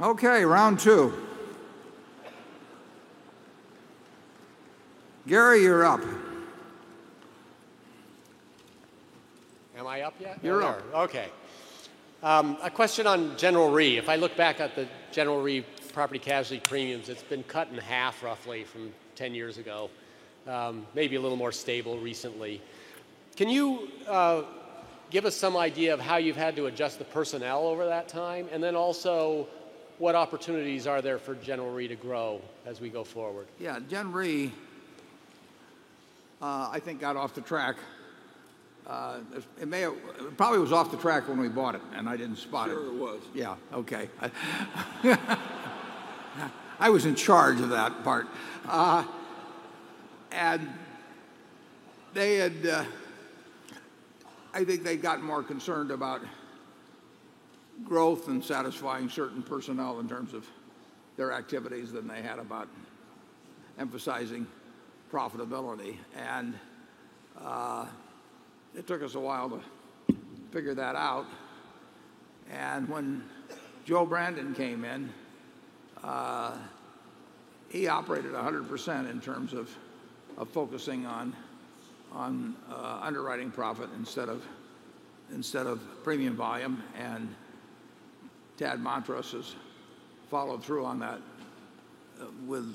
Okay, round two. Gary, you're up. Am I up yet? You are. Okay. A question on General Re. If I look back at the General Re property casualty premiums, it's been cut in half roughly from 10 years ago. Maybe a little more stable recently. Can you give us some idea of how you've had to adjust the personnel over that time? Also, what opportunities are there for General Re to grow as we go forward? Yeah, Gen Re, I think, got off the track. It may have, probably was off the track when we bought it, and I didn't spot it. Sure, it was. Yeah, okay. I was in charge of that part. They had, I think they'd gotten more concerned about growth and satisfying certain personnel in terms of their activities than they had about emphasizing profitability. It took us a while to figure that out. When Joe Brandon came in, he operated 100% in terms of focusing on underwriting profit instead of premium volume. Tad Montross has followed through on that with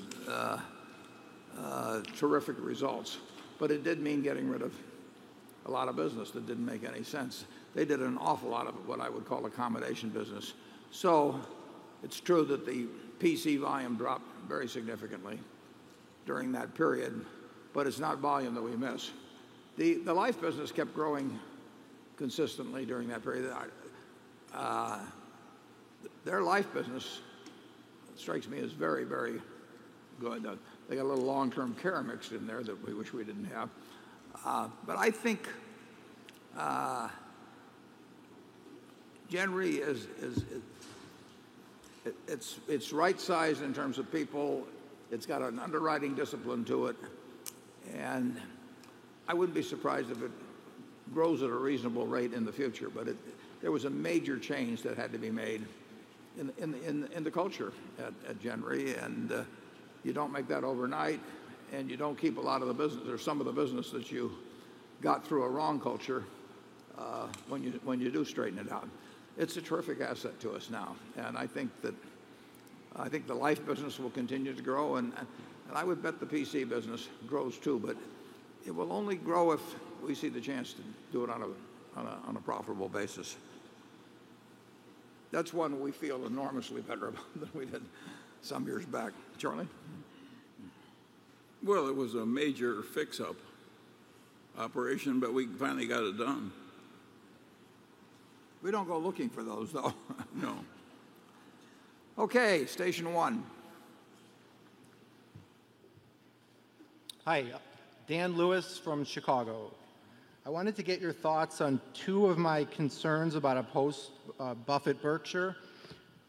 terrific results. It did mean getting rid of a lot of business that didn't make any sense. They did an awful lot of what I would call accommodation business. It's true that the PC volume dropped very significantly during that period, but it's not volume that we miss. The life business kept growing consistently during that period. Their life business strikes me as very, very good. They got a little long-term care mix in there that we wish we didn't have. I think Gen Re is, it's right size in terms of people. It's got an underwriting discipline to it. I wouldn't be surprised if it grows at a reasonable rate in the future. There was a major change that had to be made in the culture at Gen Re. You don't make that overnight. You don't keep a lot of the business or some of the business that you got through a wrong culture when you do straighten it out. It's a terrific asset to us now. I think the life business will continue to grow. I would bet the PC business grows too. It will only grow if we see the chance to do it on a profitable basis. That's one we feel enormously better about than we did some years back. Charlie? It was a major fix-up operation, but we finally got it done. We don't go looking for those, though. No. Okay. Station One. Hi, Dan Lewis from Chicago. I wanted to get your thoughts on two of my concerns about a post-Buffett Berkshire.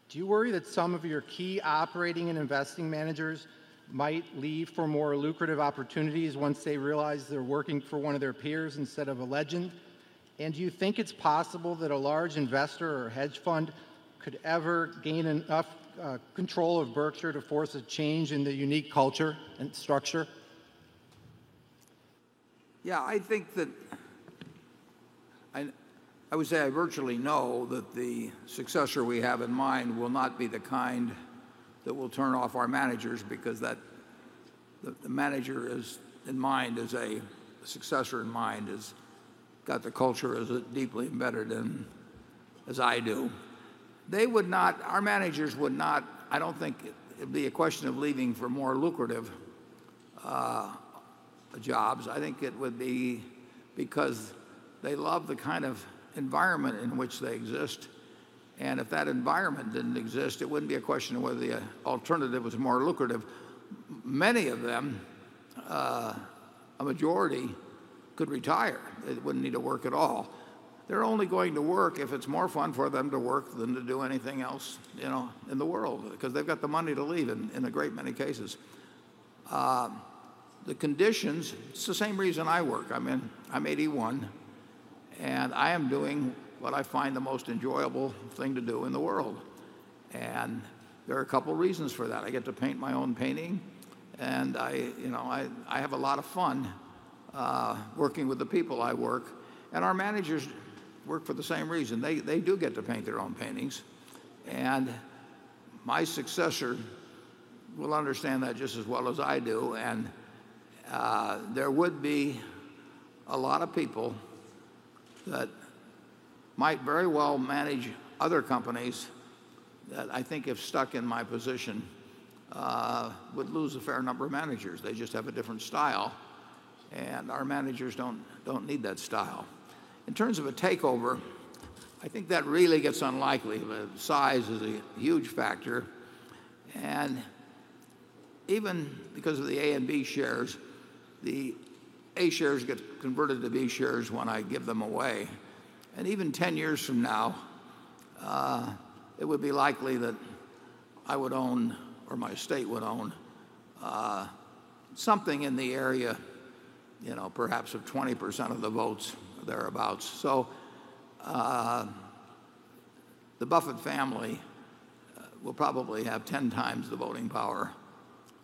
Do you worry that some of your key operating and investing managers might leave for more lucrative opportunities once they realize they're working for one of their peers instead of a legend? Do you think it's possible that a large investor or hedge fund could ever gain enough control of Berkshire to force a change in the unique culture and structure? Yeah, I think that I would say I virtually know that the successor we have in mind will not be the kind that will turn off our managers because the manager in mind as a successor in mind has got the culture as deeply embedded as I do. Our managers would not, I don't think it'd be a question of leaving for more lucrative jobs. I think it would be because they love the kind of environment in which they exist. If that environment didn't exist, it wouldn't be a question of whether the alternative was more lucrative. Many of them, a majority, could retire. They wouldn't need to work at all. They're only going to work if it's more fun for them to work than to do anything else in the world because they've got the money to leave in a great many cases. The conditions, it's the same reason I work. I mean, I'm 81 years old. I am doing what I find the most enjoyable thing to do in the world. There are a couple of reasons for that. I get to paint my own painting. I have a lot of fun working with the people I work. Our managers work for the same reason. They do get to paint their own paintings. My successor will understand that just as well as I do. There would be a lot of people that might very well manage other companies that I think if stuck in my position would lose a fair number of managers. They just have a different style. Our managers don't need that style. In terms of a takeover, I think that really gets unlikely. The size is a huge factor. Even because of the A and B shares, the A shares get converted to B shares when I give them away. Even 10 years from now, it would be likely that I would own, or my estate would own, something in the area, you know, perhaps of 20% of the votes or thereabouts. The Buffett family will probably have 10x the voting power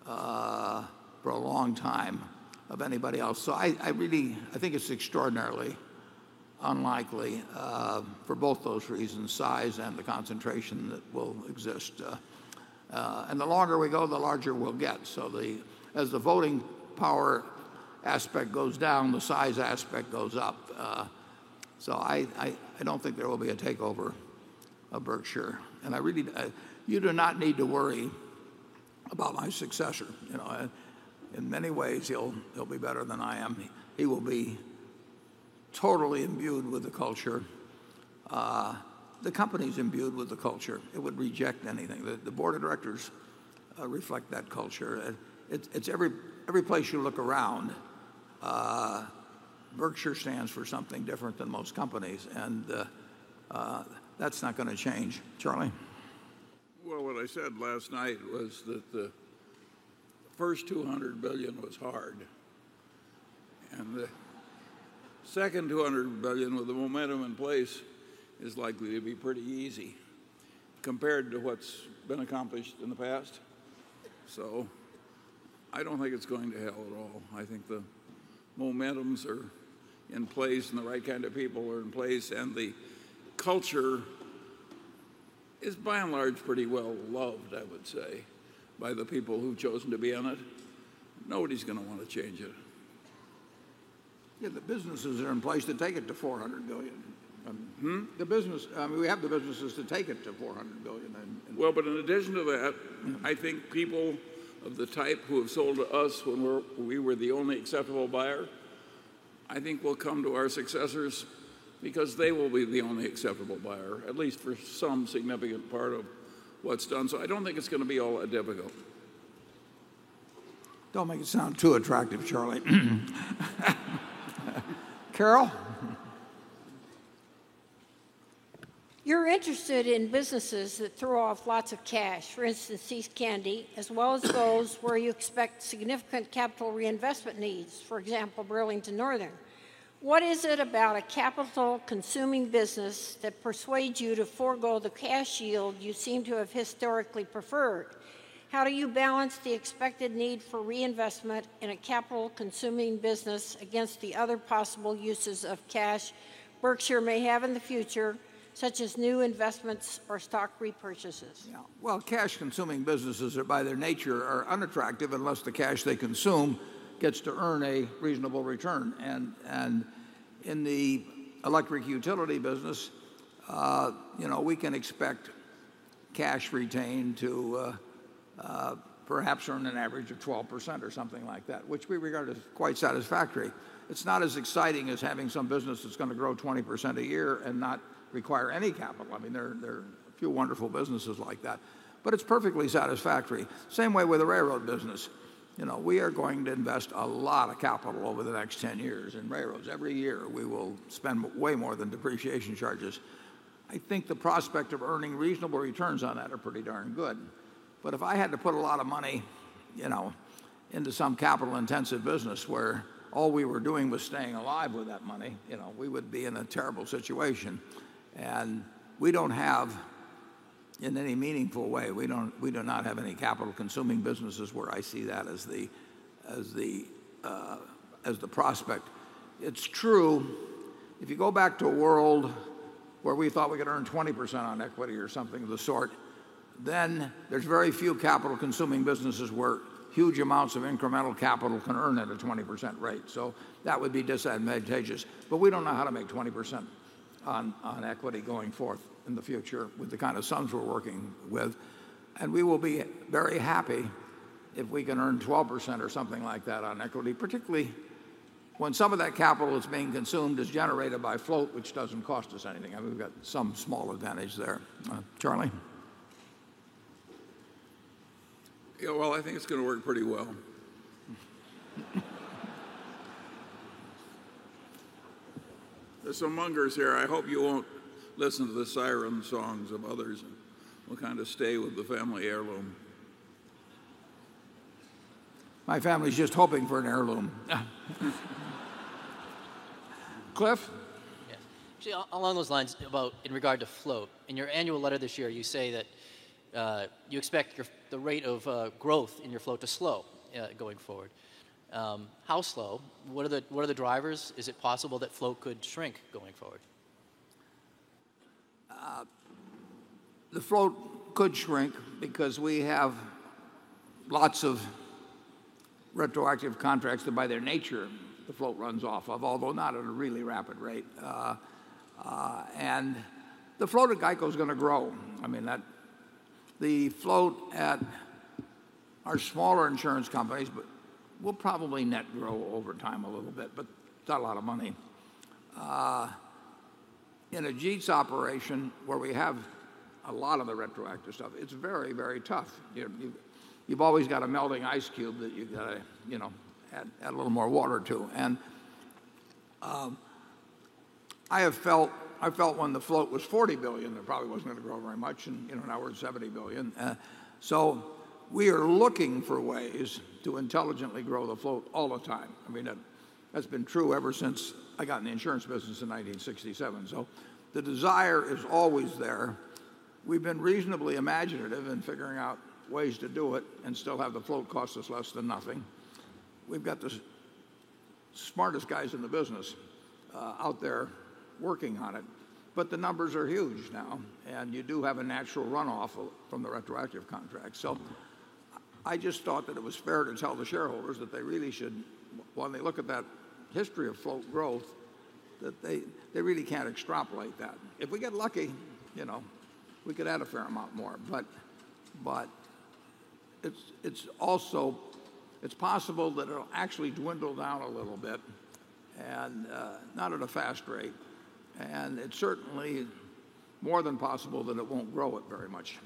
for a long time of anybody else. I think it's extraordinarily unlikely for both those reasons, size and the concentration that will exist. The longer we go, the larger we'll get. As the voting power aspect goes down, the size aspect goes up. I don't think there will be a takeover of Berkshire Hathaway. You do not need to worry about my successor. In many ways, he'll be better than I am. He will be totally imbued with the culture. The company's imbued with the culture. It would reject anything. The board of directors reflect that culture. It's every place you look around. Berkshire Hathaway stands for something different than most companies. That's not going to change. Charlie? The first $200 billion was hard. The second $200 billion, with the momentum in place, is likely to be pretty easy compared to what's been accomplished in the past. I don't think it's going to hell at all. I think the momentums are in place, and the right kind of people are in place. The culture is by and large pretty well loved, I would say, by the people who've chosen to be in it. Nobody's going to want to change it. The businesses are in place to take it to $400 billion. I mean, we have the businesses to take it to $400 billion. In addition to that, I think people of the type who have sold to us when we were the only acceptable buyer, I think will come to our successors because they will be the only acceptable buyer, at least for some significant part of what's done. I don't think it's going to be all that difficult. Don't make it sound too attractive, Charlie. Carol? You're interested in businesses that throw off lots of cash, for instance, See's Candy, as well as those where you expect significant capital reinvestment needs, for example, Burlington Northern. What is it about a capital-consuming business that persuades you to forego the cash yield you seem to have historically preferred? How do you balance the expected need for reinvestment in a capital-consuming business against the other possible uses of cash Berkshire may have in the future, such as new investments or stock repurchases? Yeah, cash-consuming businesses by their nature are unattractive unless the cash they consume gets to earn a reasonable return. In the electric utility business, we can expect cash retained to perhaps earn an average of 12% or something like that, which we regard as quite satisfactory. It's not as exciting as having some business that's going to grow 20% a year and not require any capital. There are a few wonderful businesses like that, but it's perfectly satisfactory. Same way with the railroad business. We are going to invest a lot of capital over the next 10 years in railroads. Every year, we will spend way more than depreciation charges. I think the prospect of earning reasonable returns on that are pretty darn good. If I had to put a lot of money into some capital-intensive business where all we were doing was staying alive with that money, we would be in a terrible situation. In any meaningful way, we do not have any capital-consuming businesses where I see that as the prospect. It's true. If you go back to a world where we thought we could earn 20% on equity or something of the sort, then there's very few capital-consuming businesses where huge amounts of incremental capital can earn at a 20% rate. That would be disadvantageous. We don't know how to make 20% on equity going forth in the future with the kind of sums we're working with. We will be very happy if we can earn 12% or something like that on equity, particularly when some of that capital that's being consumed is generated by float, which doesn't cost us anything. We've got some small advantage there. Charlie? Yeah, I think it's going to work pretty well. There are some Mungers here. I hope you won't listen to the siren songs of others and we'll kind of stay with the family heirloom. My family's just hoping for an heirloom. Cliff? Yes. Actually, along those lines, in regard to float, in your annual letter this year, you say that you expect the rate of growth in your float to slow going forward. How slow? What are the drivers? Is it possible that float could shrink going forward? The float could shrink because we have lots of retroactive contracts that, by their nature, the float runs off of, although not at a really rapid rate. The float at GEICO is going to grow. The float at our smaller insurance companies will probably net grow over time a little bit, but not a lot of money. In Ajit’s operation where we have a lot of the retroactive stuff, it's very, very tough. You've always got a melting ice cube that you've got to add a little more water to. I have felt, I felt when the float was $40 billion, it probably wasn't going to grow very much. Now we're at $70 billion. We are looking for ways to intelligently grow the float all the time. That's been true ever since I got in the insurance business in 1967. The desire is always there. We've been reasonably imaginative in figuring out ways to do it and still have the float cost us less than nothing. We've got the smartest guys in the business out there working on it. The numbers are huge now. You do have a natural runoff from the retroactive contract. I just thought that it was fair to tell the shareholders that they really should, when they look at that history of float growth, that they really can't extrapolate that. If we get lucky, we could add a fair amount more. It's also possible that it'll actually dwindle down a little bit, and not at a fast rate. It's certainly more than possible that it won't grow at very much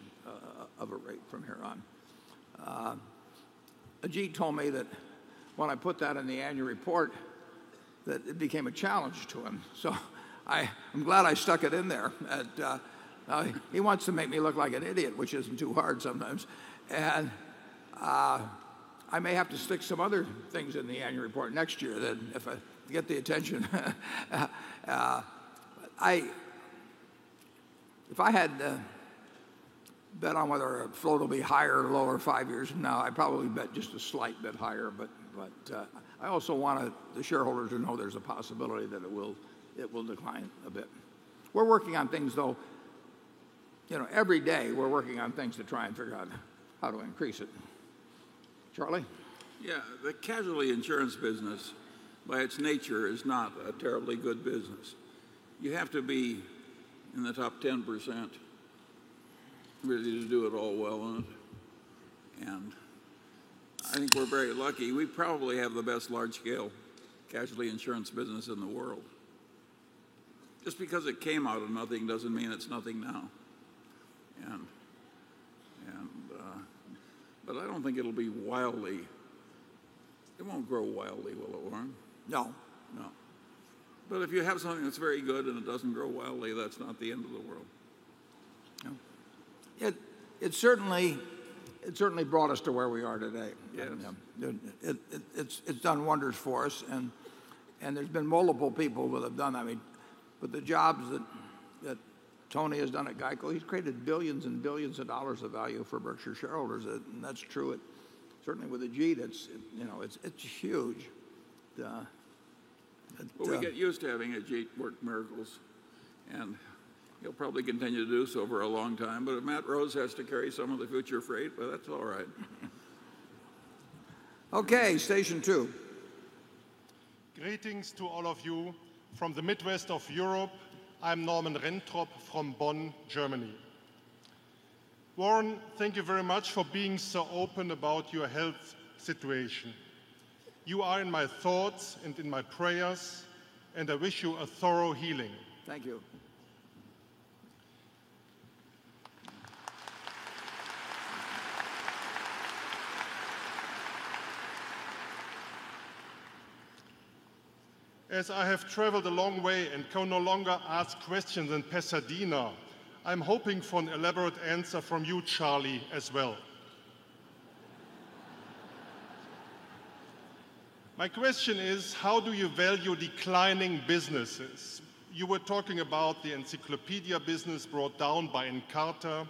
of a rate from here on. Ajit told me that when I put that in the annual report, that it became a challenge to him. I'm glad I stuck it in there. He wants to make me look like an idiot, which isn't too hard sometimes. I may have to stick some other things in the annual report next year if I get the attention. If I had to bet on whether float will be higher or lower five years from now, I'd probably bet just a slight bit higher. I also want the shareholders to know there's a possibility that it will decline a bit. We're working on things, though. Every day we're working on things to try and figure out how to increase it. Charlie? Yeah, the casualty insurance business, by its nature, is not a terribly good business. You have to be in the top 10% ready to do it all well in it. I think we're very lucky. We probably have the best large-scale casualty insurance business in the world. Just because it came out of nothing doesn't mean it's nothing now. I don't think it'll be wildly. It won't grow wildly, will it, Warren? No. No. If you have something that's very good and it doesn't grow wildly, that's not the end of the world. It certainly brought us to where we are today. It's done wonders for us. There's been multiple people that have done it. I mean, the jobs that Tony has done at GEICO, he's created billions and billions of dollars of value for Berkshire shareholders. That's true. Certainly with Ajit. It's huge. We'll get used to having Ajit work miracles. He'll probably continue to do so for a long time. Matt Rose has to carry some of the future freight. That's all right. Okay. Station Two. Greetings to all of you from the Midwest of Europe. I'm Norman Rentrop from Bonn, Germany. Warren, thank you very much for being so open about your health situation. You are in my thoughts and in my prayers. I wish you a thorough healing. Thank you. As I have traveled a long way and can no longer ask questions in Pasadena, I'm hoping for an elaborate answer from you, Charlie, as well. My question is, how do you value declining businesses? You were talking about the encyclopedia business brought down by Encarta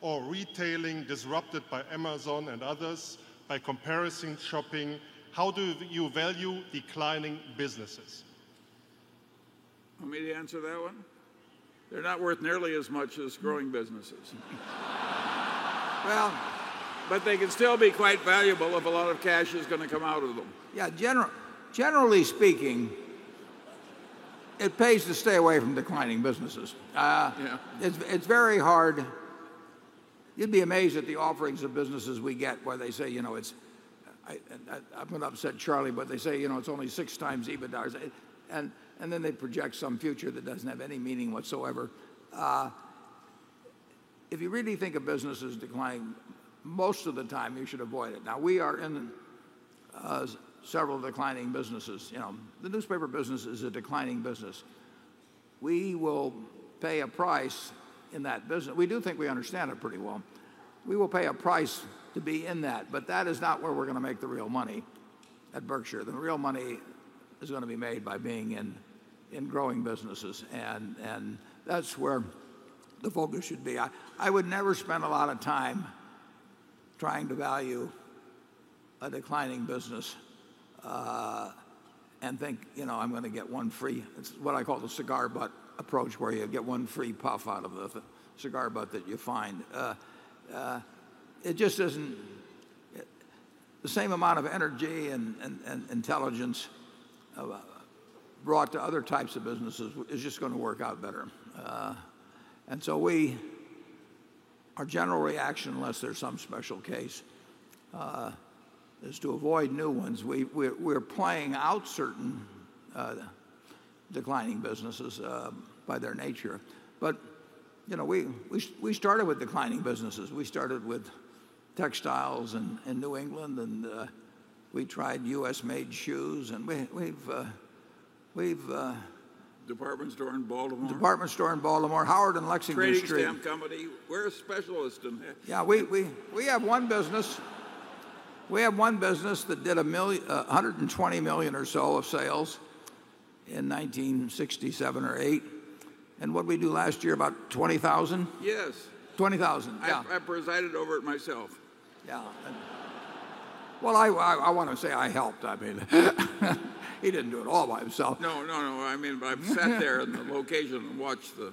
or retailing disrupted by Amazon and others by comparison shopping. How do you value declining businesses? Want me to answer that one? They're not worth nearly as much as growing businesses. They can still be quite valuable if a lot of cash is going to come out of them. Generally speaking, it pays to stay away from declining businesses. It's very hard. You'd be amazed at the offerings of businesses we get where they say, you know, it's, I'm an upset Charlie, but they say, you know, it's only 6x EBITDA. Then they project some future that doesn't have any meaning whatsoever. If you really think a business is declining, most of the time you should avoid it. We are in several declining businesses. The newspaper business is a declining business. We will pay a price in that business. We do think we understand it pretty well. We will pay a price to be in that. That is not where we're going to make the real money at Berkshire. The real money is going to be made by being in growing businesses, and that's where the focus should be. I would never spend a lot of time trying to value a declining business and think, you know, I'm going to get one free, it's what I call the cigar-butt approach where you get one free puff out of the cigar butt that you find. It just isn't, the same amount of energy and intelligence brought to other types of businesses is just going to work out better. Our general reaction, unless there's some special case, is to avoid new ones. We're playing out certain declining businesses by their nature. We started with declining businesses. We started with textiles in New England. We tried U.S.-made shoes. We've. Department store in Baltimore. Department store in Baltimore, Howard and Lexington Street. Great stamp company. We're a specialist in that. Yeah, we have one business. We have one business that did $120 million or so of sales in 1967 or 1968. What did we do last year? About $20,000? Yes. $20,000. I presided over it myself. Yeah, I want to say I helped. I mean, he didn't do it all by himself. No, I sat there in the location and watched the.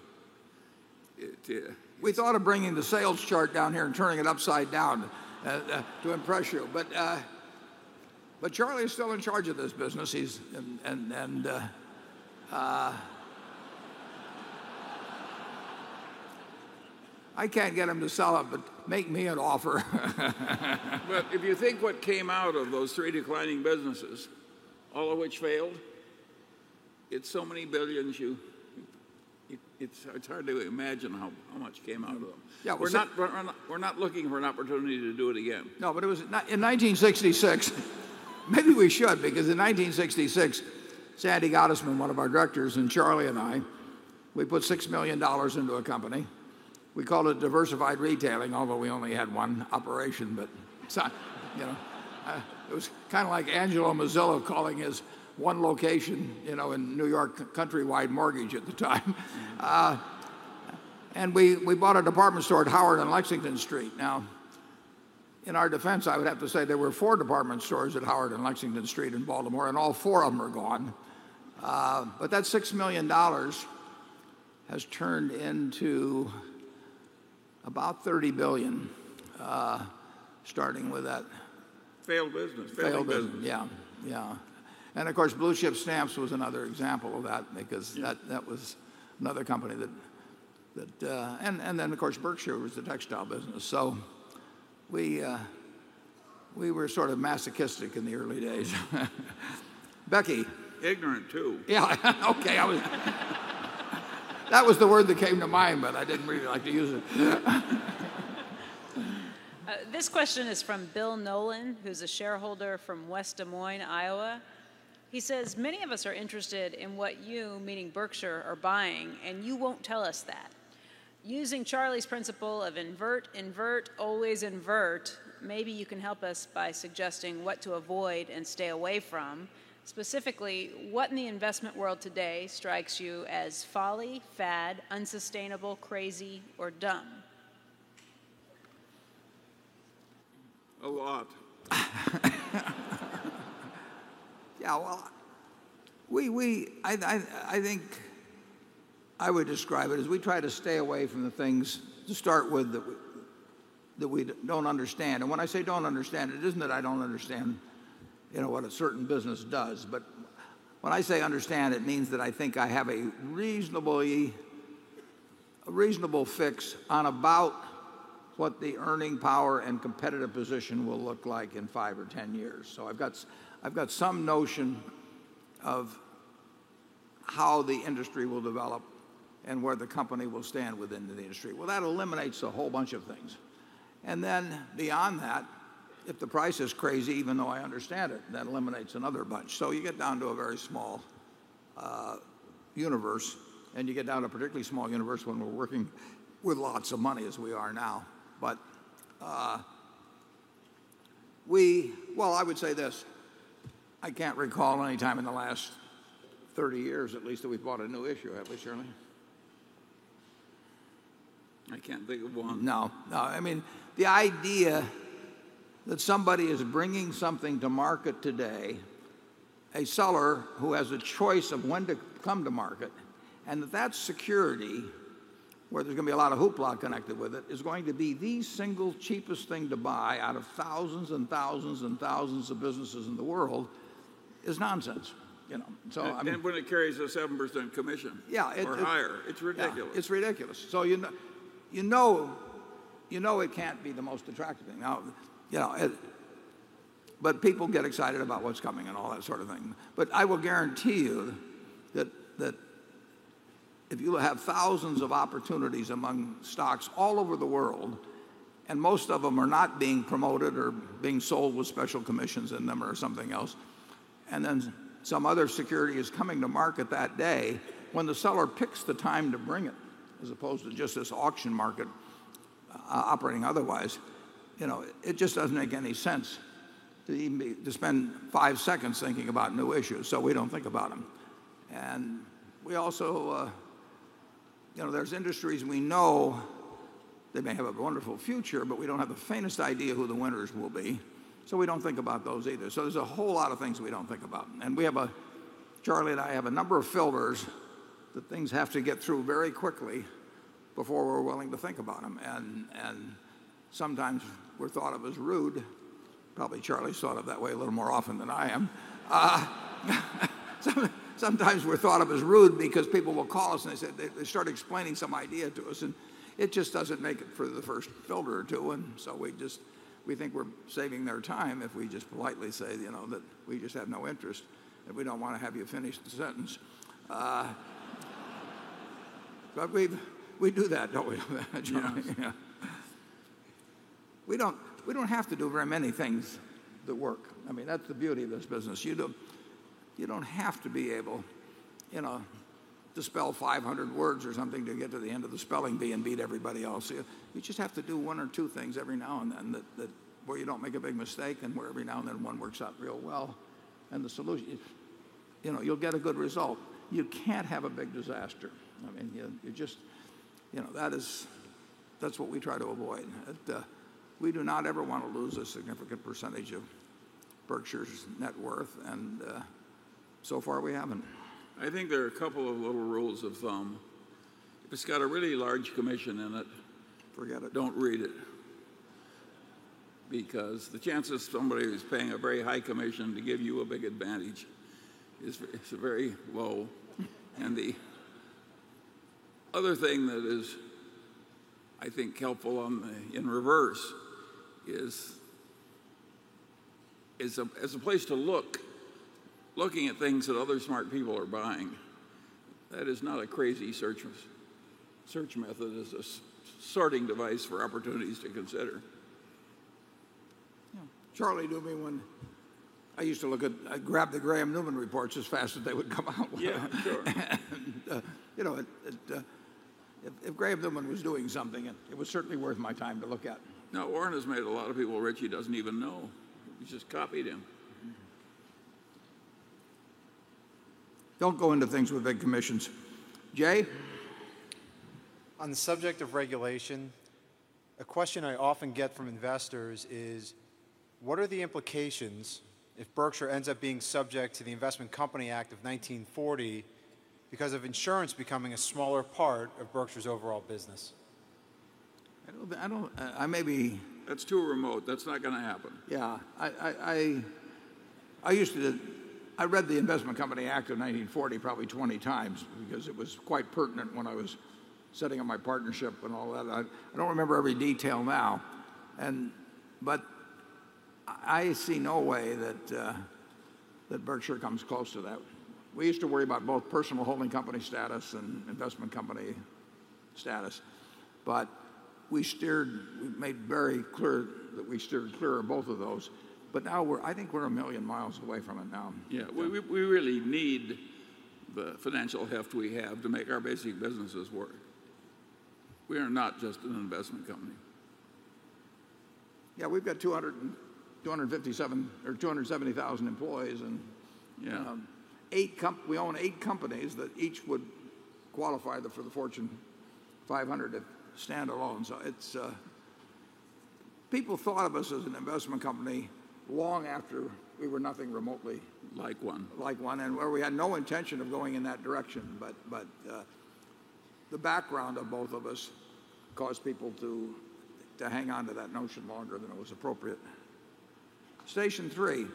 We thought of bringing the sales chart down here and turning it upside down to impress you. Charlie is still in charge of this business, and I can't get him to sell it, but make me an offer. If you think what came out of those three declining businesses, all of which failed, it's so many billions, it's hard to imagine how much came out of them. Yeah, we're not looking for an opportunity to do it again. No, but it was in 1966. Maybe we should, because in 1966, Sandy Gottesman, one of our directors, and Charlie and I, we put $6 million into a company. We called it Diversified Retailing, although we only had one operation. It was kind of like Angelo Mozilo calling his one location, you know, in New York countrywide mortgage at the time. We bought a department store at Howard and Lexington Street. In our defense, I would have to say there were four department stores at Howard and Lexington Street in Baltimore, and all four of them are gone. That $6 million has turned into about $30 billion, starting with that. Failed business. Failed business, yeah. Yeah. Of course, Blue Chip Stamps was another example of that, because that was another company that, and then of course, Berkshire was the textile business. We were sort of masochistic in the early days. Becky. Ignorant too. Yeah, okay. That was the word that came to mind, but I didn't really like to use it. This question is from Bill Nolan, who's a shareholder from West Des Moines, Iowa. He says, "Many of us are interested in what you, meaning Berkshire Hathaway, are buying, and you won't tell us that. Using Charlie's principle of invert, invert, always invert, maybe you can help us by suggesting what to avoid and stay away from. Specifically, what in the investment world today strikes you as folly, fad, unsustainable, crazy, or dumb? A lot. Yeah, I think I would describe it as we try to stay away from the things to start with that we don't understand. When I say don't understand, it isn't that I don't understand, you know, what a certain business does. When I say understand, it means that I think I have a reasonable fix on about what the earning power and competitive position will look like in five or 10 years. I've got some notion of how the industry will develop and where the company will stand within the industry. That eliminates a whole bunch of things. Beyond that, if the price is crazy, even though I understand it, that eliminates another bunch. You get down to a very small universe, and you get down to a particularly small universe when we're working with lots of money as we are now. I would say this. I can't recall any time in the last 30 years, at least, that we've bought a new issue, have we, Charlie? I can't think of one. No, no. I mean, the idea that somebody is bringing something to market today, a seller who has a choice of when to come to market, and that that security, where there's going to be a lot of hoopla connected with it, is going to be the single cheapest thing to buy out of thousands and thousands and thousands of businesses in the world, is nonsense. When it carries a 7% commission or higher, it's ridiculous. It's ridiculous. You know it can't be the most attractive thing. You know, people get excited about what's coming and all that sort of thing. I will guarantee you that if you have thousands of opportunities among stocks all over the world, and most of them are not being promoted or being sold with special commissions in them or something else, and then some other security is coming to market that day when the seller picks the time to bring it, as opposed to just this auction market operating otherwise, it just doesn't make any sense to spend five seconds thinking about new issues. We don't think about them. There are industries we know may have a wonderful future, but we don't have the faintest idea who the winners will be. We don't think about those either. There are a whole lot of things we don't think about. Charlie and I have a number of filters that things have to get through very quickly before we're willing to think about them. Sometimes we're thought of as rude. Probably Charlie's thought of that way a little more often than I am. Sometimes we're thought of as rude because people will call us and they start explaining some idea to us, and it just doesn't make it for the first filter or two. We think we're saving their time if we just politely say that we just have no interest and we don't want to have you finish the sentence. We do that, don't we? We don't have to do very many things that work. That's the beauty of this business. You don't have to be able to spell 500 words or something to get to the end of the spelling bee and beat everybody else. You just have to do one or two things every now and then where you don't make a big mistake and where every now and then one works out real well. The solution, you'll get a good result. You can't have a big disaster. That is what we try to avoid. We do not ever want to lose a significant percentage of Berkshire's net worth. So far, we haven't. I think there are a couple of little rules of thumb. If it's got a really large commission in it, Forget it. Don't read it, because the chances somebody is paying a very high commission to give you a big advantage is very low. The other thing that is, I think, helpful in reverse is as a place to look, looking at things that other smart people are buying. That is not a crazy search method. It is a sorting device for opportunities to consider. Charlie knew me when I used to look at, I grabbed the Graham-Newman reports as fast as they would come out. You know, if Graham-Newman was doing something, it was certainly worth my time to look at. No, Warren has made a lot of people rich he doesn't even know. He's just copied him. Don't go into things with big commissions. Jay? On the subject of regulation, a question I often get from investors is, what are the implications if Berkshire Hathaway ends up being subject to the Investment Company Act of 1940 because of insurance becoming a smaller part of Berkshire's overall business? I may be. That's too remote. That's not going to happen. Yeah, I used to, I read the Investment Company Act of 1940 probably 20 times because it was quite pertinent when I was setting up my partnership and all that. I don't remember every detail now. I see no way that Berkshire comes close to that. We used to worry about both personal holding company status and investment company status. We made very clear that we steered clear of both of those. I think we're a million miles away from it now. Yeah, we really need the financial heft we have to make our basic businesses work. We are not just an investment company. Yeah, we've got 257,000 or 270,000 employees. We own eight companies that each would qualify for the Fortune 500 if standalone. People thought of us as an investment company long after we were nothing remotely. Like one. Like one. We had no intention of going in that direction. The background of both of us caused people to hang on to that notion longer than it was appropriate. Station Three.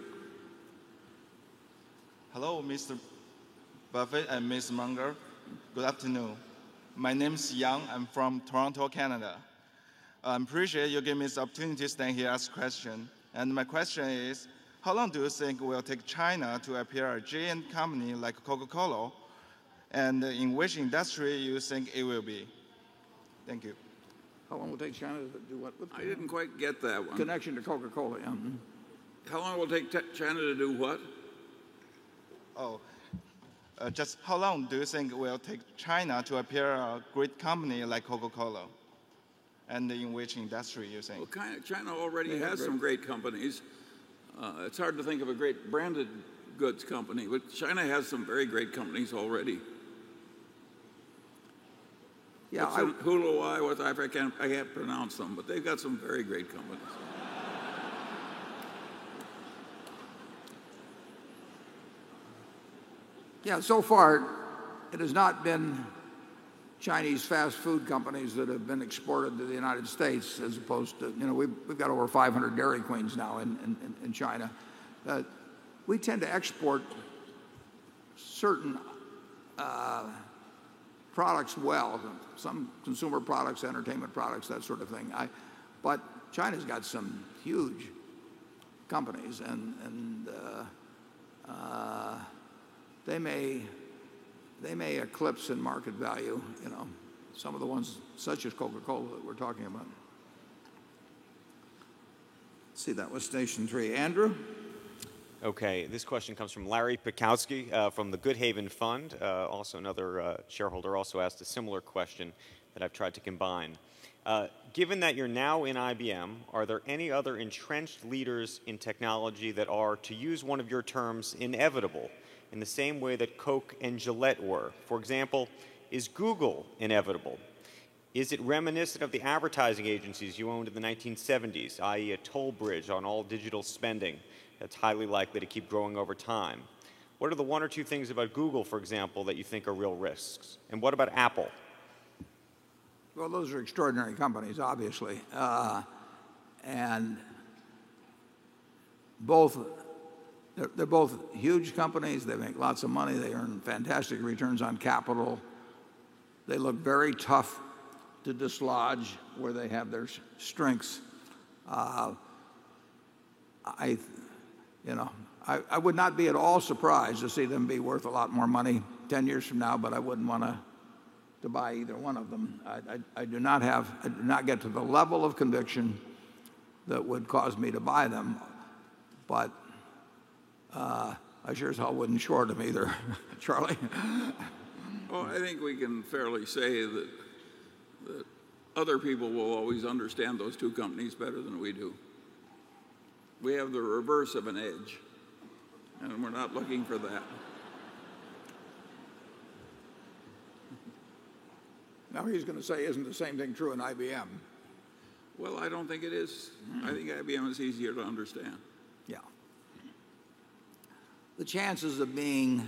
Hello, Mr. Buffett and Ms. Munger. Good afternoon. My name is Yang. I'm from Toronto, Canada. I appreciate you giving me this opportunity to stand here and ask questions. My question is, how long do you think it will take China to appear a gigantic company like Coca-Cola? In which industry do you think it will be? Thank you. How long will it take China to do what? I didn't quite get that one. Connection to Coca-Cola. How long will it take China to do what? Oh, just. How long do you think it will take China to appear a great company like Coca-Cola? In which industry do you think? China already has some great companies. It's hard to think of a great branded-goods company, but China has some very great companies already. Yeah. I don't know why I can't pronounce them, but they've got some very great companies. Yeah, so far, it has not been Chinese fast food companies that have been exported to the United States as opposed to, you know, we've got over 500 Dairy Queens now in China. We tend to export certain products well, some consumer products, entertainment products, that sort of thing. China's got some huge companies, and they may eclipse in market value, you know, some of the ones such as Coca-Cola that we're talking about. See, that was station Three. Andrew? Okay, this question comes from Larry Pitkowsky from the GoodHaven Fund. Also, another shareholder also asked a similar question that I've tried to combine. Given that you're now in IBM, are there any other entrenched leaders in technology that are, to use one of your terms, inevitable in the same way that Coke and Gillette were? For example, is Google inevitable? Is it reminiscent of the advertising agencies you owned in the 1970s, i.e., a toll bridge on all digital spending that's highly likely to keep growing over time? What are the one or two things about Google, for example, that you think are real risks? What about Apple? Those are extraordinary companies, obviously. They're both huge companies. They make lots of money. They earn fantastic returns on capital. They look very tough to dislodge where they have their strengths. I would not be at all surprised to see them be worth a lot more money 10 years from now, but I wouldn't want to buy either one of them. I do not have, I do not get to the level of conviction that would cause me to buy them. I sure as hell wouldn't short them either, Charlie. I think we can fairly say that other people will always understand those two companies better than we do. We have the reverse of an edge, and we're not looking for that. Now he's going to say, isn't the same thing true in IBM? I don't think it is. I think IBM is easier to understand. The chances of being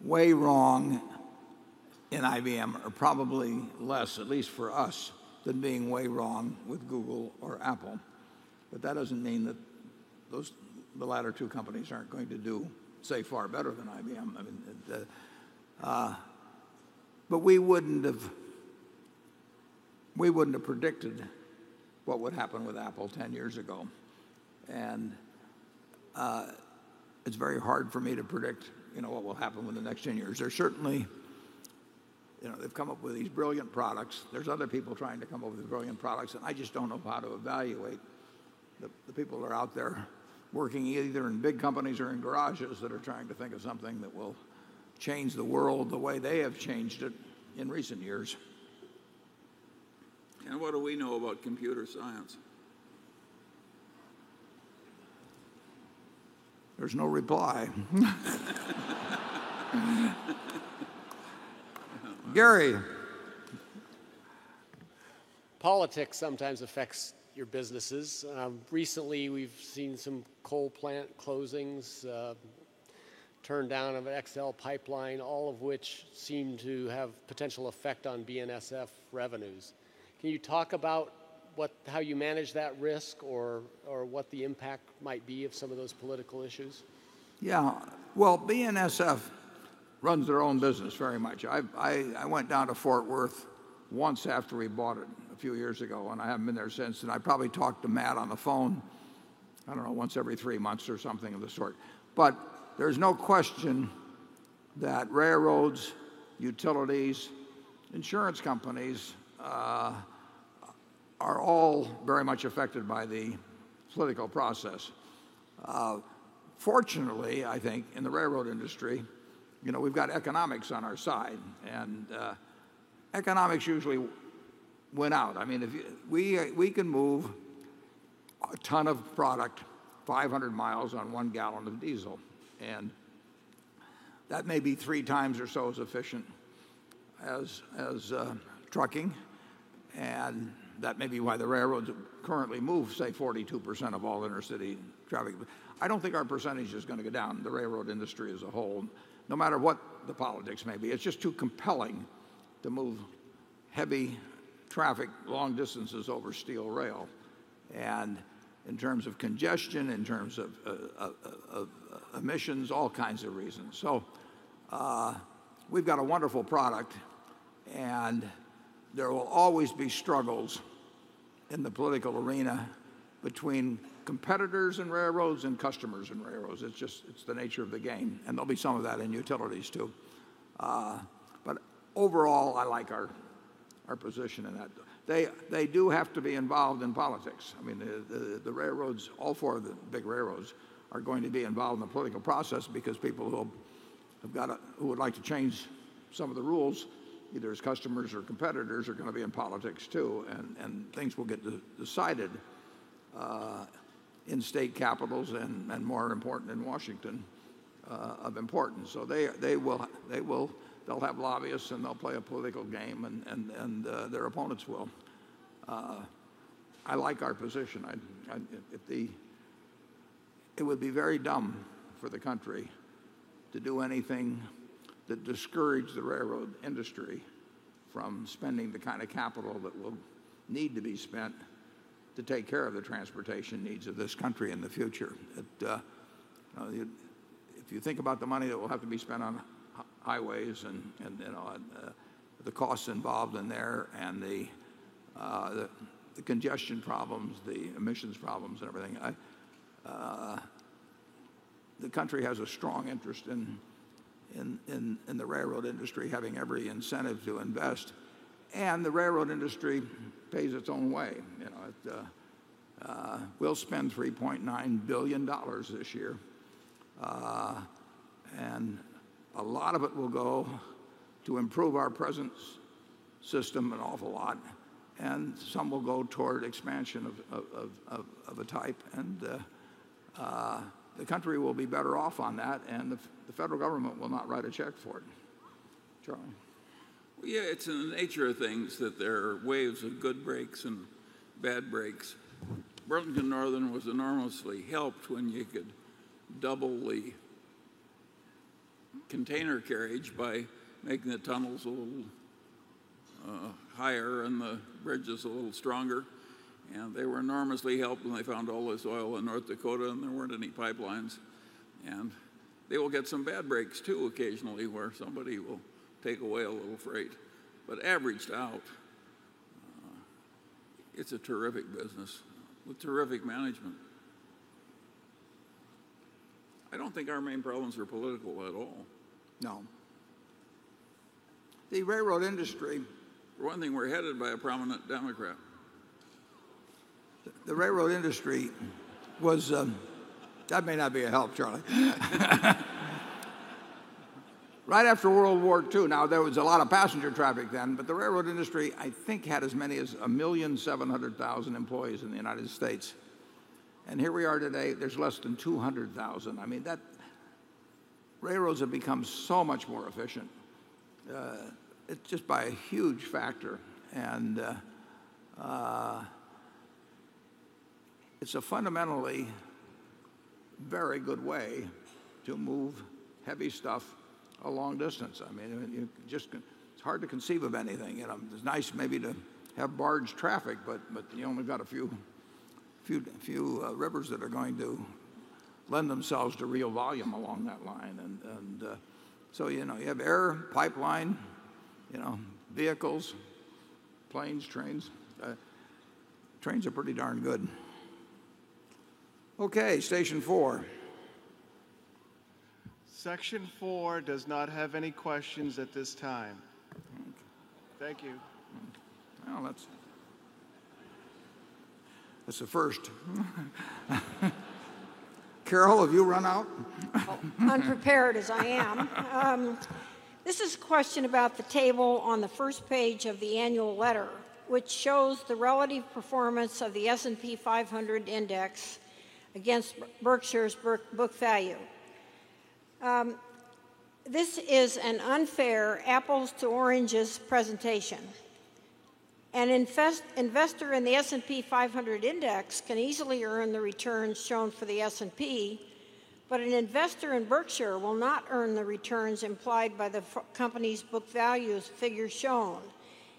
way wrong in IBM are probably less, at least for us, than being way wrong with Google or Apple. That doesn't mean that the latter two companies aren't going to do, say, far better than IBM. We wouldn't have predicted what would happen with Apple 10 years ago. It's very hard for me to predict what will happen within the next 10 years. There's certainly, you know, they've come up with these brilliant products. There are other people trying to come up with brilliant products. I just don't know how to evaluate the people that are out there working either in big companies or in garages that are trying to think of something that will change the world the way they have changed it in recent years. What do we know about computer science? There's no reply. Gary. Politics sometimes affects your businesses. Recently, we've seen some coal plant closings, turned down of an XL pipeline, all of which seem to have potential effect on BNSF revenues. Can you talk about how you manage that risk or what the impact might be of some of those political issues? Yeah, BNSF runs their own business very much. I went down to Fort Worth once after we bought it a few years ago, and I haven't been there since. I probably talked to Matt on the phone, I don't know, once every three months or something of the sort. There's no question that railroads, utilities, insurance companies are all very much affected by the political process. Fortunately, I think in the railroad industry, we've got economics on our side. Economics usually win out. I mean, we can move a ton of product 500 mi on 1 gal of diesel. That may be 3x or so as efficient as trucking. That may be why the railroads currently move, say, 42% of all inner city traffic. I don't think our percentage is going to go down, the railroad industry as a whole, no matter what the politics may be. It's just too compelling to move heavy traffic long distances over steel rail. In terms of congestion, in terms of emissions, all kinds of reasons. We've got a wonderful product. There will always be struggles in the political arena between competitors and railroads and customers and railroads. It's just the nature of the game. There'll be some of that in utilities too. Overall, I like our position in that. They do have to be involved in politics. The railroads, all four of the big railroads are going to be involved in the political process because people who would like to change some of the rules, either as customers or competitors, are going to be in politics too. Things will get decided in state capitals and more important in Washington of importance. They will have lobbyists and they'll play a political game and their opponents will. I like our position. It would be very dumb for the country to do anything that discouraged the railroad industry from spending the kind of capital that will need to be spent to take care of the transportation needs of this country in the future. If you think about the money that will have to be spent on highways and the costs involved in there and the congestion problems, the emissions problems and everything, the country has a strong interest in the railroad industry having every incentive to invest. The railroad industry pays its own way. We'll spend $3.9 billion this year. A lot of it will go to improve our present system an awful lot. Some will go toward expansion of a type. The country will be better off on that. The federal government will not write a check for it. Charlie? It's in the nature of things that there are waves of good breaks and bad breaks. Burlington Northern was enormously helped when you could double the container carriage by making the tunnels a little higher and the bridges a little stronger. They were enormously helped when they found all this oil in North Dakota and there weren't any pipelines. They will get some bad breaks too occasionally where somebody will take away a little freight. Averaged out, it's a terrific business with terrific management. I don't think our main problems are political at all. No, the railroad industry. For one thing, we're headed by a prominent Democrat. The railroad industry was, that may not be a help, Charlie. Right after World War II, there was a lot of passenger traffic then, but the railroad industry, I think, had as many as 1,700,000 employees in the U.S. Here we are today, there's less than 200,000. Railroads have become so much more efficient. It's just by a huge factor. It's a fundamentally very good way to move heavy stuff a long distance. It's hard to conceive of anything. It's nice maybe to have barge traffic, but you only have a few rivers that are going to lend themselves to real volume along that line. You have air, pipeline, vehicles, planes, trains. Trains are pretty darn good. Okay. Station Four. Section four does not have any questions at this time. Thank you. That's a first. Carol, have you run out? Unprepared as I am, this is a question about the table on the first page of the annual letter, which shows the relative performance of the S&P 500 index against Berkshire's book value. This is an unfair apples-to-oranges presentation. An investor in the S&P 500 index can easily earn the returns shown for the S&P, but an investor in Berkshire will not earn the returns implied by the company's book value figure shown.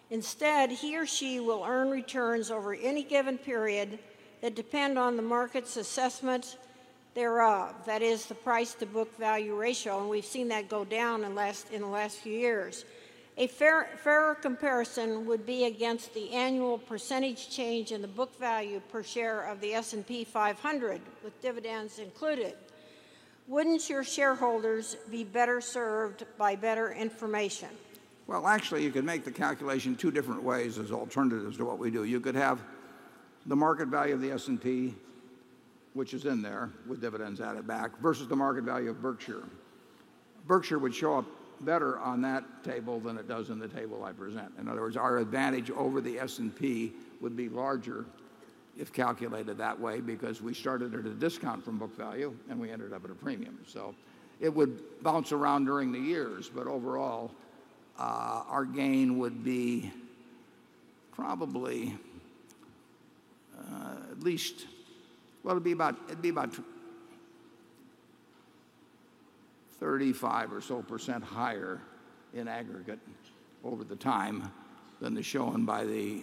Instead, he or she will earn returns over any given period that depend on the market's assessment, that is, the price-to-book value ratio. We've seen that go down in the last few years. A fairer comparison would be against the annual percentage change in the book value per share of the S&P 500 with dividends included. Wouldn't your shareholders be better served by better information? You can make the calculation two different ways as alternatives to what we do. You could have the market value of the S&P, which is in there with dividends added back, versus the market value of Berkshire Hathaway. Berkshire would show up better on that table than it does in the table I present. In other words, our advantage over the S&P would be larger if calculated that way because we started at a discount from book value and we ended up at a premium. It would bounce around during the years, but overall, our gain would be probably at least, it'd be about 35% or so higher in aggregate over the time than shown by the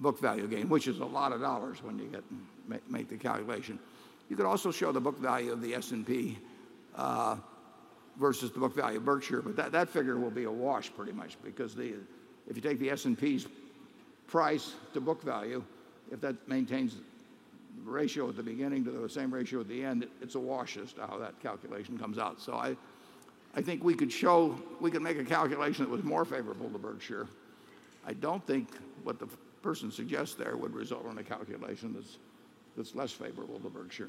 book value gain, which is a lot of dollars when you make the calculation. You could also show the book value of the S&P versus the book value of Berkshire, but that figure will be a wash pretty much because if you take the S&P's price-to-book value, if that maintains the ratio at the beginning to the same ratio at the end, it's a wash as to how that calculation comes out. I think we could show, we could make a calculation that was more favorable to Berkshire. I don't think what the person suggests there would result in a calculation that's less favorable to Berkshire.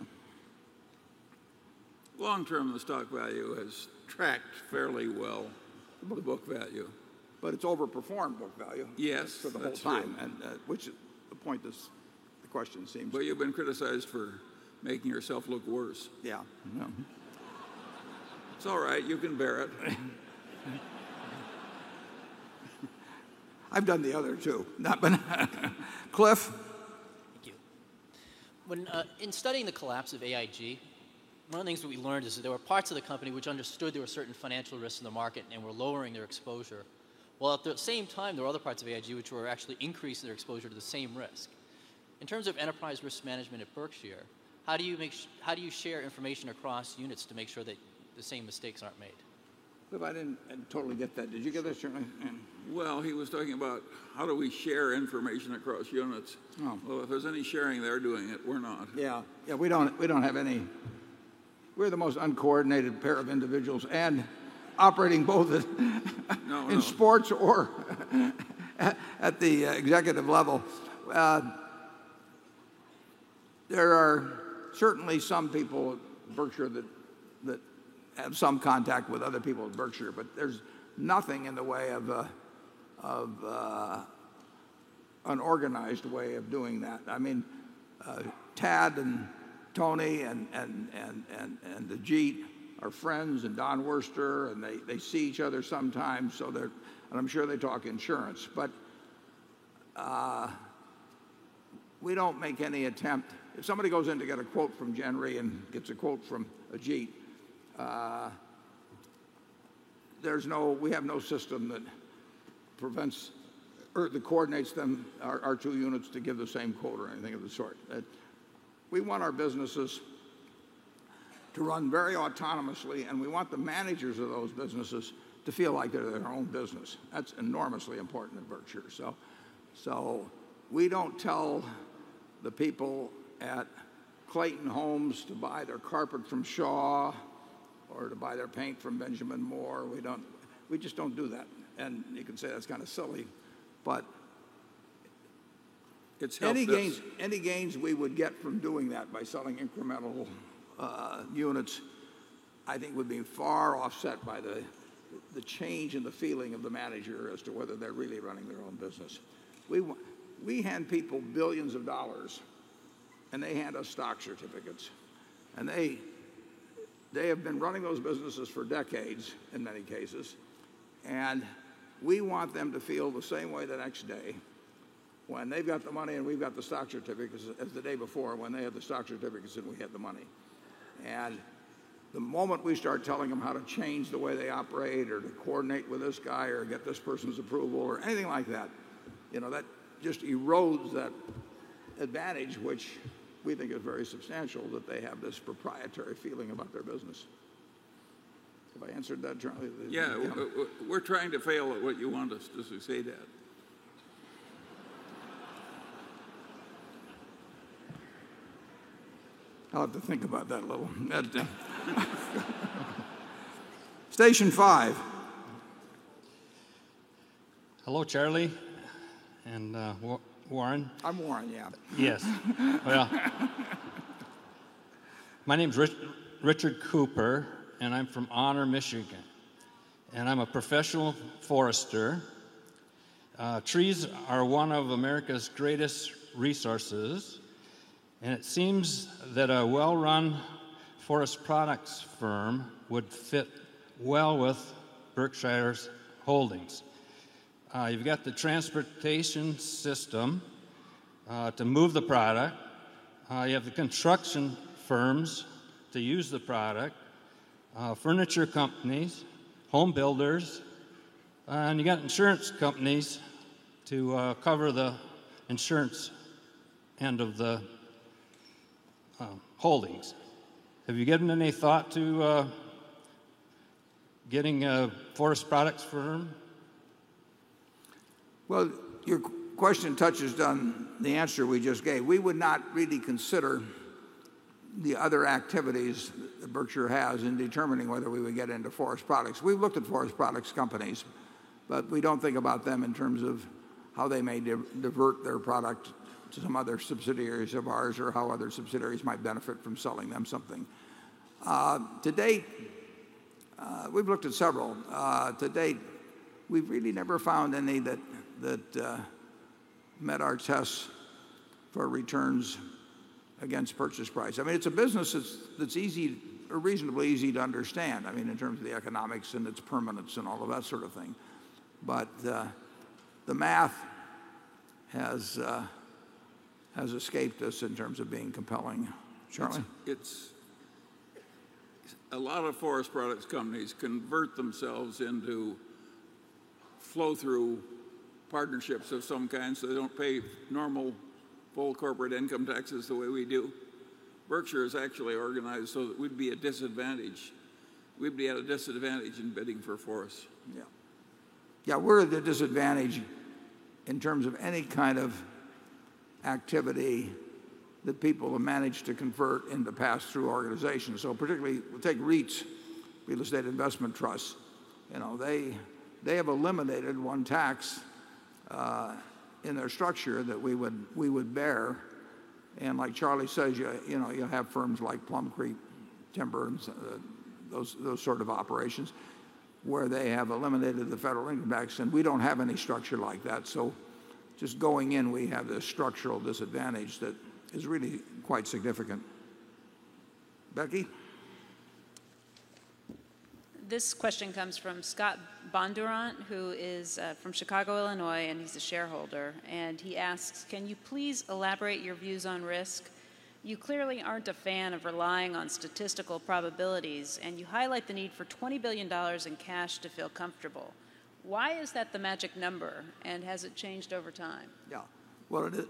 Long term, the stock value has tracked fairly well. The book value. It has overperformed book value. Yes, the whole time. Which is the point this question seems to be. You've been criticized for making yourself look worse. Yeah. It's all right. You can bear it. I've done the other too. Cliff? Thank you. When in studying the collapse of AIG, one of the things that we learned is that there were parts of the company which understood there were certain financial risks in the market and were lowering their exposure. While at the same time, there were other parts of AIG which were actually increasing their exposure to the same risk. In terms of enterprise risk management at Berkshire, how do you share information across units to make sure that the same mistakes aren't made? I didn't totally get that. Did you get that, Charlie? He was talking about how do we share information across units. Oh. If there's any sharing, they're doing it. We're not. Yeah, yeah, we don't have any. We're the most uncoordinated pair of individuals operating both in sports or at the executive level. There are certainly some people at Berkshire that have some contact with other people at Berkshire, but there's nothing in the way of an organized way of doing that. I mean, Ted and Tony and Ajit are friends and Don Worcester, and they see each other sometimes. I'm sure they talk insurance. We don't make any attempt. If somebody goes in to get a quote from Gen Re and gets a quote from Ajit, there's no, we have no system that prevents or that coordinates them, our two units, to give the same quote or anything of the sort. We want our businesses to run very autonomously, and we want the managers of those businesses to feel like they're their own business. That's enormously important at Berkshire. We don't tell the people at Clayton Homes to buy their carpet from Shaw or to buy their paint from Benjamin Moore. We just don't do that. You can say that's kind of silly, but any gains we would get from doing that by selling incremental units, I think, would be far offset by the change in the feeling of the manager as to whether they're really running their own business. We hand people billions of dollars, and they hand us stock certificates. They have been running those businesses for decades, in many cases. We want them to feel the same way the next day when they've got the money and we've got the stock certificates as the day before when they had the stock certificates and we had the money. The moment we start telling them how to change the way they operate or to coordinate with this guy or get this person's approval or anything like that, that just erodes that advantage, which we think is very substantial, that they have this proprietary feeling about their business. Have I answered that, Charlie? Yeah, we're trying to fail at what you want us to do as we say that. I'll have to think about that a little. Station Five. Hello, Charlie and Warren. I'm Warren, yeah. Yes. My name is Richard Cooper, and I'm from Honor, Michigan. I'm a professional forester. Trees are one of America's greatest resources. It seems that a well-run forest products firm would fit well with Berkshire's holdings. You've got the transportation system to move the product, the construction firms to use the product, furniture companies, home builders, and you've got insurance companies to cover the insurance end of the holdings. Have you given any thought to getting a forest products firm? Your question touches on the answer we just gave. We would not really consider the other activities that Berkshire has in determining whether we would get into forest products. We've looked at forest products companies, but we don't think about them in terms of how they may divert their product to some other subsidiaries of ours or how other subsidiaries might benefit from selling them something. To date, we've looked at several. To date, we've really never found any that met our tests for returns against purchase price. It's a business that's easy or reasonably easy to understand, in terms of the economics and its permanence and all of that sort of thing. The math has escaped us in terms of being compelling. Charlie? A lot of forest products companies convert themselves into flow-through partnerships of some kind so they don't pay normal full corporate income taxes the way we do. Berkshire is actually organized so that we'd be at a disadvantage. We'd be at a disadvantage in bidding for forests. Yeah, we're at a disadvantage in terms of any kind of activity that people have managed to convert in the past through organizations. Particularly, we'll take REITs, Real Estate Investment Trusts. You know, they have eliminated one tax in their structure that we would bear. Like Charlie says, you have firms like Plum Creek Timber, and those sorts of operations where they have eliminated the federal income tax. We don't have any structure like that. Just going in, we have this structural disadvantage that is really quite significant. Becky? This question comes from Scott Bondurant, who is from Chicago, Illinois, and he's a shareholder. He asks, "Can you please elaborate your views on risk? You clearly aren't a fan of relying on statistical probabilities, and you highlight the need for $20 billion in cash to feel comfortable. Why is that the magic number, and has it changed over time?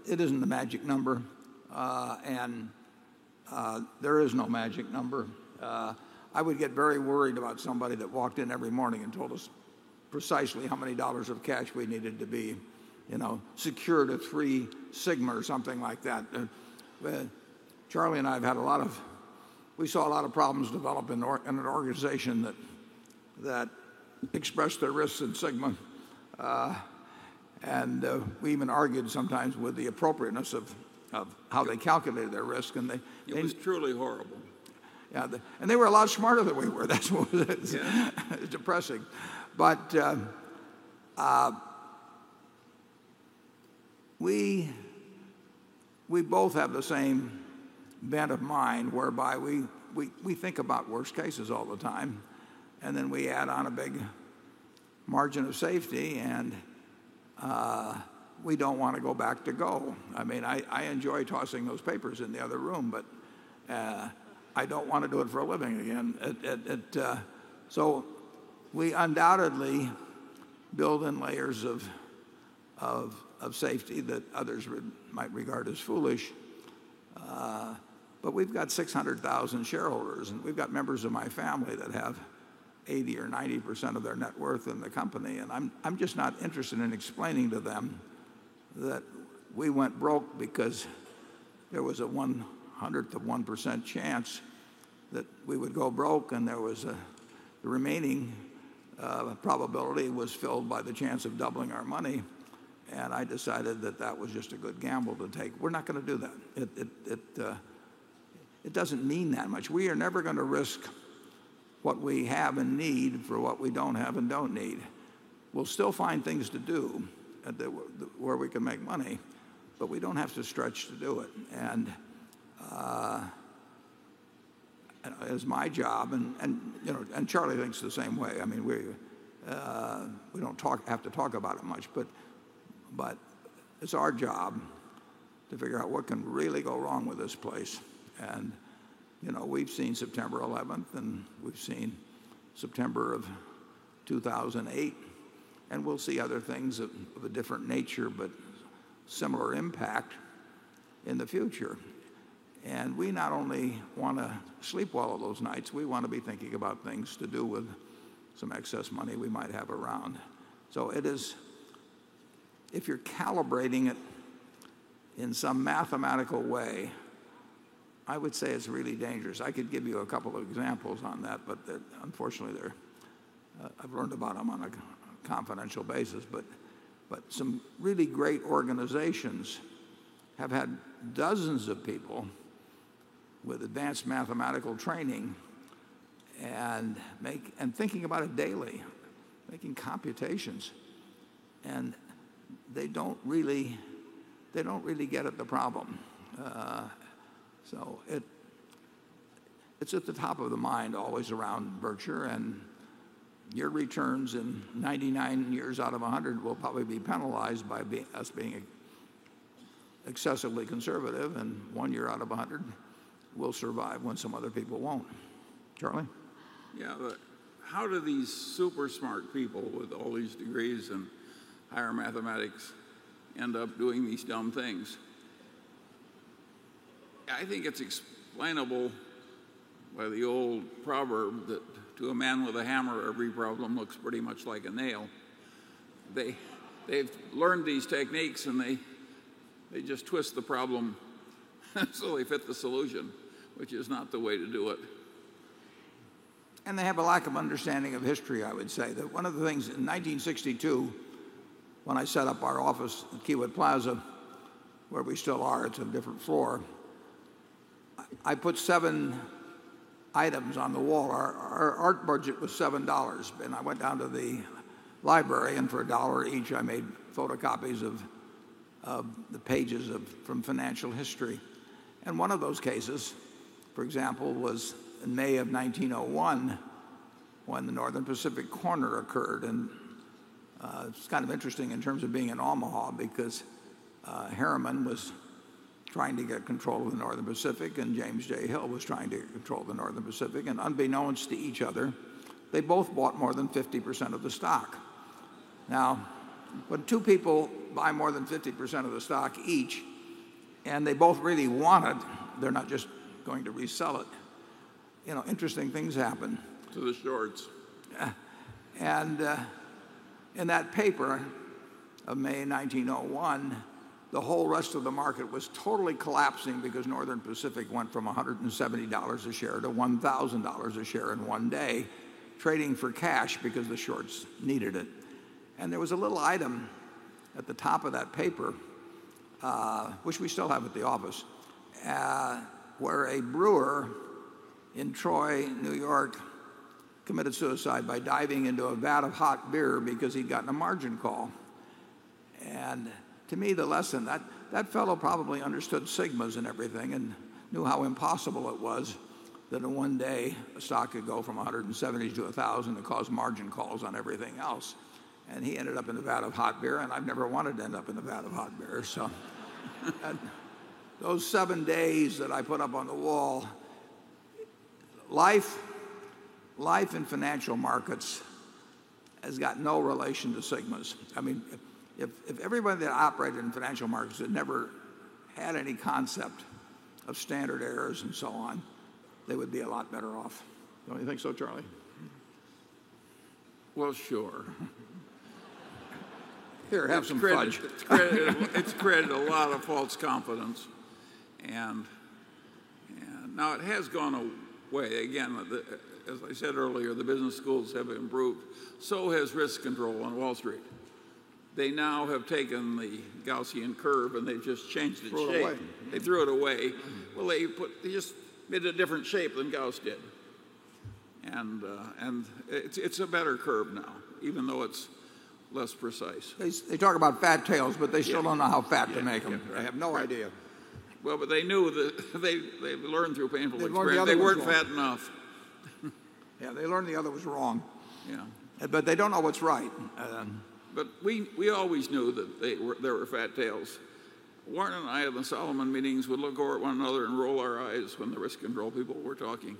It isn't the magic number, and there is no magic number. I would get very worried about somebody that walked in every morning and told us precisely how many dollars of cash we needed to be, you know, secured at three sigma or something like that. Charlie and I have had a lot of, we saw a lot of problems develop in an organization that expressed their risks in sigma. We even argued sometimes with the appropriateness of how they calculated their risk. It was truly horrible. Yeah. They were a lot smarter than we were. That's what it is. It's depressing. We both have the same band of mind whereby we think about worst cases all the time. We add on a big margin of safety, and we don't want to go back to go. I enjoy tossing those papers in the other room, but I don't want to do it for a living again. We undoubtedly build in layers of safety that others might regard as foolish. We've got 600,000 shareholders, and we've got members of my family that have 80% or 90% of their net worth in the company. I'm just not interested in explaining to them that we went broke because there was a 0.01% chance that we would go broke, and the remaining probability was filled by the chance of doubling our money. I decided that that was just a good gamble to take. We're not going to do that. It doesn't mean that much. We are never going to risk what we have and need for what we don't have and don't need. We'll still find things to do where we can make money, but we don't have to stretch to do it. It's my job, and Charlie thinks the same way. We don't have to talk about it much, but it's our job to figure out what can really go wrong with this place. We've seen September 11th, and we've seen September of 2008, and we'll see other things of a different nature, but similar impact in the future. We not only want to sleep well those nights, we want to be thinking about things to do with some excess money we might have around. If you're calibrating it in some mathematical way, I would say it's really dangerous. I could give you a couple of examples on that, but unfortunately, I've learned about them on a confidential basis. Some really great organizations have had dozens of people with advanced mathematical training and thinking about it daily, making computations. They don't really get at the problem. It's at the top of the mind always around Berkshire, and your returns in 99 years out of 100 will probably be penalized by us being excessively conservative, and one year out of 100 we'll survive when some other people won't. Charlie? Yeah, how do these super smart people with all these degrees and higher mathematics end up doing these dumb things? I think it's explainable by the old proverb that to a man with a hammer, every problem looks pretty much like a nail. They've learned these techniques, and they just twist the problem so they fit the solution, which is not the way to do it. They have a lack of understanding of history. I would say that one of the things in 1962, when I set up our office at Kiewit Plaza, where we still are, it's on a different floor, I put seven items on the wall. Our art budget was $7, and I went down to the library, and for $1 each, I made photocopies of the pages from financial history. One of those cases, for example, was in May of 1901 when the Northern Pacific Corner occurred. It's kind of interesting in terms of being in Omaha because Harriman was trying to get control of the Northern Pacific, and James J. Hill was trying to get control of the Northern Pacific. Unbeknownst to each other, they both bought more than 50% of the stock. Now, when two people buy more than 50% of the stock each, and they both really want it, they're not just going to resell it. Interesting things happen. To the shorts. In that paper of May 1901, the whole rest of the market was totally collapsing because Northern Pacific went from $170 a share to $1,000 a share in one day, trading for cash because the shorts needed it. There was a little item at the top of that paper, which we still have at the office, where a brewer in Troy, New York, committed suicide by diving into a vat of hot beer because he'd gotten a margin call. To me, the lesson is that that fellow probably understood sigmas and everything and knew how impossible it was that in one day, a stock could go from $170 to $1,000 to cause margin calls on everything else. He ended up in the vat of hot beer, and I've never wanted to end up in the vat of hot beer. Those seven days that I put up on the wall, life in financial markets has got no relation to sigmas. I mean, if everybody that operated in financial markets had never had any concept of standard errors and so on, they would be a lot better off. Don't you think so, Charlie? Well, sure. Here, have some crud. It's created a lot of false confidence. Now it has gone away. As I said earlier, the business schools have improved. So has risk control on Wall Street. They now have taken the Gaussian curve, and they just changed it. Throw it away. They threw it away. They just made a different shape than Gauss did, and it's a better curve now, even though it's less precise. They talk about fat tails, but they still don't know how fat to make them. I have no idea. They knew that they learned through painfully. They learned the other was wrong. They weren't fat enough. Yeah, they learned the other was wrong, but they don't know what's right. We always knew that there were fat tails. Warren and I in the Solomon meetings would look over at one another and roll our eyes when the risk control people were talking.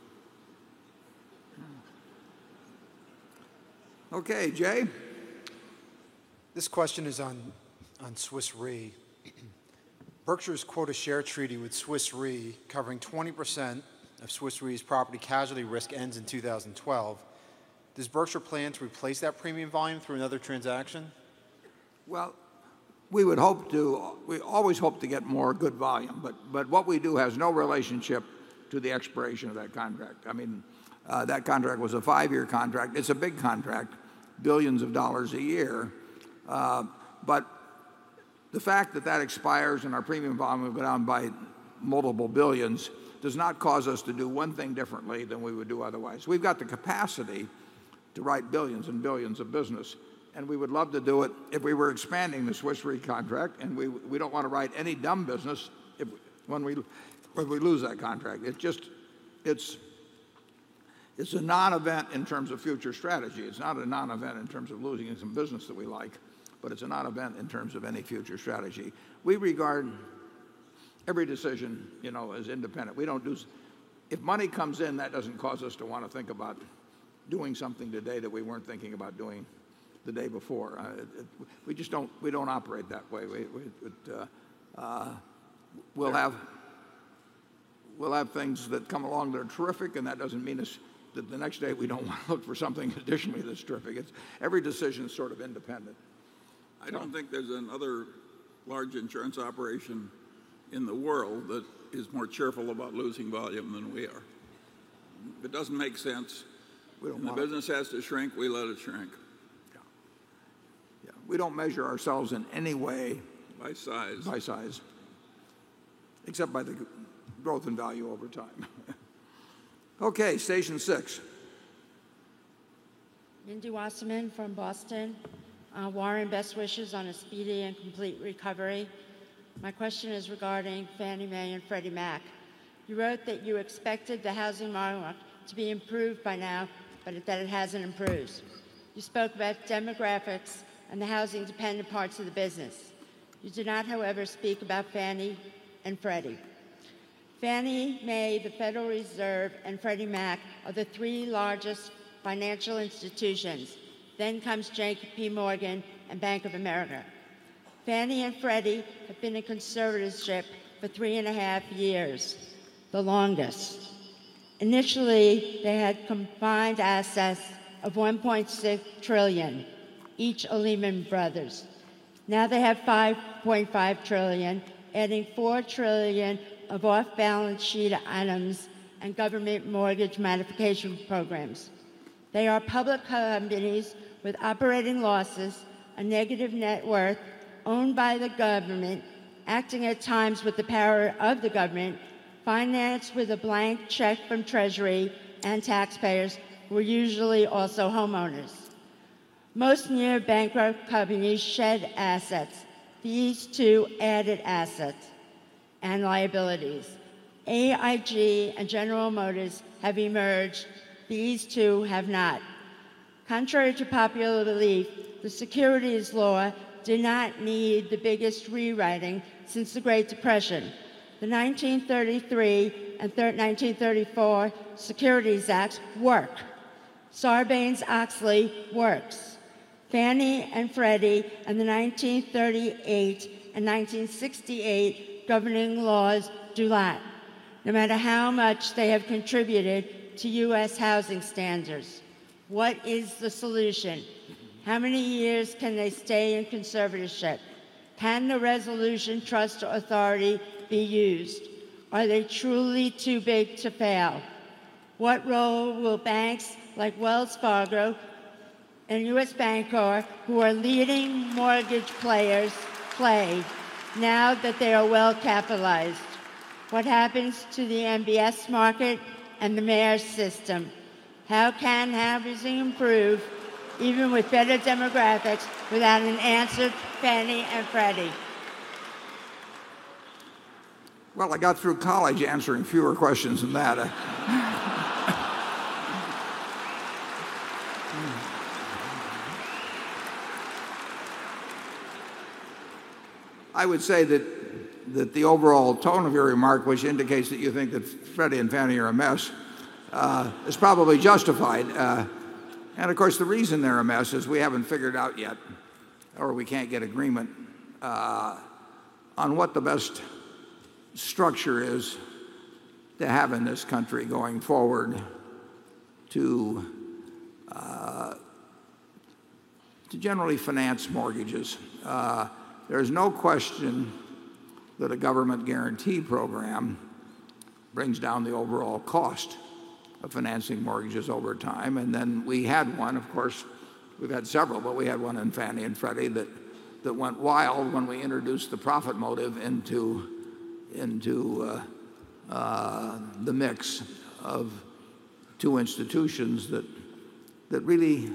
Okay, Jay? This question is on Swiss Re. Berkshire's quota share treaty with Swiss Re covering 20% of Swiss Re's property casualty risk ends in 2012. Does Berkshire plan to replace that premium volume through another transaction? We always hope to get more good volume, but what we do has no relationship to the expiration of that contract. That contract was a five-year contract. It's a big contract, billions of dollars a year. The fact that that expires and our premium volume went down by multiple billions does not cause us to do one thing differently than we would do otherwise. We've got the capacity to write billions and billions of business. We would love to do it if we were expanding the Swiss Re contract, and we don't want to write any dumb business when we lose that contract. It's a non-event in terms of future strategy. It's not a non-event in terms of losing some business that we like, but it's a non-event in terms of any future strategy. We regard every decision as independent. If money comes in, that doesn't cause us to want to think about doing something today that we weren't thinking about doing the day before. We just don't operate that way. We'll have things that come along that are terrific, and that doesn't mean that the next day we don't want to look for something additionally that's terrific. Every decision is sort of independent. I don't think there's another large insurance operation in the world that is more cheerful about losing volume than we are. It doesn't make sense. We don't mind. The business has to shrink, we let it shrink. Yeah, yeah, we don't measure ourselves in any way. By size. By size, except by the growth in value over time. Okay. Station Six. Wendy Wasserman from Boston. Warren, best wishes on a speedy and complete recovery. My question is regarding Fannie Mae and Freddie Mac. You wrote that you expected the housing model to be improved by now, but that it hasn't improved. You spoke about demographics and the housing-dependent parts of the business. You did not, however, speak about Fannie and Freddie. Fannie Mae, the Federal Reserve, and Freddie Mac are the three largest financial institutions. Then comes JPMorgan and Bank of America. Fannie and Freddie have been in conservatorship for three and a half years, the longest. Initially, they had combined assets of $1.6 trillion, each of Lehman Brothers. Now they have $5.5 trillion, adding $4 trillion of off-balance sheet items and government mortgage modification programs. They are public companies with operating losses, a negative net worth, owned by the government, acting at times with the power of the government, financed with a blank check from Treasury and taxpayers, who are usually also homeowners. Most near-bankrupt companies shed assets. These two added assets and liabilities. AIG and General Motors have emerged. These two have not. Contrary to popular belief, the securities law did not need the biggest rewriting since the Great Depression. The 1933 and 1934 Securities Act work. Sarbanes-Oxley works. Fannie and Freddie and the 1938 and 1968 governing laws do not. No matter how much they have contributed to U.S. housing standards, what is the solution? How many years can they stay in conservatorship? Can the Resolution Trust Authority be used? Are they truly too big to fail? What role will banks like Wells Fargo and U.S. Bancorp, who are leading mortgage players, play now that they are well-capitalized? What happens to the MBS market and the mayor's system? How can housing improve even with better demographics without an answer from Fannie and Freddie? I got through college answering fewer questions than that. I would say that the overall tone of your remark, which indicates that you think that Freddie and Fannie are a mess, is probably justified. Of course, the reason they're a mess is we haven't figured out yet, or we can't get agreement on what the best structure is to have in this country going forward to generally finance mortgages. There's no question that a government guarantee program brings down the overall cost of financing mortgages over time. We had one, of course, we've had several, but we had one in Fannie and Freddie that went wild when we introduced the profit motive into the mix of two institutions that really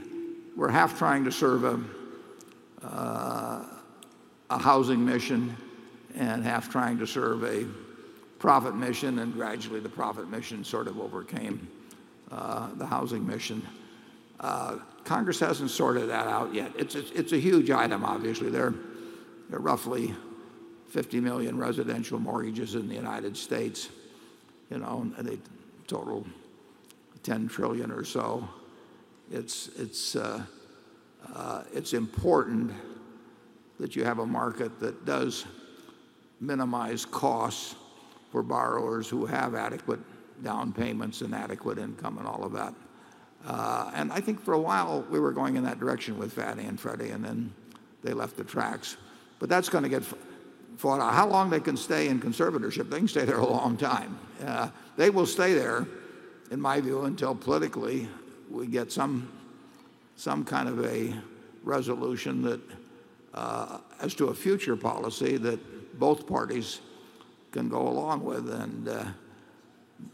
were half trying to serve a housing mission and half trying to serve a profit mission. Gradually, the profit mission sort of overcame the housing mission. Congress hasn't sorted that out yet. It's a huge item, obviously. There are roughly 50 million residential mortgages in the United States, you know, and they total $10 trillion or so. It's important that you have a market that does minimize costs for borrowers who have adequate down payments and adequate income and all of that. I think for a while, we were going in that direction with Fannie and Freddie, and then they left the tracks. That's going to get thought out. How long they can stay in conservatorship? They can stay there a long time. They will stay there, in my view, until politically we get some kind of a resolution as to a future policy that both parties can go along with. It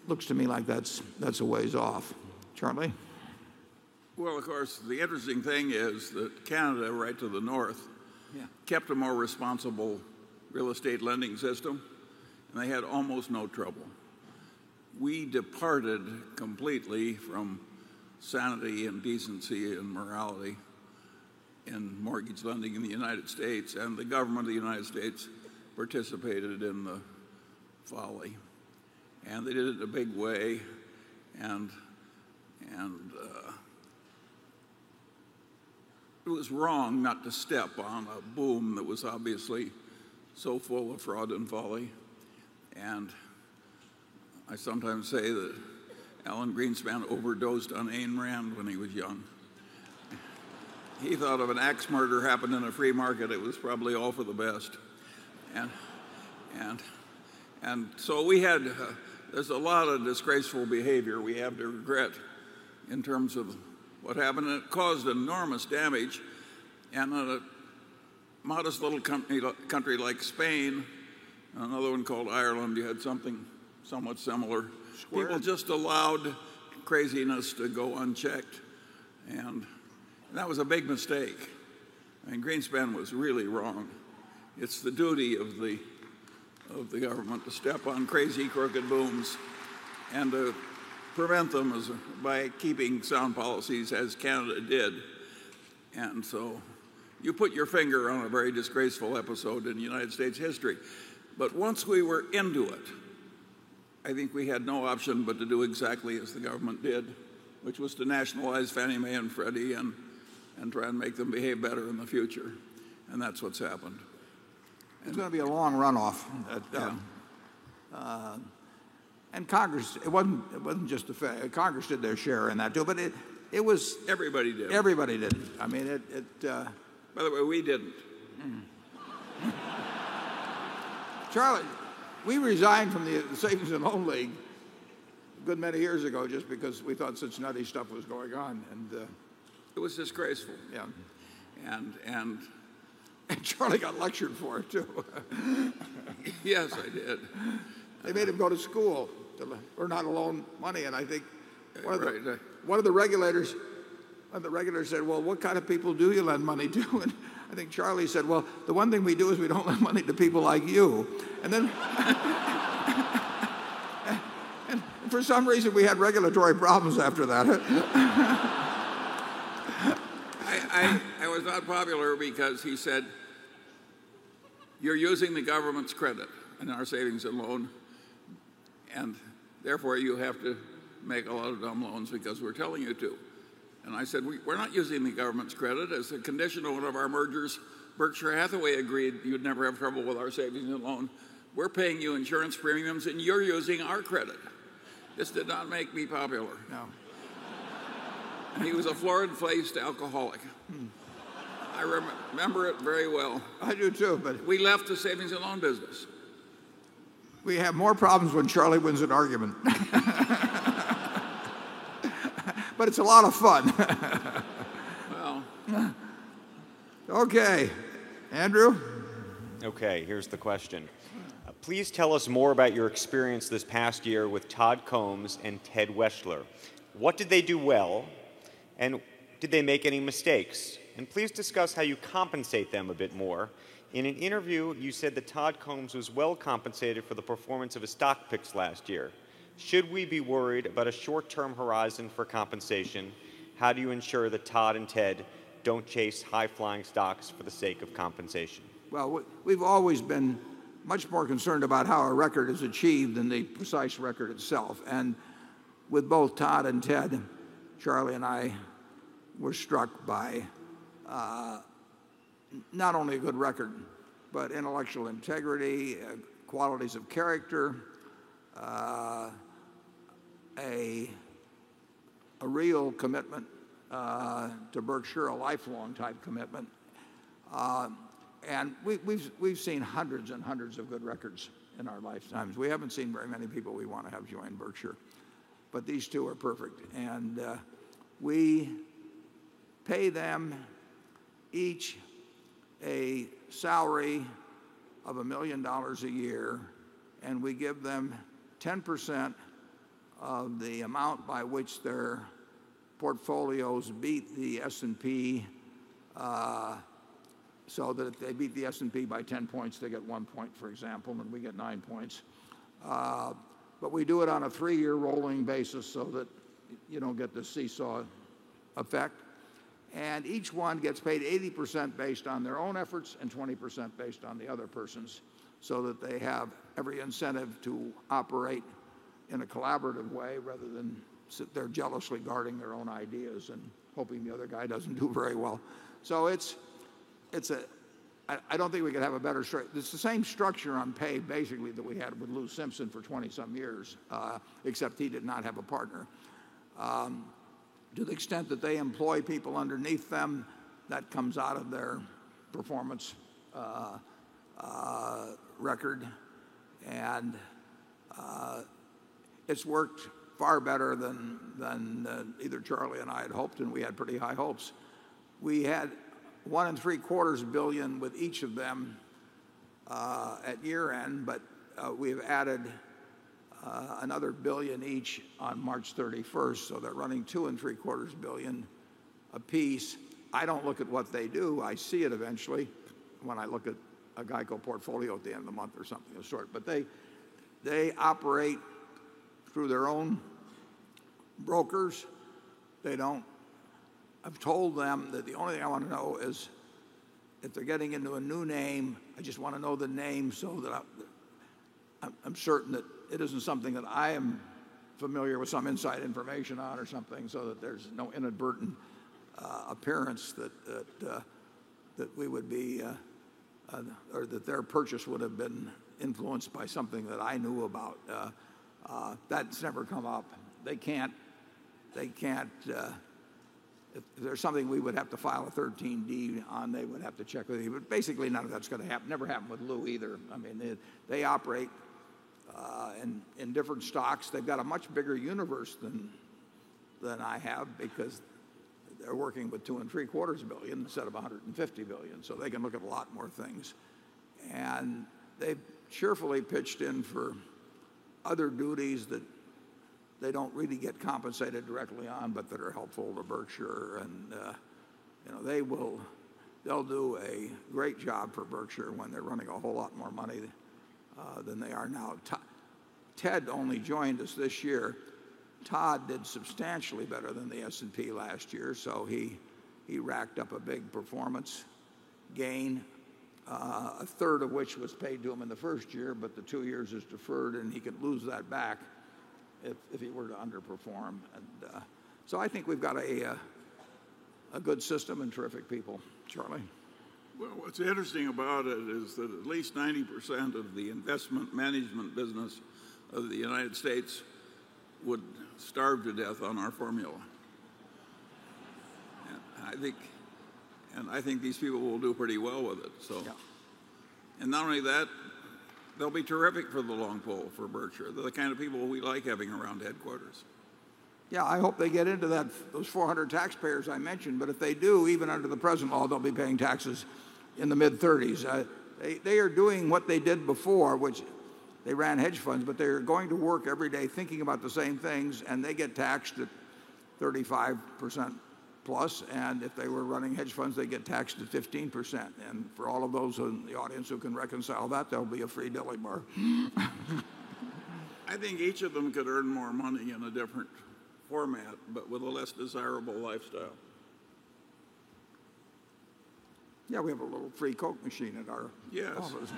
looks to me like that's a ways off. Charlie? Of course, the interesting thing is that Canada, right to the north, kept a more responsible real estate lending system, and they had almost no trouble. We departed completely from sanity and decency and morality in mortgage lending in the United States, and the government of the United States participated in the folly. They did it in a big way. It was wrong not to step on a boom that was obviously so full of fraud and folly. I sometimes say that Alan Greenspan overdosed on Ayn Rand when he was young. He thought if an axe murder happened in a free market, it was probably all for the best. There was a lot of disgraceful behavior we have to regret in terms of what happened, and it caused enormous damage. In a modest little country like Spain, another one called Ireland, you had something somewhat similar. People just allowed craziness to go unchecked. That was a big mistake. Greenspan was really wrong. It's the duty of the government to step on crazy crooked booms and to prevent them by keeping sound policies as Canada did. You put your finger on a very disgraceful episode in United States history. Once we were into it, I think we had no option but to do exactly as the government did, which was to nationalize Fannie Mae and Freddie and try and make them behave better in the future. That's what's happened. It's going to be a long runoff. Yeah. And Congress, It wasn't just a fan. Congress did their share in that too, but it was. Everybody did. Everybody did. I mean, it— By the way, we didn't. Charlie, we resigned from the Savings and Loan League a good many years ago just because we thought such nutty stuff was going on. It was disgraceful. Yeah. Charlie got lectured for it too. Yes, I did. They made him go to school to learn not to loan money. I think one of the regulators said, what kind of people do you lend money to? I think Charlie said, the one thing we do is we don't lend money to people like you. For some reason, we had regulatory problems after that. I was not popular because he said, you're using the government's credit and our savings and loan, and therefore you have to make a lot of dumb loans because we're telling you to. I said, we're not using the government's credit as a condition of one of our mergers. Berkshire Hathaway agreed you'd never have trouble with our savings and loan. We're paying you insurance premiums and you're using our credit. This did not make me popular. No. He was a floor-inflamed alcoholic. I remember it very well. I do too. We left the savings and loan business. We have more problems when Charlie wins an argument. It is a lot of fun. Well. Okay. Andrew? Okay, here's the question. Please tell us more about your experience this past year with Todd Combs and Ted Weschler. What did they do well? Did they make any mistakes? Please discuss how you compensate them a bit more. In an interview, you said that Todd Combs was well compensated for the performance of his stock picks last year. Should we be worried about a short-term horizon for compensation? How do you ensure that Todd and Ted don't chase high-flying stocks for the sake of compensation? We have always been much more concerned about how our record is achieved than the precise record itself. With both Todd and Ted, Charlie and I were struck by not only a good record, but intellectual integrity, qualities of character, a real commitment to Berkshire, a lifelong type commitment. We have seen hundreds and hundreds of good records in our lifetimes. We have not seen very many people we want to have join Berkshire. These two are perfect. We pay them each a salary of $1 million a year, and we give them 10% of the amount by which their portfolios beat the S&P. If they beat the S&P by 10 points, they get one point, for example, and we get nine points. We do it on a three-year rolling basis so that you do not get the seesaw effect. Each one gets paid 80% based on their own efforts and 20% based on the other person's so that they have every incentive to operate in a collaborative way rather than sit there jealously guarding their own ideas and hoping the other guy does not do very well. I do not think we could have a better structure. It is the same structure on pay basically that we had with Lou Simpson for 20-some years, except he did not have a partner. To the extent that they employ people underneath them, that comes out of their performance record. It has worked far better than either Charlie and I had hoped, and we had pretty high hopes. We had $1.75 billion with each of them at year end, but we have added another $1 billion each on March 31st, 2023. They are running $2.75 billion apiece. I do not look at what they do. I see it eventually when I look at a GEICO portfolio at the end of the month or something of the sort. They operate through their own brokers. I have told them that the only thing I want to know is if they are getting into a new name, I just want to know the name so that I am certain that it is not something that I am familiar with some inside information on or something so that there is no inadvertent appearance that we would be, or that their purchase would have been influenced by something that I knew about. That has never come up. They cannot, if there is something we would have to file a 13D on, they would have to check with you. Basically, none of that is going to happen. Never happened with Lou either. They operate in different stocks. They've got a much bigger universe than I have because they're working with $2.75 billion instead of $150 billion. They can look at a lot more things. They cheerfully pitched in for other duties that they don't really get compensated directly on, but that are helpful to Berkshire. You know, they will do a great job for Berkshire when they're running a whole lot more money than they are now. Ted only joined us this year. Todd did substantially better than the S&P last year. He racked up a big performance gain, a third of which was paid to him in the first year, but the two years is deferred and he could lose that back if he were to underperform. I think we've got a good system and terrific people, Charlie. What's interesting about it is that at least 90% of the investment-management business of the United States. would starve to death on our formula. I think these people will do pretty well with it. Not only that, they'll be terrific for the long pull for Berkshire. They're the kind of people we like having around headquarters. Yeah, I hope they get into those 400 taxpayers I mentioned. If they do, even under the present law, they'll be paying taxes in the mid-30s. They are doing what they did before, which is they ran hedge funds, but they're going to work every day thinking about the same things, and they get taxed at 35%+. If they were running hedge funds, they get taxed at 15%. For all of those in the audience who can reconcile that, there'll be a free Dilly Bar. I think each of them could earn more money in a different format, but with a less desirable lifestyle. Yeah, we have a little free Coke machine at our office.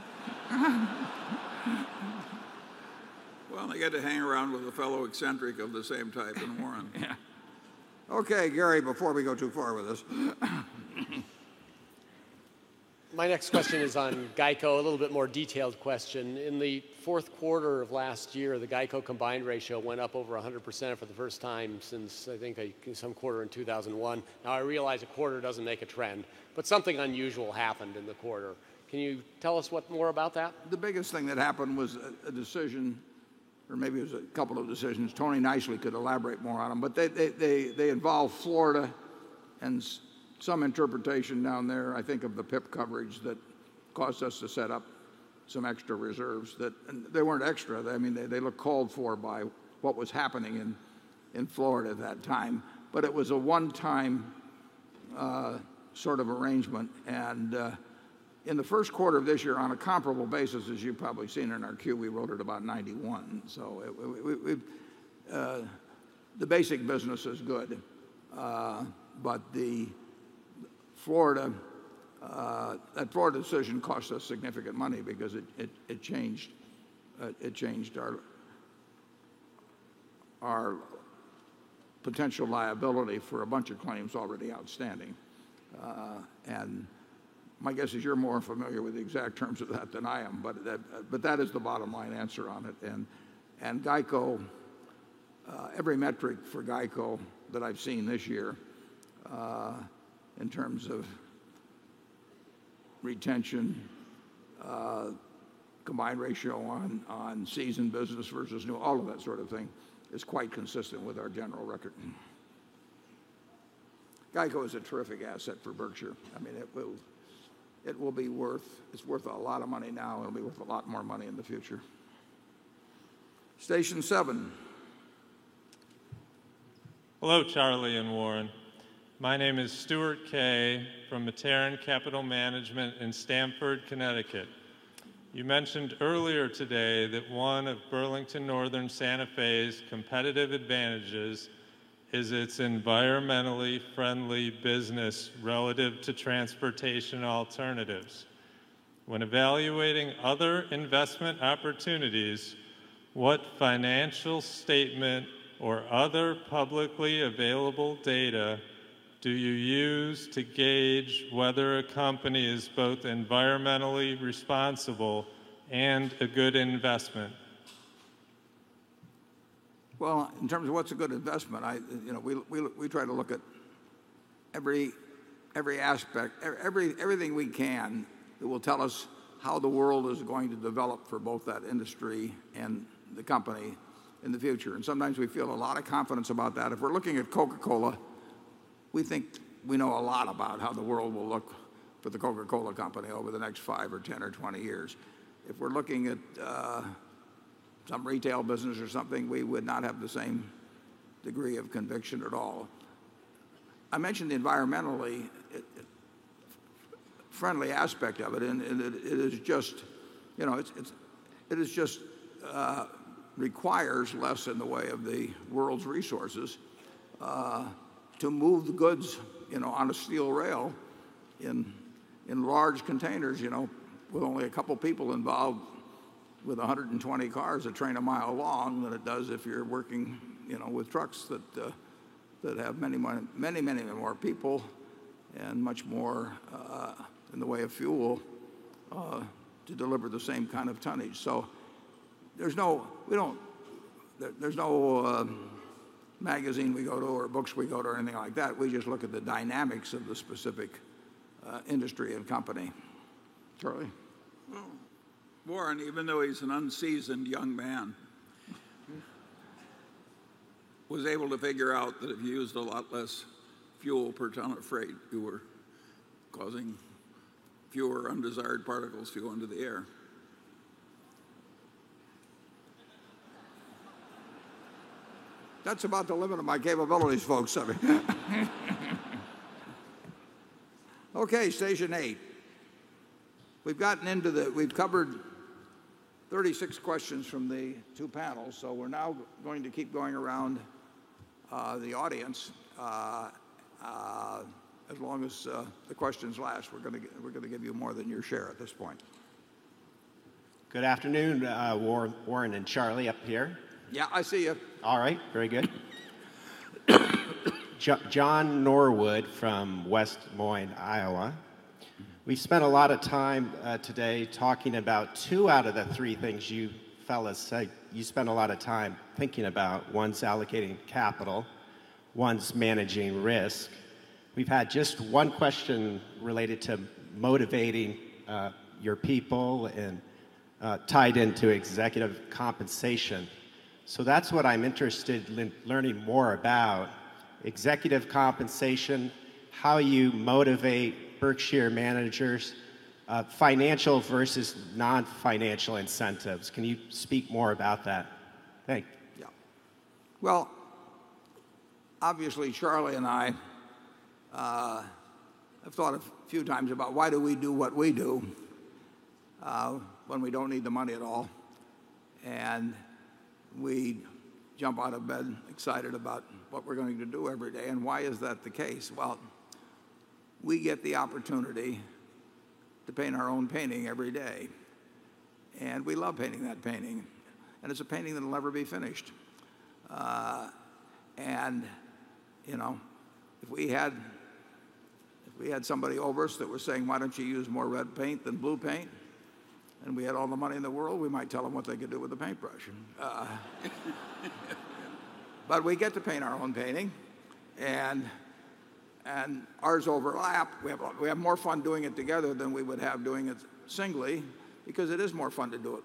I get to hang around with a fellow eccentric of the same type in Warren. Okay, Gary, before we go too far with this. My next question is on GEICO, a little bit more detailed question. In the fourth quarter of last year, the GEICO combined ratio went up over 100% for the first time since, I think, some quarter in 2001. I realize a quarter doesn't make a trend, but something unusual happened in the quarter. Can you tell us more about that? The biggest thing that happened was a decision, or maybe it was a couple of decisions. Tony Nicely could elaborate more on them, but they involved Florida and some interpretation down there, I think, of the PIP coverage that caused us to set up some extra reserves that they were not extra. I mean, they looked called for by what was happening in Florida at that time, but it was a one-time sort of arrangement. In the first quarter of this year, on a comparable basis, as you've probably seen in our Q, we wrote it about 91. The basic business is good. That Florida decision cost us significant money because it changed our potential liability for a bunch of claims already outstanding. My guess is you're more familiar with the exact terms of that than I am, but that is the bottom line answer on it. GEICO, every metric for GEICO that I've seen this year in terms of retention, combined ratio on seasoned business versus new, all of that sort of thing is quite consistent with our general record. GEICO is a terrific asset for Berkshire. I mean, it is worth a lot of money now. It will be worth a lot more money in the future. Station Seven. Hello, Charlie and Warren. My name is Stuart Kaye from Matarin Capital Management in Stamford, Connecticut. You mentioned earlier today that one of Burlington Northern Santa Fe's competitive advantages is its environmentally friendly business relative to transportation alternatives. When evaluating other investment opportunities, what financial statement or other publicly available data do you use to gauge whether a company is both environmentally responsible and a good investment? In terms of what's a good investment, we try to look at every aspect, everything we can that will tell us how the world is going to develop for both that industry and the company in the future. Sometimes we feel a lot of confidence about that. If we're looking at Coca-Cola, we think we know a lot about how the world will look for the Coca-Cola Company over the next five or 10 or 20 years. If we're looking at some retail business or something, we would not have the same degree of conviction at all. I mentioned the environmentally friendly aspect of it, and it just requires less in the way of the world's resources to move the goods on a steel rail in large containers with only a couple of people involved with 120 cars that train a mile long than it does if you're working with trucks that have many, many, many more people and much more in the way of fuel to deliver the same kind of tonnage. There's no magazine we go to or books we go to or anything like that. We just look at the dynamics of the specific industry and company. Charlie? Well. Warren, even though he's an unseasoned young man, was able to figure out that if you used a lot less fuel per tonne of freight, you were causing fewer undesired particles to go into the air. That's about the limit of my capabilities, folks. Okay, Station Eight. We've gotten into the, we've covered 36 questions from the two panels. We're now going to keep going around the audience as long as the questions last. We're going to give you more than your share at this point. Good afternoon, Warren and Charlie up here. Yeah, I see you. All right, very good. John Norwood from West Moyn, Iowa. We spent a lot of time today talking about two out of the three things you fellas said you spent a lot of time thinking about: one's allocating capital, one's managing risk. We've had just one question related to motivating your people and tied into executive compensation. That's what I'm interested in learning more about: executive compensation, how you motivate Berkshire managers, financial versus non-financial incentives. Can you speak more about that? Thanks. Yeah. Obviously, Charlie and I have thought a few times about why do we do what we do when we don't need the money at all? We jump out of bed excited about what we're going to do every day. Why is that the case? We get the opportunity to paint our own painting every day. We love painting that painting. It's a painting that'll never be finished. If we had somebody over us that was saying, why don't you use more red paint than blue paint, and we had all the money in the world, we might tell them what they could do with the paintbrush. We get to paint our own painting. Ours overlap. We have more fun doing it together than we would have doing it singly because it is more fun to do it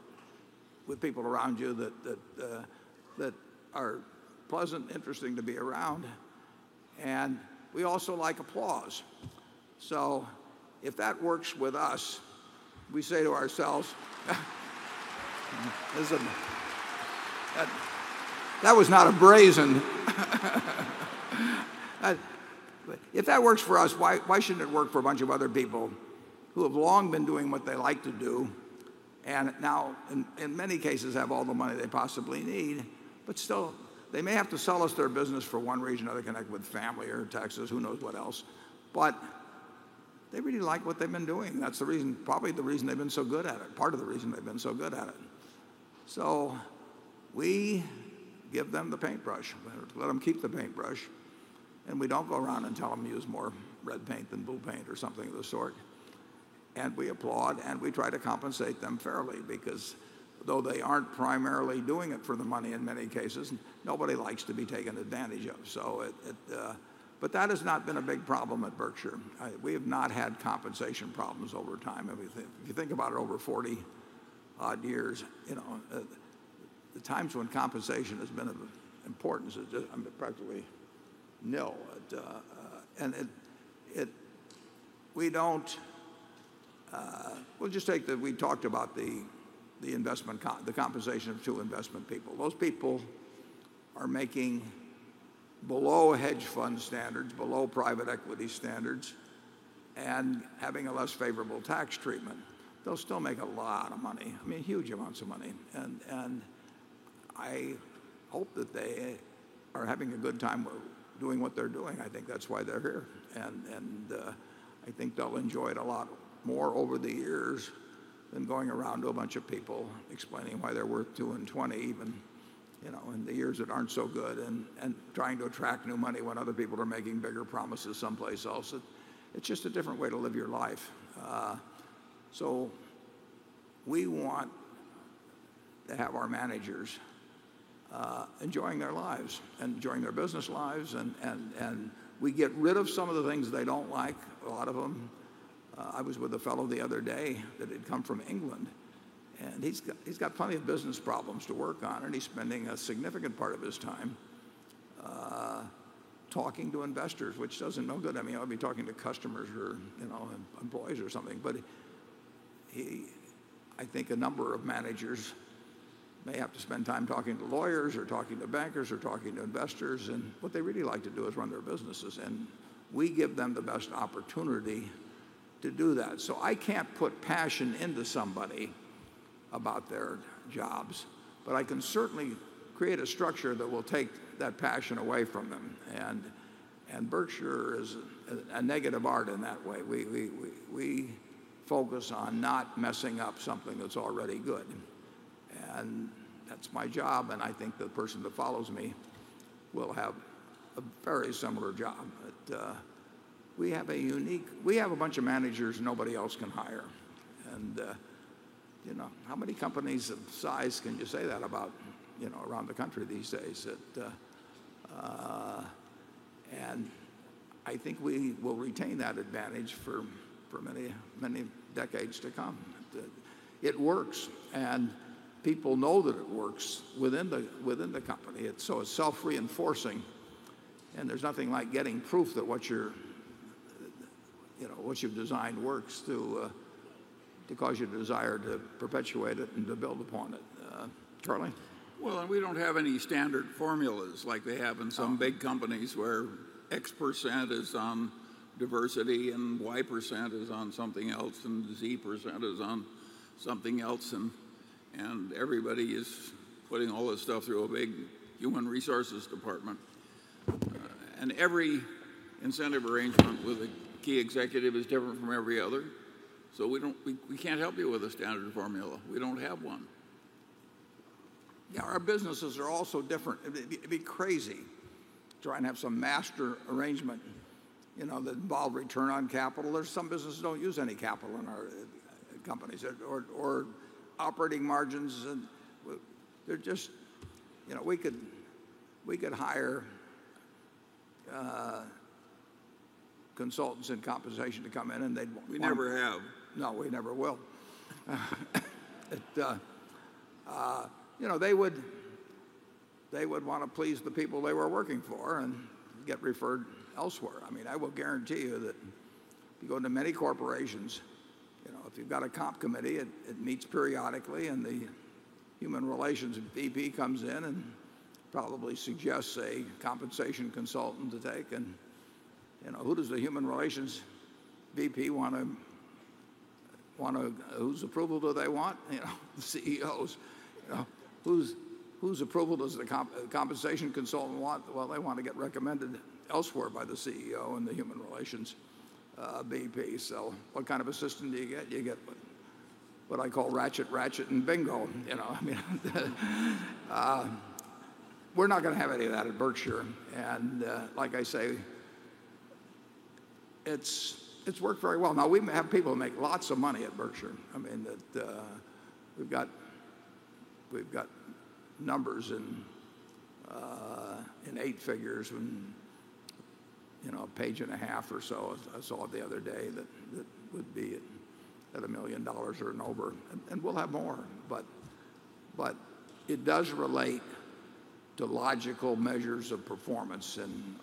with people around you that are pleasant and interesting to be around. We also like applause. If that works with us, we say to ourselves, that was not abrasive. If that works for us, why shouldn't it work for a bunch of other people who have long been doing what they like to do and now, in many cases, have all the money they possibly need, but still, they may have to sell us their business for one reason or another, connect with family or taxes, who knows what else. They really like what they've been doing. That's the reason, probably the reason they've been so good at it, part of the reason they've been so good at it. We give them the paintbrush, let them keep the paintbrush, and we don't go around and tell them to use more red paint than blue paint or something of the sort. We applaud and we try to compensate them fairly because though they aren't primarily doing it for the money in many cases, nobody likes to be taken advantage of. That has not been a big problem at Berkshire. We have not had compensation problems over time. If you think about it over 40-odd years, the times when compensation has been of importance are just practically nil. We don't, we'll just take that we talked about the compensation of two investment people. Those people are making below hedge fund standards, below private equity standards, and having a less favorable tax treatment. They'll still make a lot of money. I mean, huge amounts of money. I hope that they are having a good time doing what they're doing. I think that's why they're here. I think they'll enjoy it a lot more over the years than going around to a bunch of people explaining why they're worth two and 20, even, you know, in the years that aren't so good and trying to attract new money when other people are making bigger promises someplace else. It is just a different way to live your life. We want to have our managers enjoying their lives and enjoying their business lives. We get rid of some of the things they don't like, a lot of them. I was with a fellow the other day that had come from England. He has plenty of business problems to work on, and he's spending a significant part of his time talking to investors, which doesn't do any good. I would be talking to customers or, you know, employees or something. I think a number of managers may have to spend time talking to lawyers or talking to bankers or talking to investors. What they really like to do is run their businesses. We give them the best opportunity to do that. I can't put passion into somebody about their jobs, but I can certainly create a structure that will take that passion away from them. Berkshire is a negative art in that way. We focus on not messing up something that's already good. That is my job. I think the person that follows me will have a very similar job. We have a unique, we have a bunch of managers nobody else can hire. How many companies of size can you say that about, you know, around the country these days? I think we will retain that advantage for many, many decades to come. It works. People know that it works within the company. It is self-reinforcing. There is nothing like getting proof that what you have designed works to cause your desire to perpetuate it and to build upon it. Charlie? We don't have any standard formulas like they have in some big companies where X% is on diversity, Y% is on something else, and Z% is on something else. Everybody is putting all this stuff through a big human resources department, and every incentive arrangement with a key executive is different from every other. We can't help you with a standard formula. We don't have one. Yeah, our businesses are also different. It'd be crazy to try and have some master arrangement that involved return on capital. There are some businesses that don't use any capital in our companies or operating margins. We could hire consultants in compensation to come in and they'd want to. We never have. No, we never will. They would want to please the people they were working for and get referred elsewhere. I will guarantee you that you go into many corporations. If you've got a comp committee, it meets periodically and the Human Relations VP comes in and probably suggests a compensation consultant to take. Who does the Human Relations VP want to, whose approval do they want? The CEO's. Whose approval does the compensation consultant want? They want to get recommended elsewhere by the CEO and the Human Relations VP. What kind of assistant do you get? You get what I call ratchet, ratchet, and bingo. We're not going to have any of that at Berkshire. Like I say, it's worked very well. We may have people make lots of money at Berkshire. We've got numbers in eight figures when, you know, a page and a half or so, I saw it the other day that would be at $1 million or over. We'll have more, but it does relate to logical measures of performance in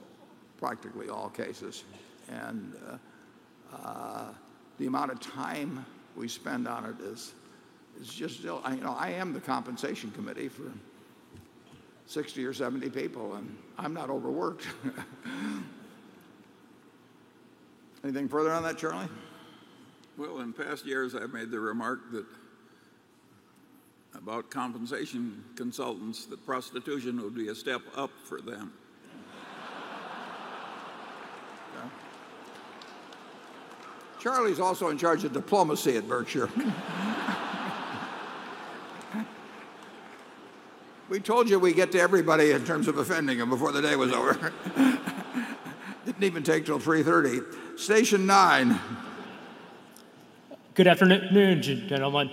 practically all cases. The amount of time we spend on it is just, you know, I am the compensation committee for 60 or 70 people, and I'm not overworked. Anything further on that, Charlie? In past years, I've made the remark that about compensation consultants, that prostitution would be a step up for them. Charlie’s also in charge of diplomacy at Berkshire. We told you we get to everybody in terms of offending them before the day was over. Didn’t even take till 3:30 P.M. Station Nine. Good afternoon, gentlemen.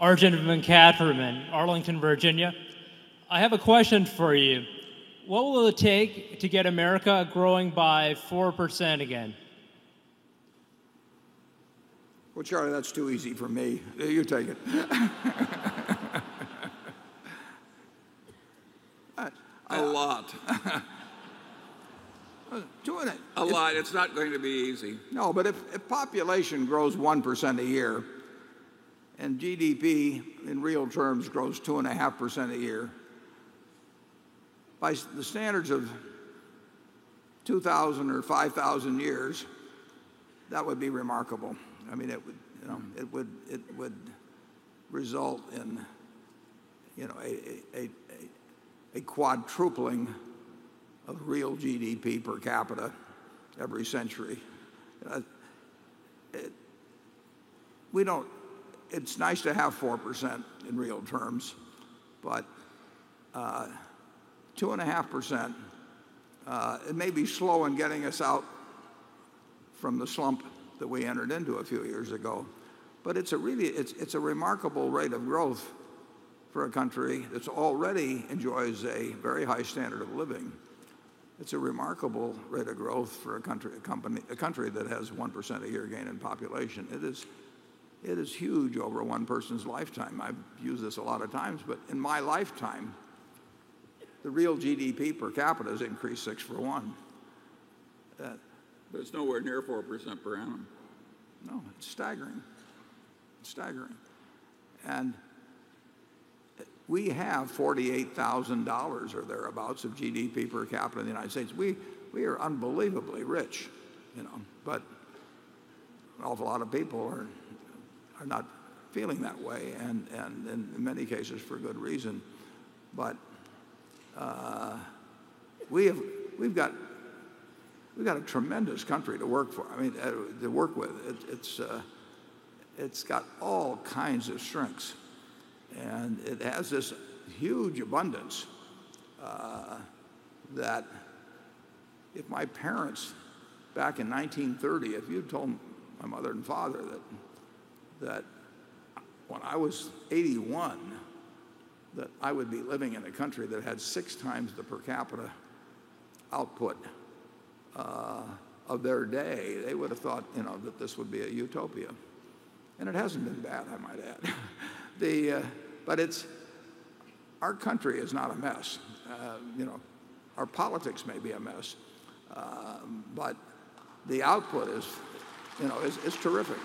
Arjun McCatherman, Arlington, Virginia. I have a question for you. What will it take to get America growing by 4% again? Charlie, that's too easy for me. You take it. A lot. Doing it a lot. It's not going to be easy. No, but if population grows 1% a year and GDP in real terms grows 2.5% a year, by the standards of 2,000 or 5,000 years, that would be remarkable. I mean, it would result in a quadrupling of real GDP per capita every century. It's nice to have 4% in real terms, but 2.5% may be slow in getting us out from the slump that we entered into a few years ago, but it's a really remarkable rate of growth for a country that already enjoys a very high standard of living. It's a remarkable rate of growth for a country, a country that has 1% a year gain in population. It is huge over one person's lifetime. I've used this a lot of times, but in my lifetime, the real GDP per capita has increased six for one. There's nowhere near 4% per annum. No, it's staggering. It's staggering. We have $48,000 or thereabouts of GDP per capita in the U.S. We are unbelievably rich, you know, but an awful lot of people are not feeling that way, and in many cases, for good reason. We've got a tremendous country to work for, I mean, to work with. It's got all kinds of strengths. It has this huge abundance that if my parents back in 1930, if you'd told my mother and father that when I was 81 years old, that I would be living in a country that had six times the per capita output of their day, they would have thought, you know, that this would be a utopia. It hasn't been bad, I might add. Our country is not a mess. You know, our politics may be a mess, but the output is, you know, it's terrific.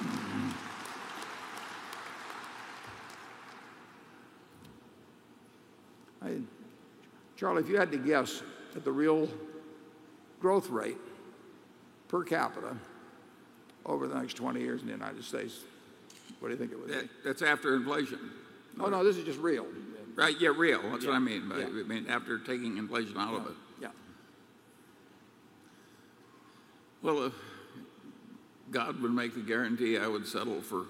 Charlie, if you had to guess at the real growth rate per capita over the next 20 years in the U.S., what do you think it would be? That's after inflation. No, no, this is just real. Right, yeah, real. That's what I mean. We mean after taking inflation out of it. Yeah. If God would make the guarantee, I would settle for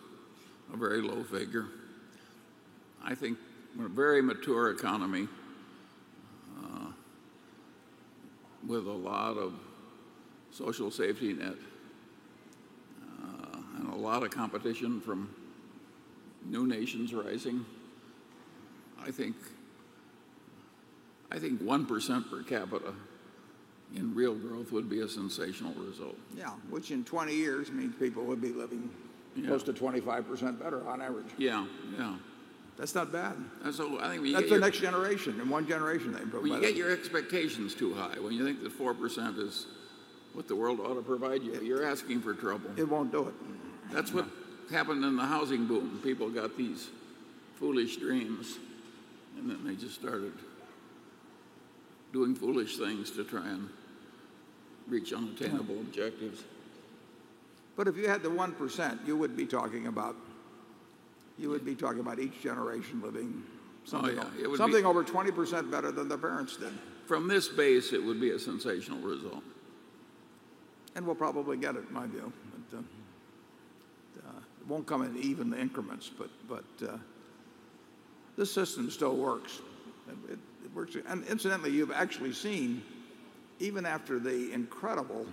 a very low figure. I think a very mature economy with a lot of social safety net and a lot of competition from new nations rising, I think 1% per capita in real growth would be a sensational result. Yeah, which in 20 years means people would be living close to 25% better on average. Yeah, yeah. That's not bad. Absolutely. I think we get it. That's the next generation. In one generation, they provide. When you get your expectations too high, when you think that 4% is what the world ought to provide you, you're asking for trouble. It won't do it. That's what happened in the housing boom. People got these foolish dreams, and then they just started doing foolish things to try and reach unattainable objectives. If you had the 1%, you would be talking about each generation living something over 20% better than their parents did. From this base, it would be a sensational result. We'll probably get it, in my view, but it won't come in even increments. This system still works. Incidentally, you've actually seen, even after the incredible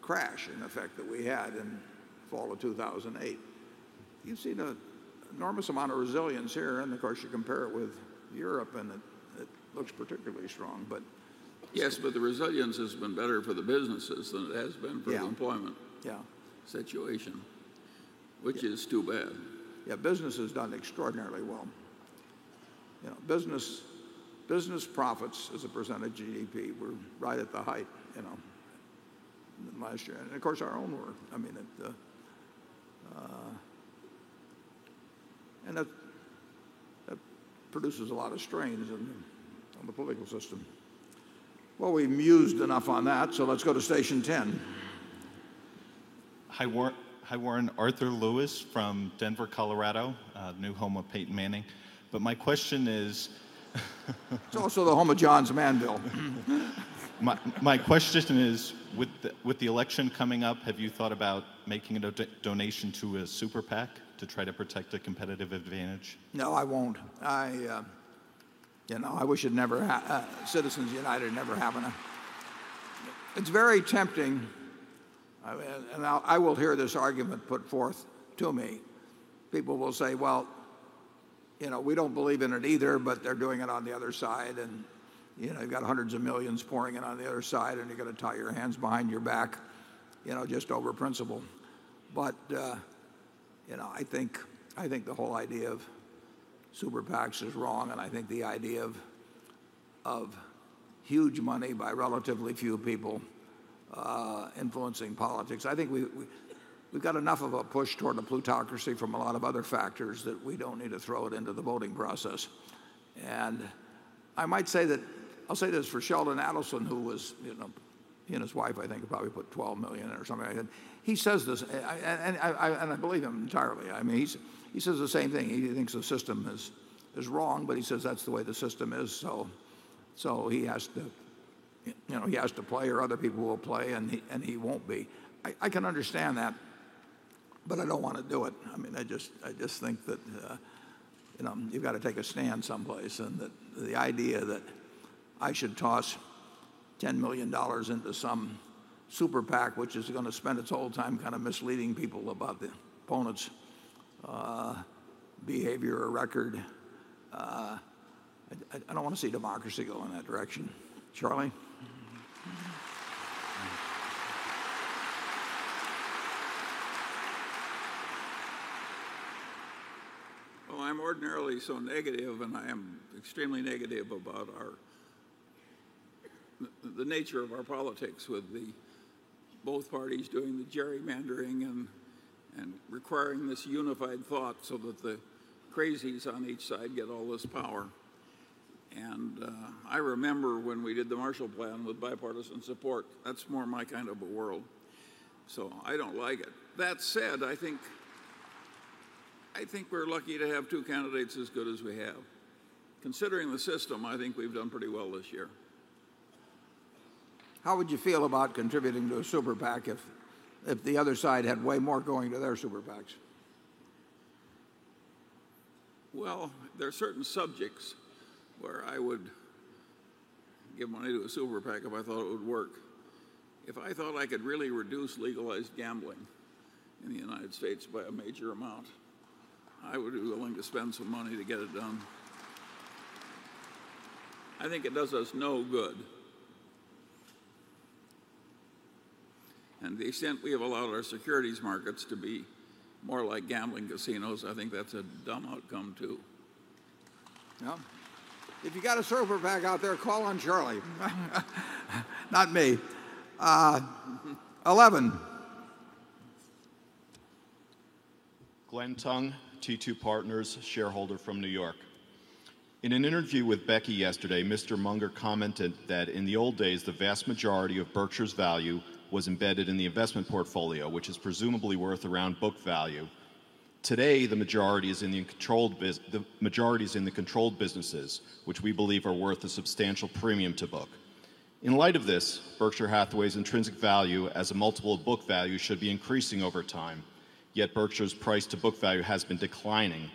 crash in effect that we had in the fall of 2008, you've seen an enormous amount of resilience here. Of course, you compare it with Europe, and it looks particularly strong. Yes, but the resilience has been better for the businesses than it has been for the employment situation, which is too bad. Yeah, business has done extraordinarily well. You know, business profits as a percentage of GDP were right at the height last year. Of course, our own were. I mean, that produces a lot of strains on the political system. We've used enough on that, so let's go to Station 10. Hi Warren, Arthur Lewis from Denver, Colorado, new home of Peyton Manning. My question is. It's also the home of Johns Manville. My question is, with the election coming up, have you thought about making a donation to a Super PAC to try to protect a competitive advantage? No, I won't. I wish Citizens United never happened. It's very tempting. I will hear this argument put forth to me. People will say, you know, we don't believe in it either, but they're doing it on the other side. You have hundreds of millions pouring in on the other side, and you're going to tie your hands behind your back just over principle. I think the whole idea of Super PACs is wrong. I think the idea of huge money by relatively few people influencing politics, I think we've got enough of a push toward a plutocracy from a lot of other factors that we don't need to throw it into the voting process. I might say that, I'll say this for Sheldon Adelson, who was, you know, he and his wife, I think, probably put $12 million or something like that. He says this, and I believe him entirely. He says the same thing. He thinks the system is wrong, but he says that's the way the system is. He has to play or other people will play, and he won't be. I can understand that, but I don't want to do it. I just think that you've got to take a stand someplace. The idea that I should toss $10 million into some Super PAC, which is going to spend its whole time kind of misleading people about the opponent's behavior or record, I don't want to see democracy go in that direction. Charlie? I am ordinarily so negative, and I am extremely negative about the nature of our politics with both parties doing the gerrymandering and requiring this unified thought so that the crazies on each side get all this power. I remember when we did the Marshall Plan with bipartisan support. That's more my kind of a world. I don't like it. That said, I think we're lucky to have two candidates as good as we have. Considering the system, I think we've done pretty well this year. How would you feel about contributing to a Super PAC if the other side had way more going to their Super PACs? There are certain subjects where I would give money to a Super PAC if I thought it would work. If I thought I could really reduce legalized gambling in the U.S. by a major amount, I would be willing to spend some money to get it done. I think it does us no good. To the extent we have allowed our securities markets to be more like gambling casinos, I think that's a dumb outcome too. Yeah. If you got a Super PAC out there, call on Charlie, not me. 11. Glenn Tongue, T2 Partners, shareholder from New York. In an interview with Becky yesterday, Mr. Munger commented that in the old days, the vast majority of Berkshire's value was embedded in the investment portfolio, which is presumably worth around book value. Today, the majority is in the controlled businesses, which we believe are worth a substantial premium to book. In light of this, Berkshire Hathaway's intrinsic value as a multiple of book value should be increasing over time. Yet Berkshire's price to book value has been declining.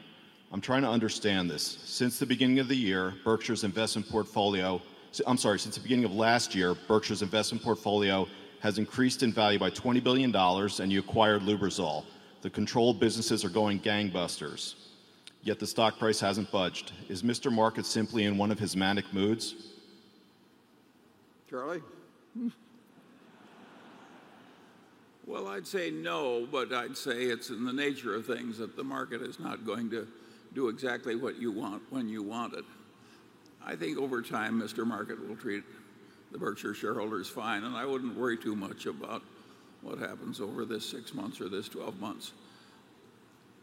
I'm trying to understand this. Since the beginning of the year, Berkshire Hathaway's investment portfolio, I'm sorry, since the beginning of last year, Berkshire's investment portfolio has increased in value by $20 billion and you acquired Lubrizol. The controlled businesses are going gangbusters. Yet the stock price hasn't budged. Is Mr. Market simply in one of his manic moods? Charlie? I'd say no, but I'd say it's in the nature of things that the market is not going to do exactly what you want when you want it. I think over time, Mr. Market will treat the Berkshire Hathaway shareholders fine, and I wouldn't worry too much about what happens over this six months or this 12 months.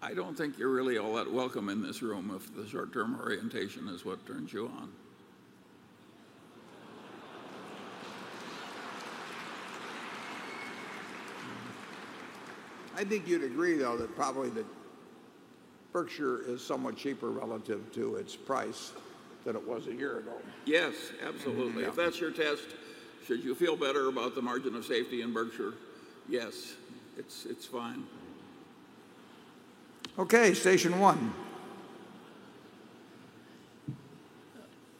I don't think you're really all that welcome in this room if the short-term orientation is what turns you on. I think you'd agree, though, that probably Berkshire is somewhat cheaper relative to its price than it was a year ago. Yes, absolutely. If that's your test, should you feel better about the margin of safety in Berkshire? Yes, it's fine. Okay, Station One.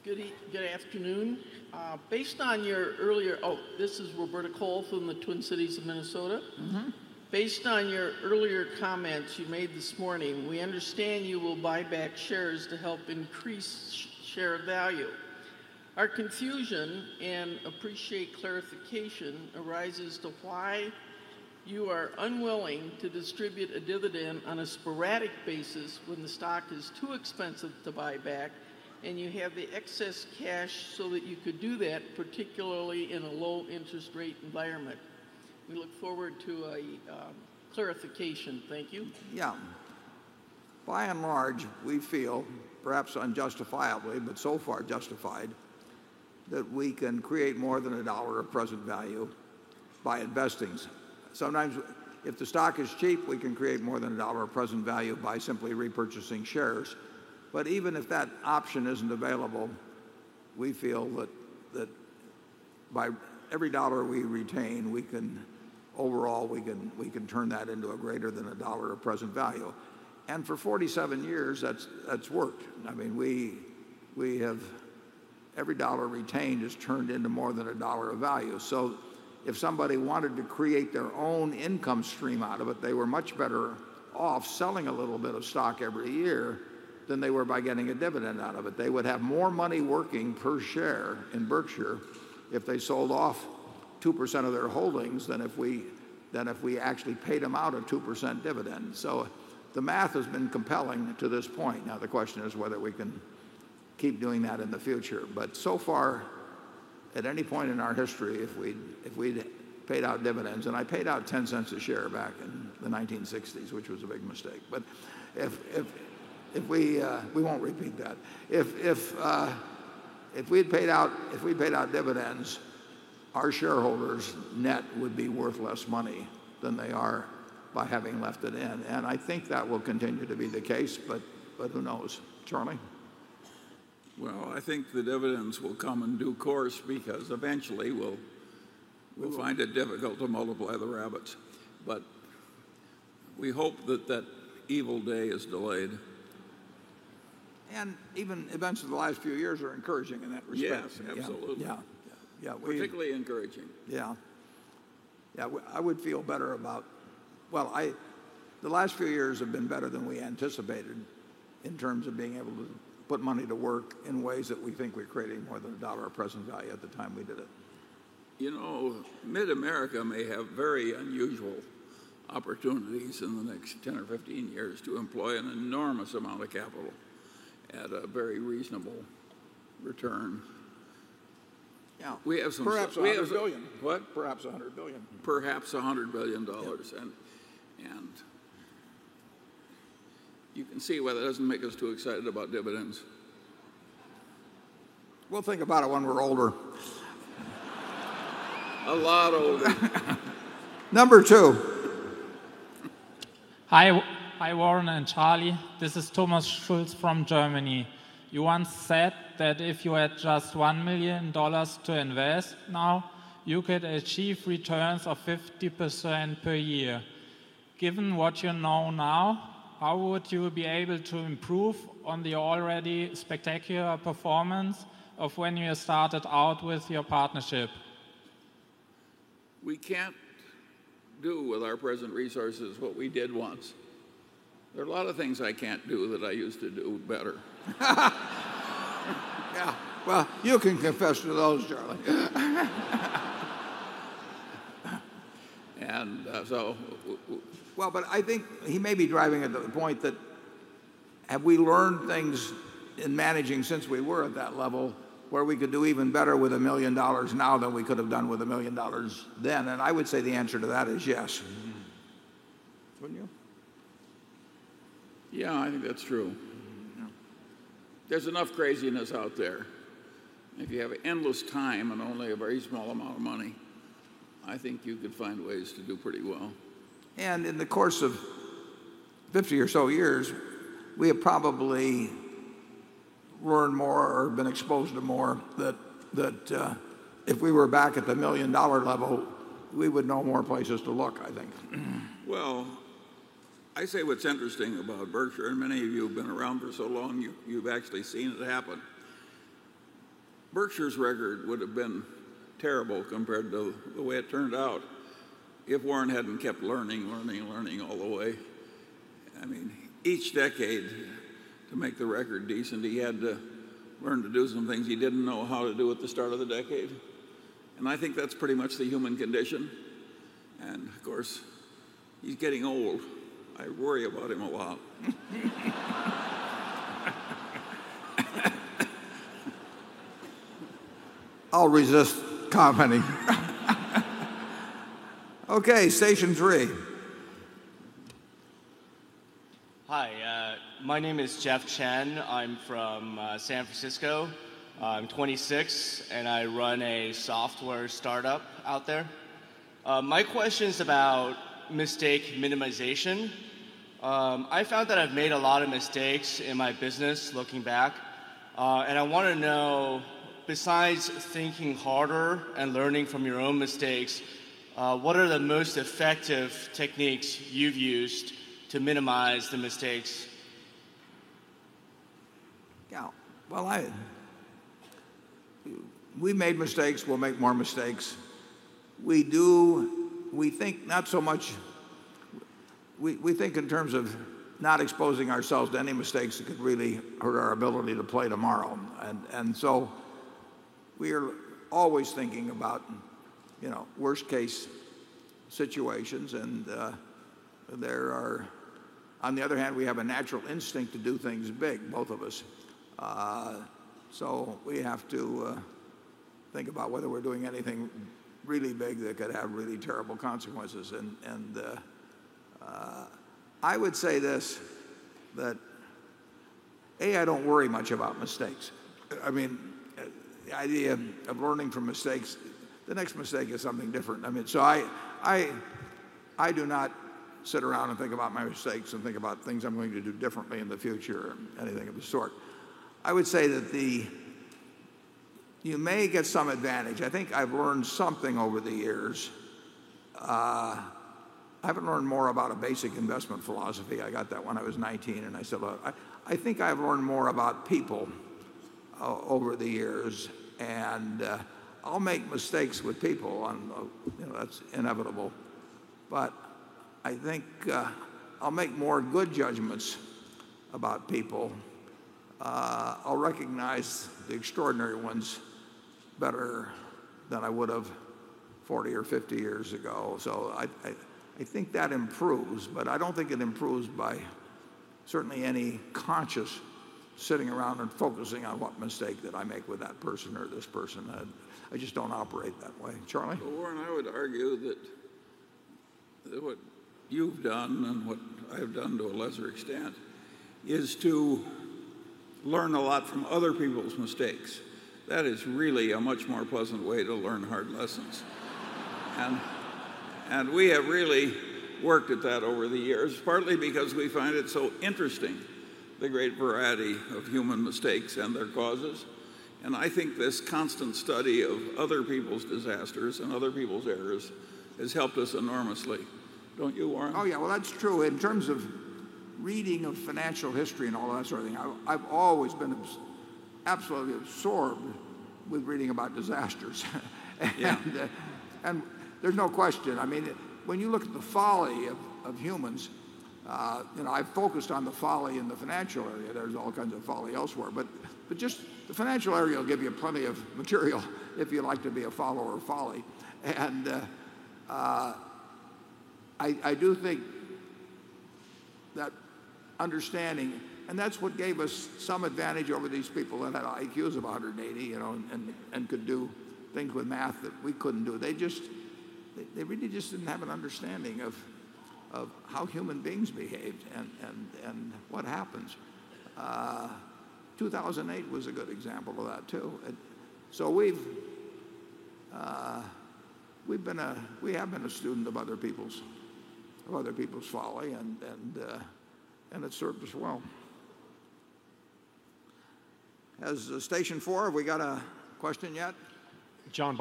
Good afternoon. This is Roberta Cole from the Twin Cities of Minnesota. Based on your earlier comments you made this morning, we understand you will buy back shares to help increase share value. Our confusion and appreciate clarification arises to why you are unwilling to distribute a dividend on a sporadic basis when the stock is too expensive to buy back and you have the excess cash so that you could do that, particularly in a low interest rate environment. We look forward to a clarification. Thank you. By and large, we feel, perhaps unjustifiably, but so far justified, that we can create more than a dollar of present value by investing. Sometimes if the stock is cheap, we can create more than a dollar of present value by simply repurchasing shares. Even if that option isn't available, we feel that for every dollar we retain, overall, we can turn that into greater than a dollar of present value. For 47 years, that's worked. Every dollar retained has turned into more than a dollar of value. If somebody wanted to create their own income stream out of it, they were much better off selling a little bit of stock every year than they were by getting a dividend out of it. They would have more money working per share in Berkshire if they sold off 2% of their holdings than if we actually paid them out a 2% dividend. The math has been compelling to this point. The question is whether we can keep doing that in the future. At any point in our history, if we'd paid out dividends, and I paid out $0.10 a share back in the 1960s, which was a big mistake. We won't repeat that. If we'd paid out dividends, our shareholders' net would be worth less money than they are by having left it in. I think that will continue to be the case, but who knows? Charlie? I think the dividends will come in due course because eventually we'll find it difficult to multiply the rabbits. We hope that that evil day is delayed. Events of the last few years are encouraging in that respect. Yes, absolutely. Yeah, particularly encouraging. Yeah, I would feel better about, the last few years have been better than we anticipated in terms of being able to put money to work in ways that we think we created more than a dollar of present value at the time we did it. You know, MidAmerica may have very unusual opportunities in the next 10 or 15 years to employ an enormous amount of capital at a very reasonable return. Yeah, perhaps $100 billion. What? Perhaps $100 billion. Perhaps $100 billion. You can see why that doesn't make us too excited about dividends. We'll think about it when we're older. A lot older. Number two. Hi, Warren and Charlie. This is Thomas Schultz from Germany. You once said that if you had just $1 million to invest now, you could achieve returns of 50% per year. Given what you know now, how would you be able to improve on the already spectacular performance of when you started out with your partnership? We can't do with our present resources what we did once. There are a lot of things I can't do that I used to do better. Yeah, you can confess to those, Charlie? I think he may be driving at the point that have we learned things in managing since we were at that level where we could do even better with $1 million now than we could have done with $1 million then? I would say the answer to that is yes. Wouldn't you? Yeah, I think that's true. Yeah. There's enough craziness out there. If you have endless time and only a very small amount of money, I think you could find ways to do pretty well. In the course of 50 or so years, we have probably learned more or been exposed to more that if we were back at the $1 million level, we would know more places to look, I think. What's interesting about Berkshire, and many of you have been around for so long, you've actually seen it happen. Berkshire's record would have been terrible compared to the way it turned out if Warren hadn't kept learning, learning, learning all the way. I mean, each decade to make the record decent, he had to learn to do some things he didn't know how to do at the start of the decade. I think that's pretty much the human condition. Of course, he's getting old. I worry about him a lot. I'll resist commenting. Okay. Station Three. Hi, my name is Jeff Chen. I'm from San Francisco. I'm 26 and I run a software start-up out there. My question is about mistake minimization. I found that I've made a lot of mistakes in my business looking back. I want to know, besides thinking harder and learning from your own mistakes, what are the most effective techniques you've used to minimize the mistakes? Yeah, we made mistakes. We'll make more mistakes. We think not so much, we think in terms of not exposing ourselves to any mistakes that could really hurt our ability to play tomorrow. We are always thinking about worst case situations. On the other hand, we have a natural instinct to do things big, both of us. We have to think about whether we're doing anything really big that could have really terrible consequences. I would say this, that A, I don't worry much about mistakes. The idea of learning from mistakes, the next mistake is something different. I do not sit around and think about my mistakes and think about things I'm going to do differently in the future or anything of the sort. I would say that you may get some advantage. I think I've learned something over the years. I haven't learned more about a basic investment philosophy. I got that when I was 19 years old and I said that I think I've learned more about people over the years. I'll make mistakes with people. That's inevitable. I think I'll make more good judgments about people. I'll recognize the extraordinary ones better than I would have 40 or 50 years ago. I think that improves, but I don't think it improves by certainly any conscious sitting around and focusing on what mistake did I make with that person or this person. I just don't operate that way. Charlie? Warren, I would argue that what you've done and what I've done to a lesser extent is to learn a lot from other people's mistakes. That is really a much more pleasant way to learn hard lessons. We have really worked at that over the years, partly because we find it so interesting, the great variety of human mistakes and their causes. I think this constant study of other people's disasters and other people's errors has helped us enormously. Don't you, Warren? Oh yeah, that's true. In terms of reading of financial history and all that sort of thing, I've always been absolutely absorbed with reading about disasters. There's no question. I mean, when you look at the folly of humans, you know, I've focused on the folly in the financial area. There's all kinds of folly elsewhere, but just the financial area will give you plenty of material if you like to be a follower of folly. I do think that understanding, and that's what gave us some advantage over these people that had IQs of 180, you know, and could do things with math that we couldn't do. They just didn't have an understanding of how human beings behaved and what happens. 2008 was a good example of that too. We have been a student of other people's folly and it served us well. As a Station Four, have we got a question yet? John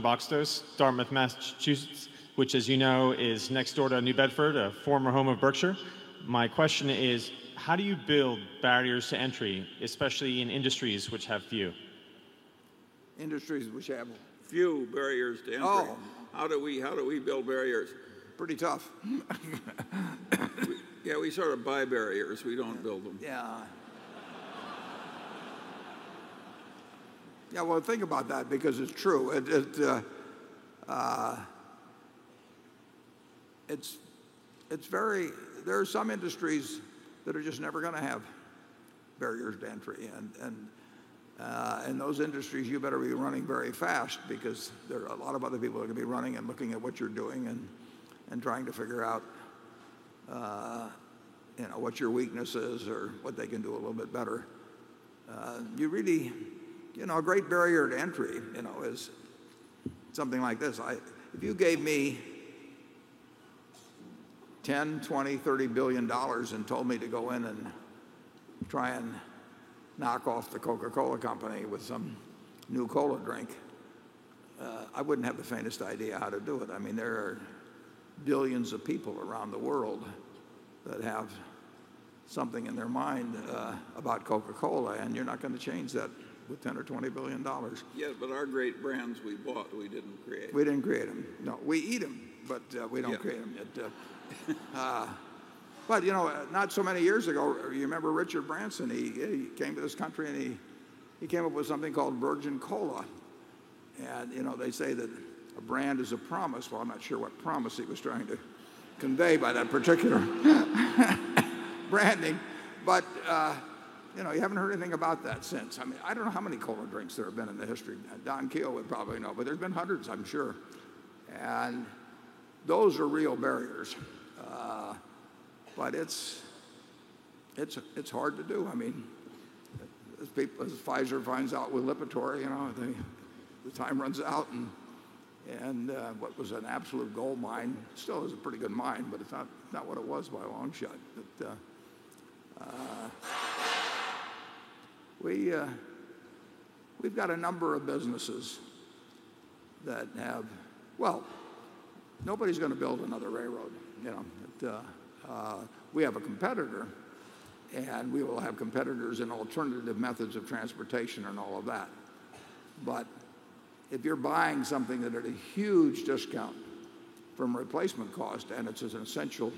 Boxters, Dartmouth, Massachusetts, which as you know is next door to New Bedford, a former home of Berkshire. My question is, how do you build barriers to entry, especially in industries which have few? Industries which have? Few barriers to entry. How do we, how do we build barriers? Pretty tough. Yeah, we sort of buy barriers. We don't build them. Yeah, think about that because it's true. There are some industries that are just never going to have barriers to entry. In those industries, you better be running very fast because there are a lot of other people that are going to be running and looking at what you're doing and trying to figure out what your weakness is or what they can do a little bit better. You know, a great barrier to entry is something like this. If you gave me $10 billion, $20 billion, $30 billion and told me to go in and try and knock off the Coca-Cola Company with some new cola drink, I wouldn't have the faintest idea how to do it. I mean, there are billions of people around the world that have something in their mind about Coca-Cola, and you're not going to change that with $10 billion or $20 billion. Yeah, our great brands we bought, we didn't create. We didn't create them. No, we eat them, but we don't create them. Not so many years ago, you remember Richard Branson, he came to this country and he came up with something called Virgin Cola. They say that a brand is a promise. I'm not sure what promise he was trying to convey by that particular branding, but you haven't heard anything about that since. I don't know how many cola drinks there have been in the history. Don Keough would probably know, but there's been hundreds, I'm sure. Those are real barriers. It's hard to do. As Pfizer finds out with Lipitor, the time runs out and what was an absolute gold mine still is a pretty good mine, but it's not what it was by a long shot. We've got a number of businesses that have, well, nobody's going to build another railroad. We have a competitor and we will have competitors in alternative methods of transportation and all of that. If you're buying something at a huge discount from replacement cost and it's an essential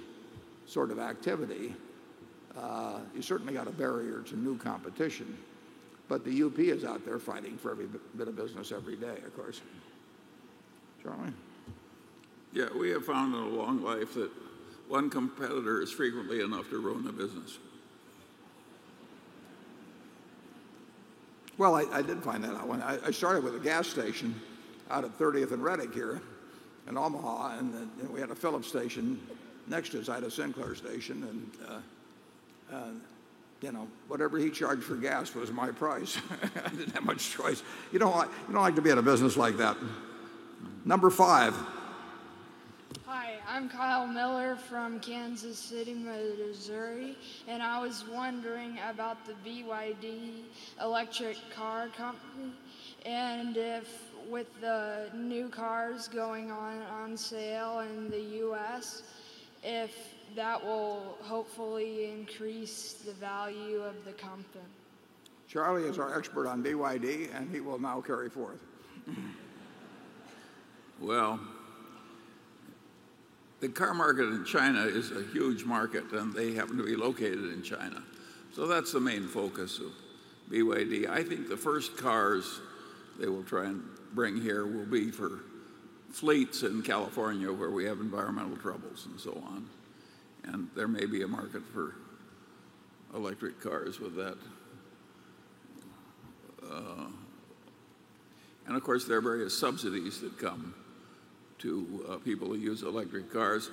sort of activity, you certainly got a barrier to new competition. The UP is out there fighting for every bit of business every day, of course. Charlie? Yeah, we have found in a long life that one competitor is frequently enough to ruin a business. I did find that out. I started with a gas station out at 30th and Redick here in Omaha, and then we had a Phillips station next to Sinclair station, and you know, whatever he charged for gas was my price. I didn't have much choice. You don't like to be in a business like that. Number Five. Hi, I'm Kyle Miller from Kansas City, Missouri, and I was wondering about the BYD electric car company and if with the new cars going on sale in the U.S., if that will hopefully increase the value of the company. Charlie is our expert on BYD, and he will now carry forth. The car market in China is a huge market, and they happen to be located in China. That's the main focus of BYD. I think the first cars they will try and bring here will be for fleets in California where we have environmental troubles and so on. There may be a market for electric cars with that. Of course, there are various subsidies that come to people who use electric cars.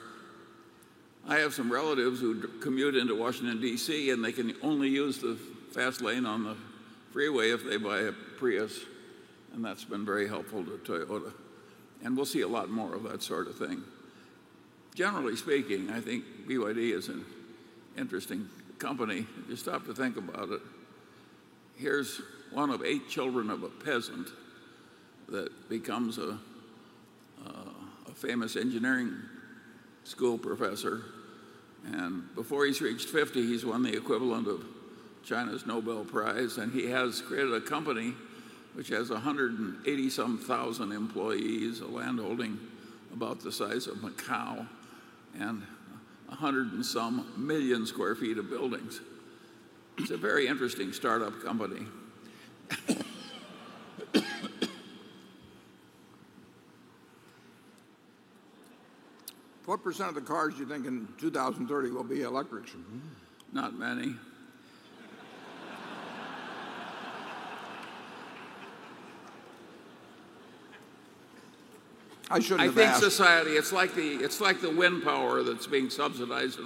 I have some relatives who commute into Washington, D.C., and they can only use the fast lane on the freeway if they buy a Prius, and that's been very helpful to Toyota. We'll see a lot more of that sort of thing. Generally speaking, I think BYD is an interesting company. I just stopped to think about it. Here's one of eight children of a peasant that becomes a famous engineering school professor. Before he's reached 50 years, he's won the equivalent of China's Nobel Prize, and he has created a company which has 180,000 some employees, a land holding about the size of Macau, and a hundred and some million square feet of buildings. He's a very interesting start-up company. What percentage of the cars do you think in 2030 will be electric? Not many. I shouldn't have. I think society, it's like the wind power that's being subsidized.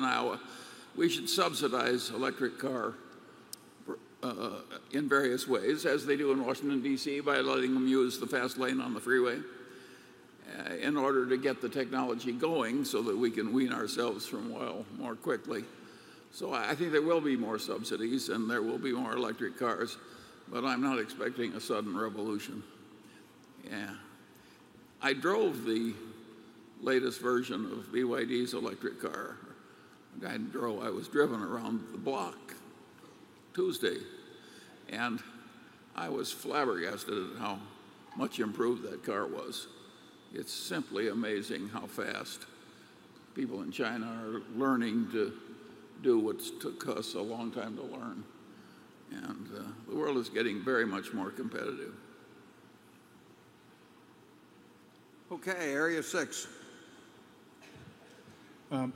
We should subsidize electric cars in various ways, as they do in Washington, D.C., by letting them use the fast lane on the freeway in order to get the technology going so that we can wean ourselves from oil more quickly. I think there will be more subsidies, and there will be more electric cars, but I'm not expecting a sudden revolution. Yeah. I drove the latest version of BYD's electric car. I was driven around the block Tuesday, and I was flabbergasted at how much improved that car was. It's simply amazing how fast people in China are learning to do what took us a long time to learn. The world is getting very much more competitive. Okay, Area Six.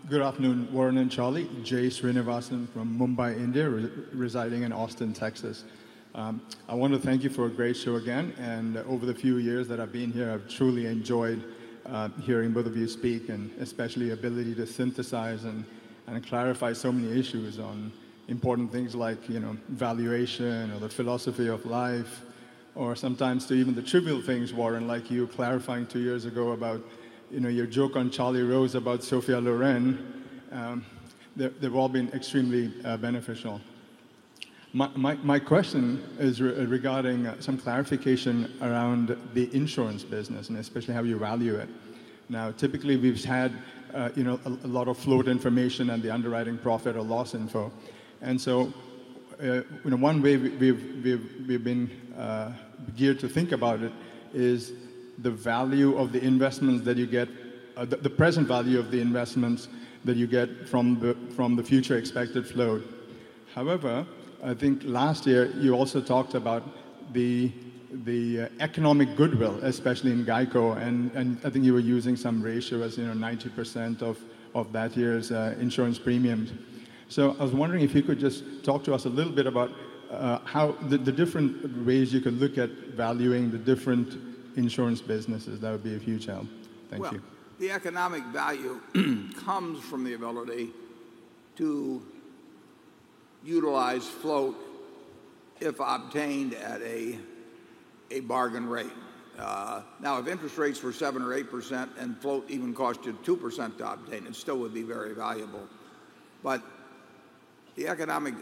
Good afternoon, Warren and Charlie. Jay Srinivasan from Mumbai, India, residing in Austin, Texas. I want to thank you for a great show again. Over the few years that I've been here, I've truly enjoyed hearing both of you speak and especially the ability to synthesize and clarify so many issues on important things like, you know, valuation or the philosophy of life, or sometimes even the trivial things, Warren, like you clarifying two years ago about your joke on Charlie Rose about Sophia Loren. They've all been extremely beneficial. My question is regarding some clarification around the insurance business and especially how you value it. Typically, we've had a lot of float information and the underwriting profit or loss info. One way we've been geared to think about it is the value of the investments that you get, the present value of the investments that you get from the future expected float. I think last year you also talked about the economic goodwill, especially in GEICO, and I think you were using some ratio as 90% of that year's insurance premiums. I was wondering if you could just talk to us a little bit about how the different ways you could look at valuing the different insurance businesses. That would be a huge help. Thank you. The economic value comes from the ability to utilize float if obtained at a bargain rate. If interest rates were 7% or 8% and float even cost you 2% to obtain, it still would be very valuable. The economic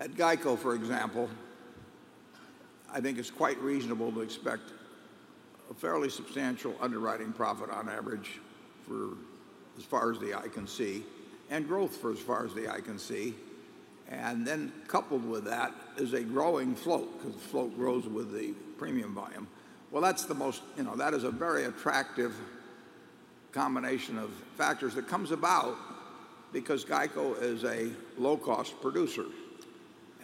at GEICO, for example, I think it's quite reasonable to expect a fairly substantial underwriting profit on average for as far as the eye can see and growth for as far as the eye can see. Coupled with that is a growing float because float grows with the premium volume. That's the most, you know, that is a very attractive combination of factors that comes about because GEICO is a low-cost producer.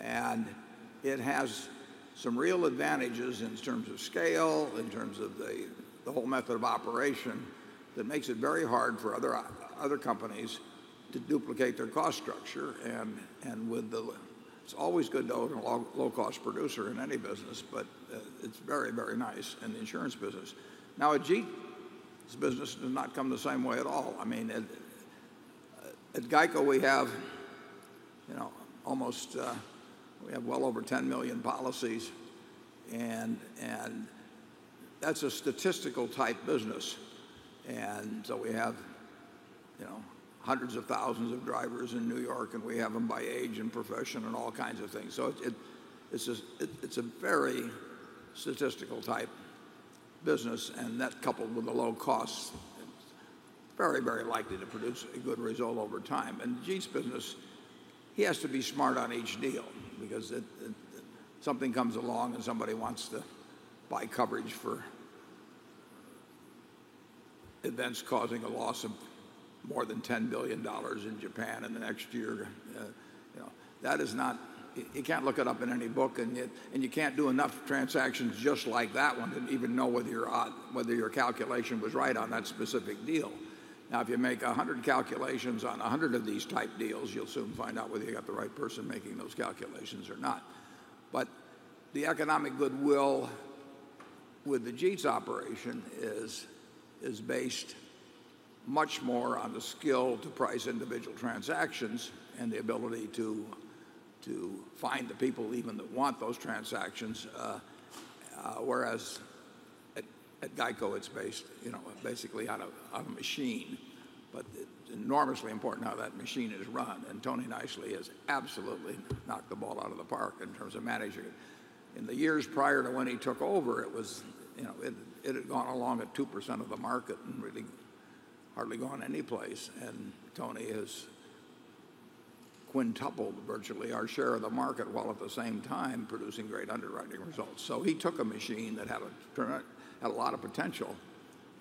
It has some real advantages in terms of scale, in terms of the whole method of operation that makes it very hard for other companies to duplicate their cost structure. It's always good to own a low-cost producer in any business, but it's very, very nice in the insurance business. A Jeep business does not come the same way at all. I mean, at GEICO, we have, you know, almost, we have well over 10 million policies, and that's a statistical-type business. We have, you know, hundreds of thousands of drivers in New York, and we have them by age and profession and all kinds of things. It's a very statistical-type business, and that coupled with the low cost, it's very, very likely to produce a good result over time. The Jeep business, he has to be smart on each deal because something comes along and somebody wants to buy coverage for events causing a loss of more than $10 billion in Japan in the next year. That is not, you can't look it up in any book, and yet you can't do enough transactions just like that one to even know whether your calculation was right on that specific deal. If you make a hundred calculations on a hundred of these type deals, you'll soon find out whether you got the right person making those calculations or not. The economic goodwill with the Jeep's operation is based much more on the skill to price individual transactions and the ability to find the people even that want those transactions. Whereas at GEICO, it's based, you know, basically on a machine, but it's enormously important how that machine is run. Tony Nicely has absolutely knocked the ball out of the park in terms of managing it. In the years prior to when he took over, it was, you know, it had gone along at 2% of the market and really hardly gone any place. Tony has quintupled virtually our share of the market while at the same time producing great underwriting results. He took a machine that had a lot of potential,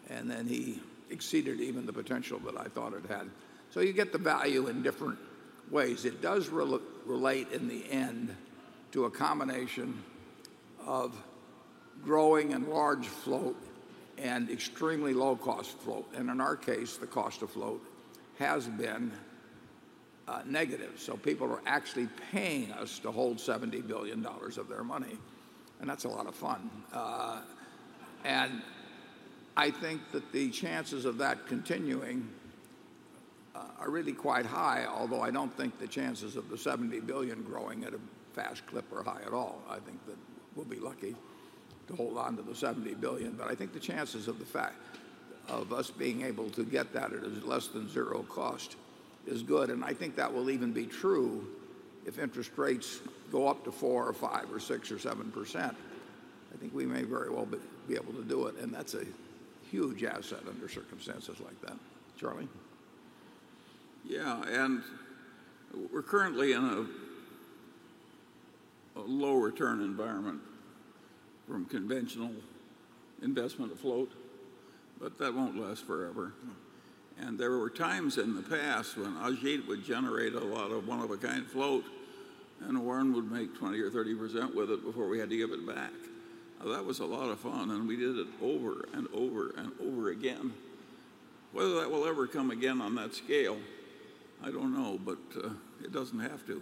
and then he exceeded even the potential that I thought it had. You get the value in different ways. It does relate in the end to a combination of growing and large float and extremely low-cost float. In our case, the cost of float has been negative. People are actually paying us to hold $70 billion of their money, and that's a lot of fun. I think that the chances of that continuing are really quite high, although I don't think the chances of the $70 billion growing at a fast clip are high at all. I think that we'll be lucky to hold on to the $70 billion, but I think the chances of us being able to get that at a less than zero cost is good. I think that will even be true if interest rates go up to 4% or 5% or 6% or 7%. We may very well be able to do it, and that's a huge asset under circumstances like that. Charlie? Yeah, we're currently in a low return environment from conventional investment of float, but that won't last forever. There were times in the past when Ajit Jain would generate a lot of one-of-a-kind float and Warren would make 20% or 30% with it before we had to give it back. That was a lot of fun, and we did it over and over and over again. Whether that will ever come again on that scale, I don't know, but it doesn't have to.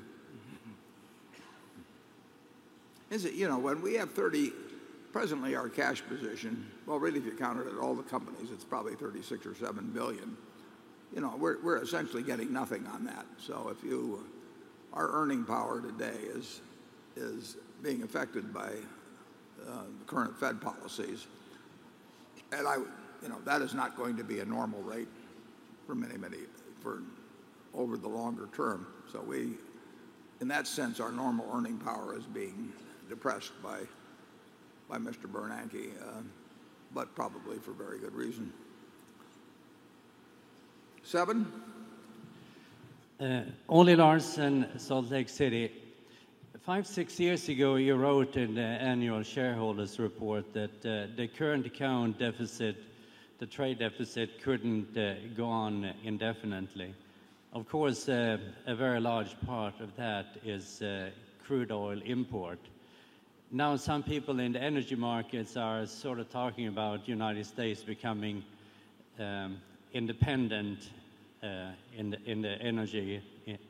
You know, when we have 30, presently our cash position, if you counted it at all the companies, it's probably $36 billion or $37 billion. You know, we're essentially getting nothing on that. If you, our earning power today is being affected by the current Fed policies, and that is not going to be a normal rate for many, many, for over the longer term. In that sense, our normal earning power is being depressed by Mr. Bernanke, but probably for very good reason. Seven? Ollie Larson, Salt Lake City. Five, six years ago, you wrote in the annual shareholders' report that the current account deficit, the trade deficit, couldn't go on indefinitely. Of course, a very large part of that is crude oil import. Now, some people in the energy markets are sort of talking about the United States becoming independent in the energy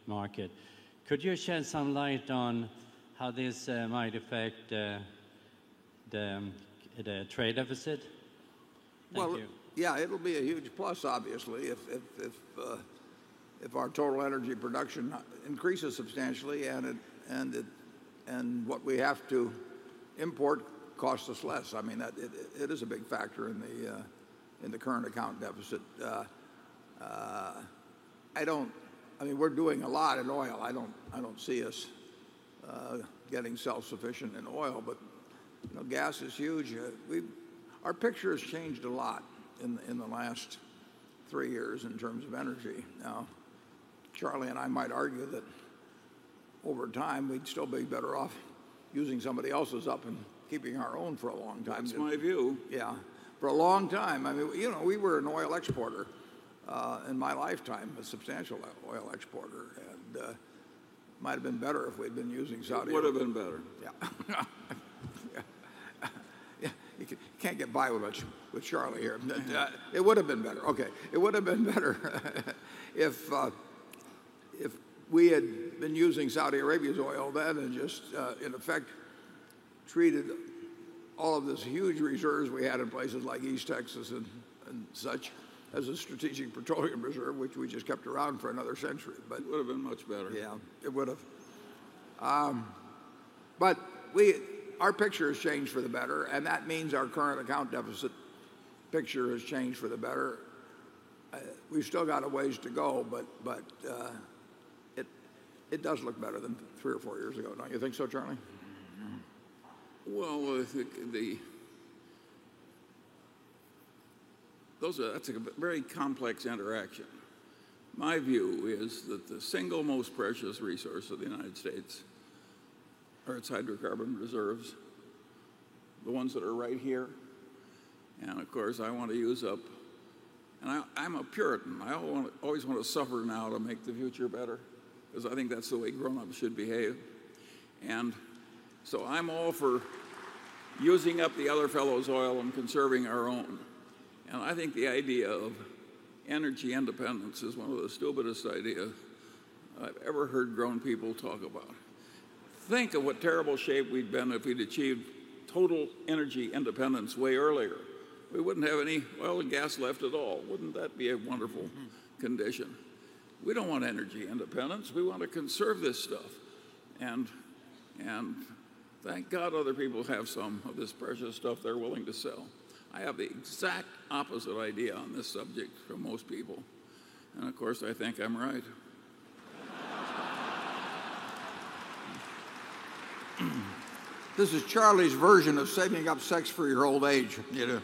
market. Could you shed some light on how this might affect the trade deficit? It'll be a huge plus, obviously, if our total energy production increases substantially and what we have to import costs us less. I mean, it is a big factor in the current account deficit. I don't, I mean, we're doing a lot in oil. I don't see us getting self-sufficient in oil, but gas is huge. Our picture has changed a lot in the last three years in terms of energy. Now, Charlie and I might argue that over time, we'd still be better off using somebody else's up and keeping our own for a long time. That's my view. Yeah, for a long time. I mean, you know, we were an oil exporter in my lifetime, a substantial oil exporter, and it might have been better if we'd been using Saudi Arabia. It would have been better. Yeah. Yeah, you can't get by with much with Charlie here. It would have been better. Okay, it would have been better if we had been using Saudi Arabia's oil then and just, in effect, treated all of this huge reserves we had in places like East Texas and such as a strategic petroleum reserve, which we just kept around for another century. It would have been much better. Yeah, it would have. Our picture has changed for the better, and that means our current account deficit picture has changed for the better. We've still got a ways to go, but it does look better than three or four years ago. Don't you think so, Charlie? I think those are a very complex interaction. My view is that the single most precious resource of the United States are its hydrocarbon reserves, the ones that are right here. Of course, I want to use up, and I'm a puritan. I always want to suffer now to make the future better, because I think that's the way grown-ups should behave. I'm all for using up the other fellow's oil and conserving our own. I think the idea of energy independence is one of the stupidest ideas I've ever heard grown people talk about. Think of what terrible shape we'd be in if we'd achieved total energy independence way earlier. We wouldn't have any oil and gas left at all. Wouldn't that be a wonderful condition? We don't want energy independence. We want to conserve this stuff. Thank God other people have some of this precious stuff they're willing to sell. I have the exact opposite idea on this subject from most people. I think I'm right. This is Charlie's version of saving up sex for your old age. You know,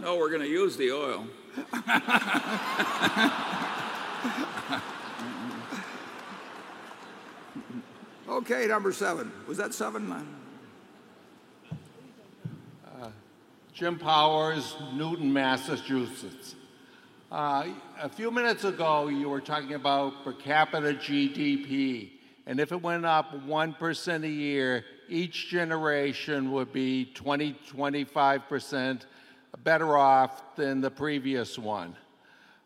No, we're going to use the oil. Okay, number seven. Was that seven? Jim Powers, Newton, Massachusetts. A few minutes ago, you were talking about per capita GDP. If it went up 1% a year, each generation would be 20%, 25% better off than the previous one.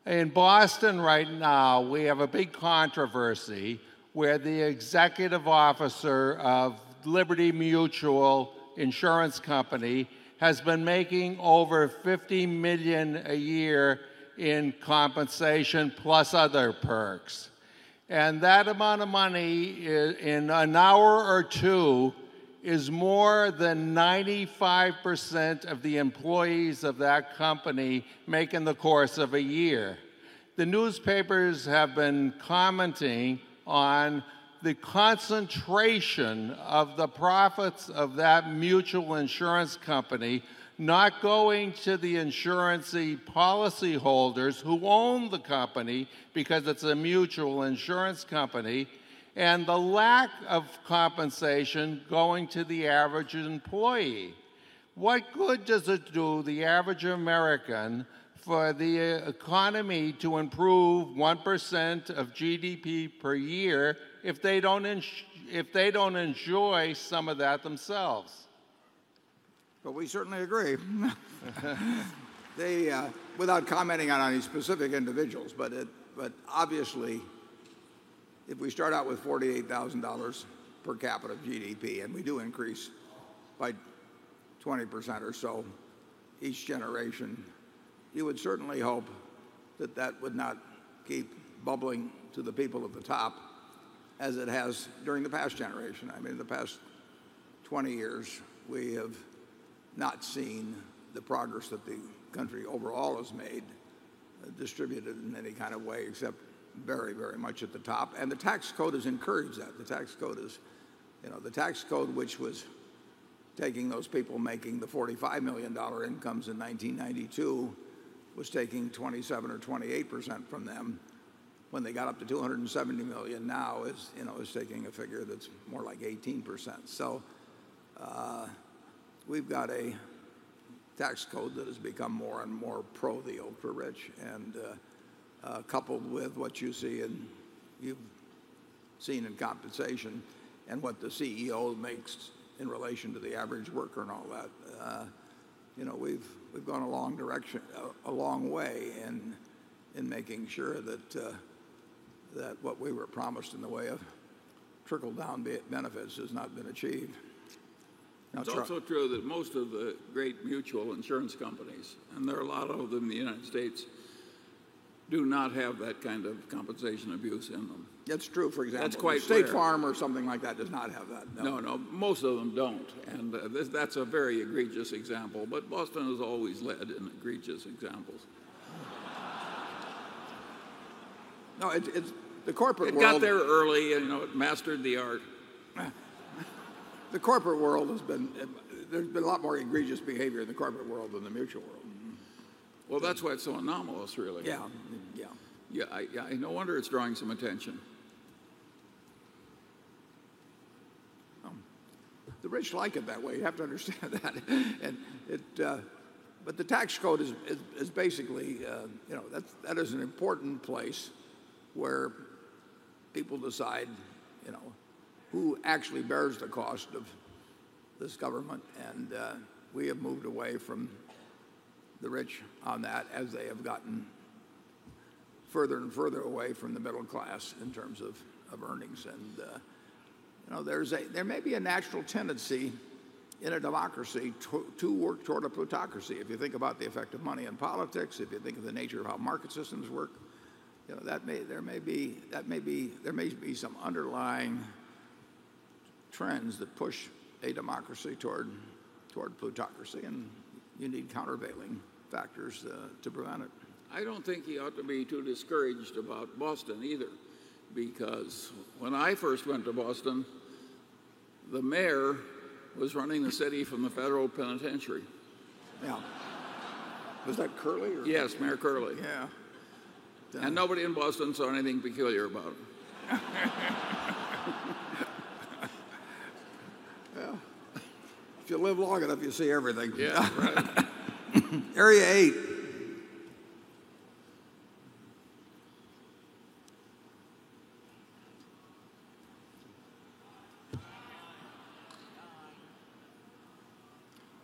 In Boston right now, we have a big controversy where the Executive Officer of Liberty Mutual Insurance Company has been making over $50 million a year in compensation plus other perks. That amount of money in an hour or two is more than 95% of the employees of that company make in the course of a year. The newspapers have been commenting on the concentration of the profits of that mutual insurance company not going to the insurance policyholders who own the company because it's a mutual insurance company, and the lack of compensation going to the average employee. What good does it do to the average American for the economy to improve 1% of GDP per year if they don't enjoy some of that themselves? We certainly agree. Without commenting on any specific individuals, obviously, if we start out with $48,000 per capita of GDP and we do increase by 20% or so each generation, you would certainly hope that that would not keep bubbling to the people at the top as it has during the past generation. I mean, the past 20 years, we have not seen the progress that the country overall has made distributed in any kind of way except very, very much at the top. The tax code has encouraged that. The tax code is, you know, the tax code which was taking those people making the $45 million incomes in 1992 was taking 27% or 28% from them. When they got up to $270 million now, you know, it's taking a figure that's more like 18%. We've got a tax code that has become more and more pro the ultra-rich and coupled with what you see and you've seen in compensation and what the CEO makes in relation to the average worker and all that. We've gone a long way in making sure that what we were promised in the way of trickle-down benefits has not been achieved. It's also true that most of the great mutual insurance companies, and there are a lot of them in the United States, do not have that kind of compensation abuse in them. That's true. For example, State Farm or something like that does not have that. No, no, most of them don't. That's a very egregious example, but Boston has always led in egregious examples. No, it's the corporate world. It got there early, you know, it mastered the art. The corporate world has been, there's been a lot more egregious behavior in the corporate world than the mutual world. That's why it's so anomalous, really. Yeah, no wonder it's drawing some attention. The rich like it that way, you have to understand that. The tax code is basically, you know, that is an important place where people decide who actually bears the cost of this government. We have moved away from the rich on that as they have gotten further and further away from the middle class in terms of earnings. There may be a natural tendency in a democracy to work toward democracy. If you think about the effect of money on politics, if you think of the nature of how market systems work, there may be some underlying trends that push a democracy toward plutocracy, and you need countervailing factors to prevent it. I don't think he ought to be too discouraged about Boston either, because when I first went to Boston, the mayor was running the city from the federal penitentiary. Yeah. Was that Curley? Yes, Mayor Curley. Yeah. Nobody in Boston saw anything peculiar about it. If you live long enough, you see everything. Yeah, right. Area 8.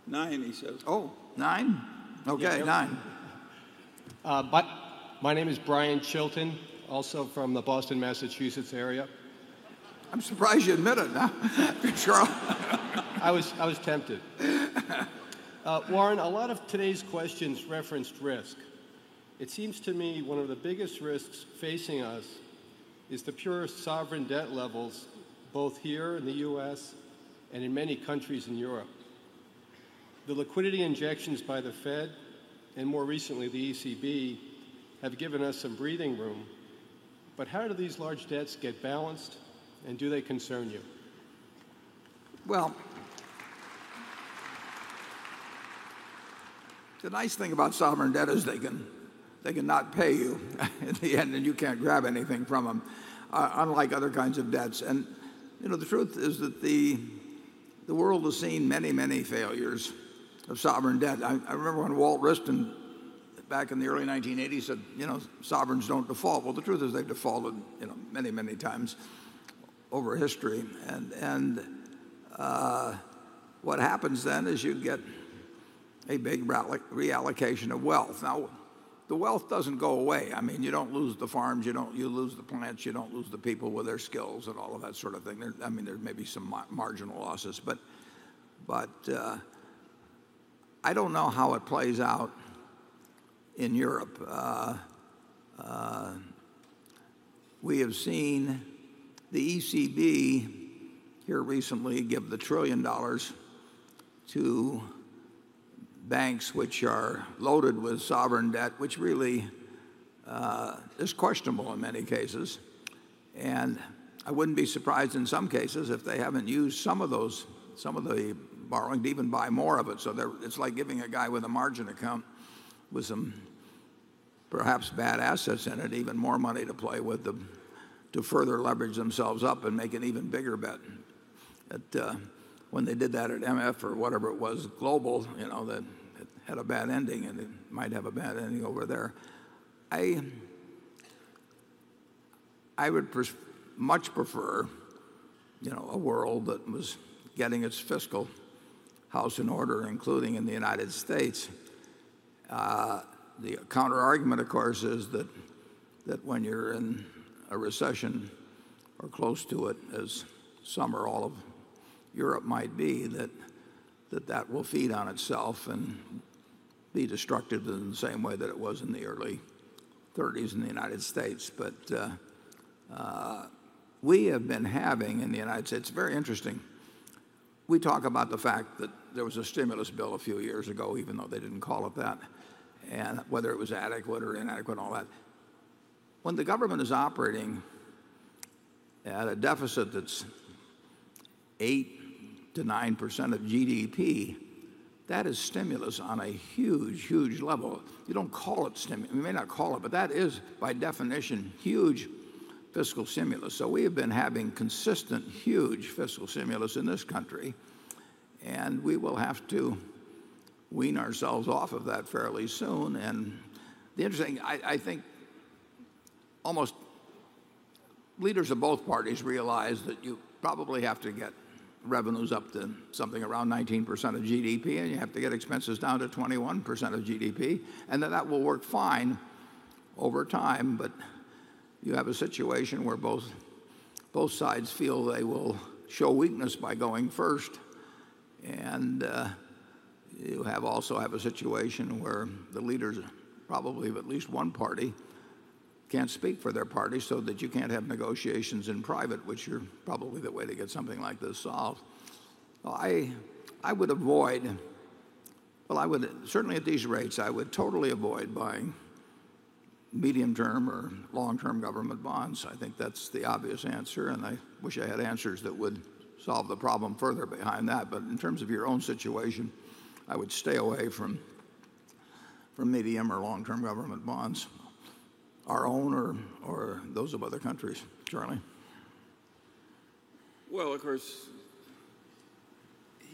Nine, he says. Nine. Okay, nine. My name is Brian Chilton, also from the Boston, Massachusetts area. I'm surprised you admitted that, Charlie. I was tempted. Warren, a lot of today's questions referenced risk. It seems to me one of the biggest risks facing us is the purest sovereign debt levels, both here in the U.S. and in many countries in Europe. The liquidity injections by the Fed and more recently the ECB have given us some breathing room, but how do these large debts get balanced and do they concern you? The nice thing about sovereign debt is they can, they cannot pay you at the end and you can't grab anything from them, unlike other kinds of debts. The truth is that the world has seen many, many failures of sovereign debt. I remember when Walt Wriston, back in the early 1980s, said, you know, sovereigns don't default. The truth is they've defaulted, you know, many, many times over history. What happens then is you get a big reallocation of wealth. The wealth doesn't go away. I mean, you don't lose the farms, you don't lose the plants, you don't lose the people with their skills and all of that sort of thing. There may be some marginal losses, but I don't know how it plays out in Europe. We have seen the ECB here recently give the $1 trillion to banks which are loaded with sovereign debt, which really is questionable in many cases. I wouldn't be surprised in some cases if they haven't used some of the borrowing to even buy more of it. It's like giving a guy with a margin account with some perhaps bad assets in it even more money to play with them to further leverage themselves up and make an even bigger bet. When they did that at MF, or whatever it was, Global, you know, that had a bad ending and it might have a bad ending over there. I would much prefer a world that was getting its fiscal house in order, including in the United States. The counterargument, of course, is that when you're in a recession or close to it, as some or all of Europe might be, that will feed on itself and be destructive in the same way that it was in the early 1930s in the United States. We have been having in the United States, it's very interesting. We talk about the fact that there was a stimulus bill a few years ago, even though they didn't call it that, and whether it was adequate or inadequate and all that. When the government is operating at a deficit that's 8%-9% of GDP, that is stimulus on a huge, huge level. You don't call it stimulus. You may not call it, but that is by definition huge fiscal stimulus. We have been having consistent huge fiscal stimulus in this country, and we will have to wean ourselves off of that fairly soon. The interesting thing, I think almost leaders of both parties realize that you probably have to get revenues up to something around 19% of GDP, and you have to get expenses down to 21% of GDP. That will work fine over time. You have a situation where both sides feel they will show weakness by going first. You also have a situation where the leaders probably of at least one party can't speak for their party so that you can't have negotiations in private, which are probably the way to get something like this solved. I would avoid, certainly at these rates, I would totally avoid buying medium-term or long-term government bonds. I think that's the obvious answer. I wish I had answers that would solve the problem further behind that. In terms of your own situation, I would stay away from medium or long-term government bonds, our own or those of other countries, Charlie? Of course,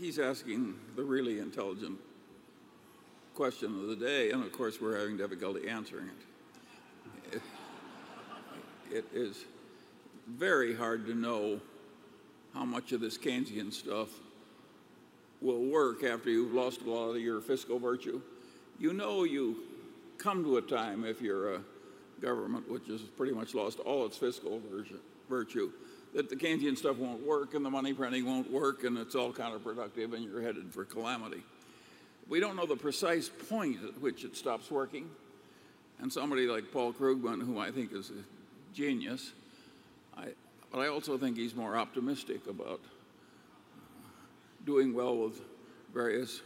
he's asking the really intelligent question of the day, and we're having difficulty answering it. It is very hard to know how much of this Keynesian stuff will work after you've lost a lot of your fiscal virtue. You know, you come to a time, if you're a government which has pretty much lost all its fiscal virtue, that the Keynesian stuff won't work and the money printing won't work and it's all counterproductive and you're headed for calamity. We don't know the precise point at which it stops working. Somebody like Paul Krugman, who I think is a genius, but I also think he's more optimistic about doing well with various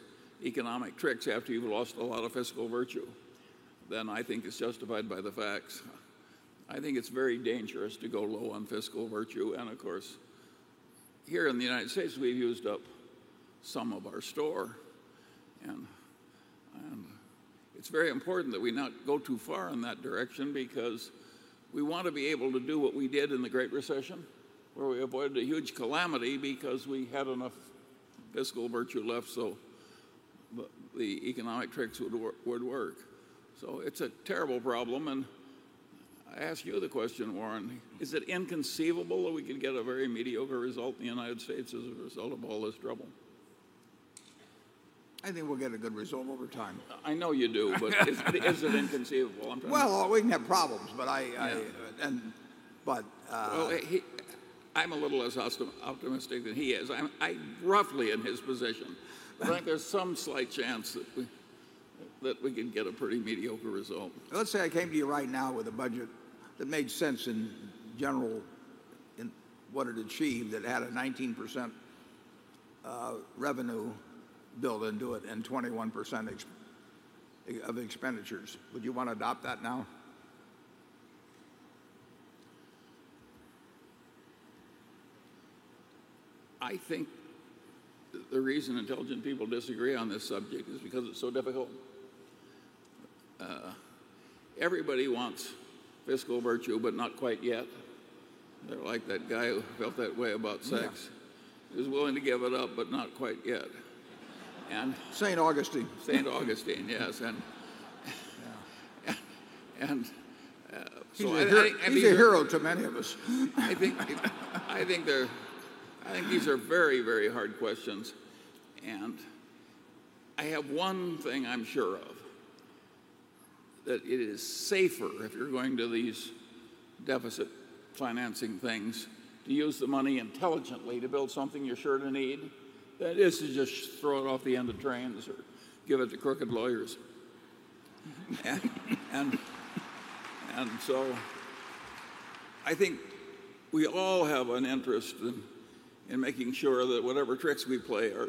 economic tricks after you've lost a lot of fiscal virtue than I think is justified by the facts. I think it's very dangerous to go low on fiscal virtue. Here in the United States, we've used up some of our store. It's very important that we not go too far in that direction because we want to be able to do what we did in the Great Recession, where we avoided a huge calamity because we had enough fiscal virtue left so the economic tricks would work. It's a terrible problem. I ask you the question, Warren, is it inconceivable that we could get a very mediocre result in the United States as a result of all this trouble? I think we'll get a good result over time. I know you do, but is it inconceivable? I can have problems, but. I'm a little less optimistic than he is. I'm roughly in his position. Right. There's some slight chance that we can get a pretty mediocre result. Let's say I came to you right now with a budget that made sense in general and what it achieved, that had a 19% revenue built into it and 21% of expenditures. Would you want to adopt that now? I think the reason intelligent people disagree on this subject is because it's so difficult. Everybody wants fiscal virtue, but not quite yet. They're like that guy who felt that way about sex. He was willing to give it up, but not quite yet. And. St. Augustine. St. Augustine, yes. I think You're a hero to many of us. I think these are very, very hard questions. I have one thing I'm sure of, that it is safer if you're going to these deficit financing things to use the money intelligently to build something you're sure to need than it is to just throw it off the end of trains or give it to crooked lawyers. I think we all have an interest in making sure that whatever tricks we play are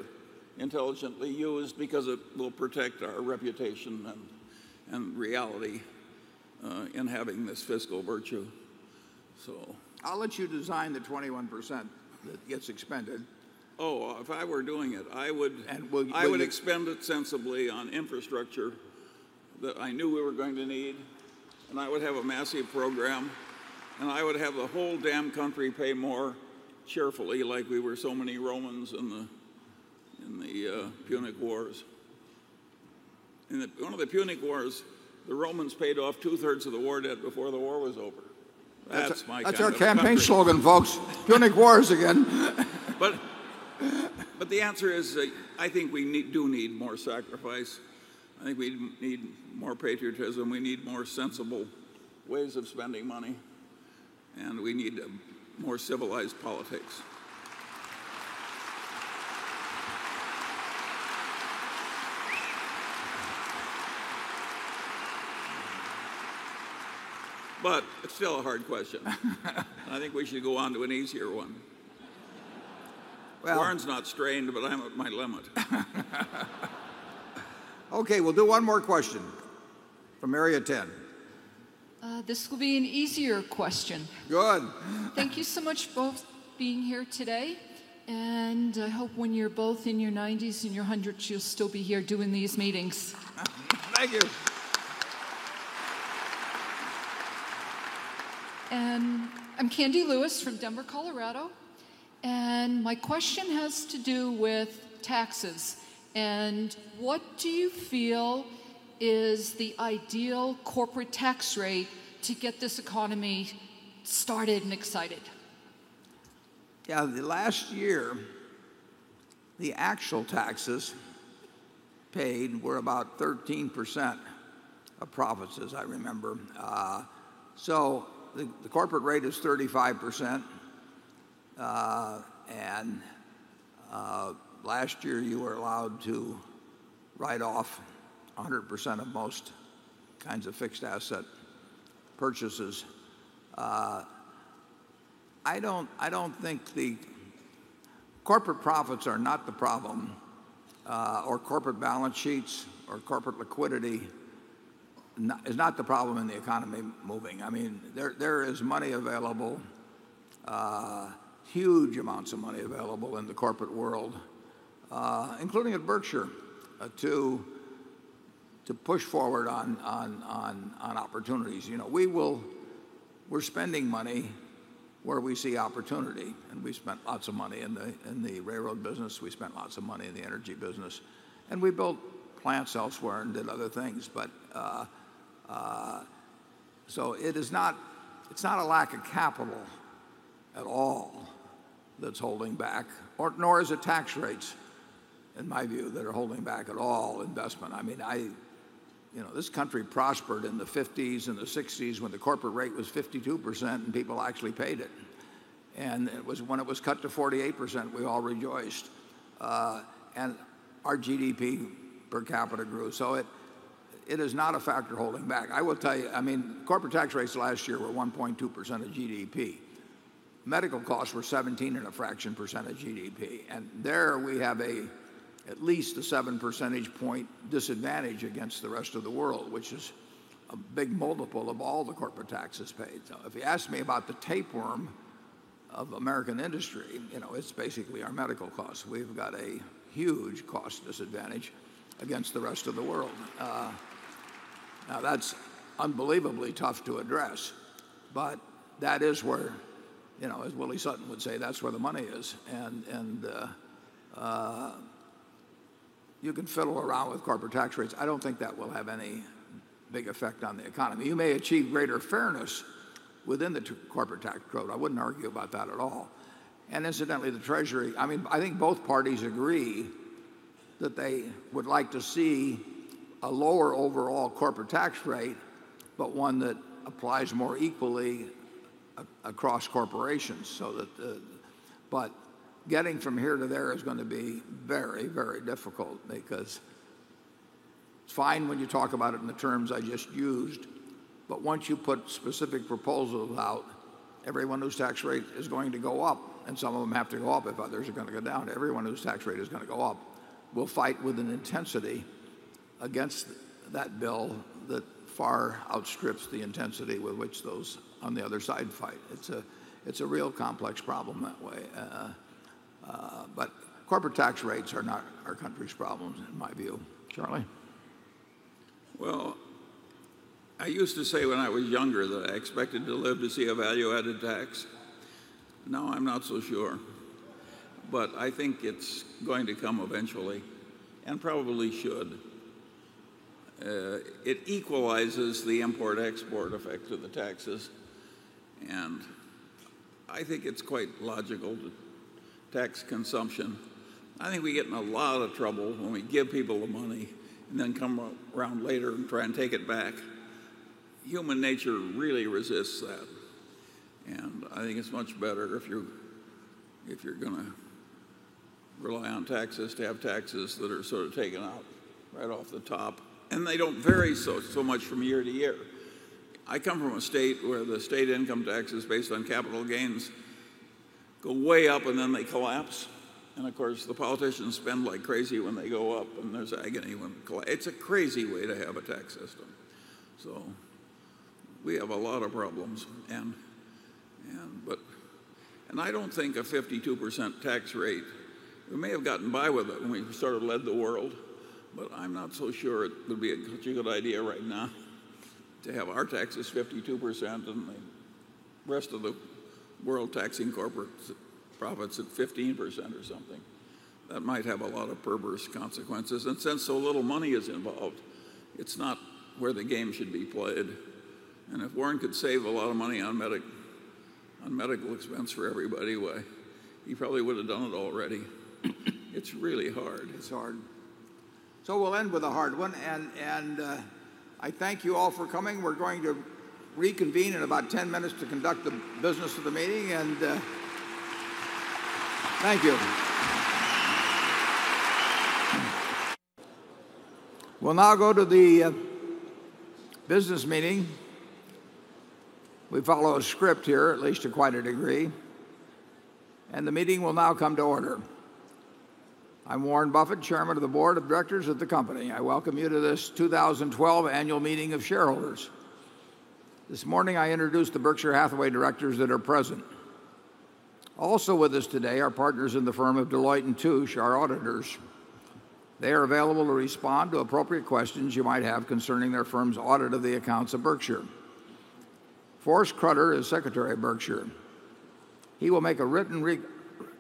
intelligently used because it will protect our reputation and reality in having this fiscal virtue. I'll let you design the 21% that gets expended. If I were doing it, I would expend it sensibly on infrastructure that I knew we were going to need. I would have a massive program. I would have the whole damn country pay more cheerfully like we were so many Romans in the Punic Wars. In one of the Punic Wars, the Romans paid off 2/3 of the war debt before the war was over. That's our campaign slogan, folks. Punic Wars again. The answer is that I think we do need more sacrifice. I think we need more patriotism. We need more sensible ways of spending money, and we need more civilized politics. It's still a hard question. I think we should go on to an easier one. Warren's not strained, but I'm at my limit. Okay, we'll do one more question from Area 10. This will be an easier question. Good. Thank you so much both for being here today. I hope when you're both in your 90s and your 100s, you'll still be here doing these meetings. Thank you. I'm Candy Lewis from Denver, Colorado. My question has to do with taxes. What do you feel is the ideal corporate tax rate to get this economy started and excited? Yeah, the last year, the actual taxes paid were about 13% of profits, as I remember. The corporate rate is 35%, and last year you were allowed to write off 100% of most kinds of fixed asset purchases. I don't think the corporate profits are not the problem, or corporate balance sheets or corporate liquidity is not the problem in the economy moving. I mean, there is money available, huge amounts of money available in the corporate world, including at Berkshire, to push forward on opportunities. We are spending money where we see opportunity, and we spent lots of money in the railroad business. We spent lots of money in the energy business. We built plants elsewhere and did other things. It is not a lack of capital at all that's holding back, nor is it tax rates, in my view, that are holding back at all investment. I mean, this country prospered in the 1950s and the 1960s when the corporate rate was 52% and people actually paid it. When it was cut to 48%, we all rejoiced, and our GDP per capita grew. It is not a factor holding back. I will tell you, the corporate tax rates last year were 1.2% of GDP. Medical costs were 17% and a fraction percent of GDP. There we have at least a seven percentage point disadvantage against the rest of the world, which is a big multiple of all the corporate taxes paid. If you ask me about the tapeworm of American industry, it's basically our medical costs. We've got a huge cost disadvantage against the rest of the world. Now that's unbelievably tough to address. That is where, you know, as Willie Sutton would say, that's where the money is. You can fiddle around with corporate tax rates. I don't think that will have any big effect on the economy. You may achieve greater fairness within the corporate tax code. I wouldn't argue about that at all. Incidentally, the Treasury, I think both parties agree that they would like to see a lower overall corporate tax rate, but one that applies more equally across corporations. Getting from here to there is going to be very, very difficult because it's fine when you talk about it in the terms I just used, but once you put specific proposals out, everyone whose tax rate is going to go up, and some of them have to go up if others are going to go down, everyone whose tax rate is going to go up will fight with an intensity against that bill that far outstrips the intensity with which those on the other side fight. It's a real complex problem that way, but corporate tax rates are not our country's problems in my view. Charlie? I used to say when I was younger that I expected to live to see a value-added tax. Now I'm not so sure. I think it's going to come eventually, and probably should. It equalizes the import-export effect of the taxes. I think it's quite logical to tax consumption. I think we get in a lot of trouble when we give people the money and then come around later and try and take it back. Human nature really resists that. I think it's much better if you're going to rely on taxes to have taxes that are sort of taken out right off the top, and they don't vary so much from year to year. I come from a state where the state income taxes based on capital gains go way up and then they collapse. Of course, the politicians spend like crazy when they go up and there's agony when it collapses. It's a crazy way to have a tax system. We have a lot of problems, but I don't think a 52% tax rate, we may have gotten by with it when we sort of led the world, but I'm not so sure it would be a good idea right now to have our taxes 52% and the rest of the world taxing corporate profits at 15% or something. That might have a lot of perverse consequences. Since so little money is involved, it's not where the game should be played. If Warren could save a lot of money on medical expense for everybody, well, he probably would have done it already. It's really hard. It's hard. We'll end with a hard one. I thank you all for coming. We're going to reconvene in about 10 minutes to conduct the business of the meeting. Thank you. We'll now go to the business meeting. We follow a script here, at least to quite a degree. The meeting will now come to order. I'm Warren Buffett, Chairman of the Board of Directors at the company. I welcome you to this 2012 Annual Meeting of Shareholders. This morning, I introduced the Berkshire Hathaway directors that are present. Also with us today are partners in the firm of Deloitte & Touche, our auditors. They are available to respond to appropriate questions you might have concerning their firm's audit of the accounts of Berkshire. Forrest Krutter is Secretary of Berkshire. He will make a written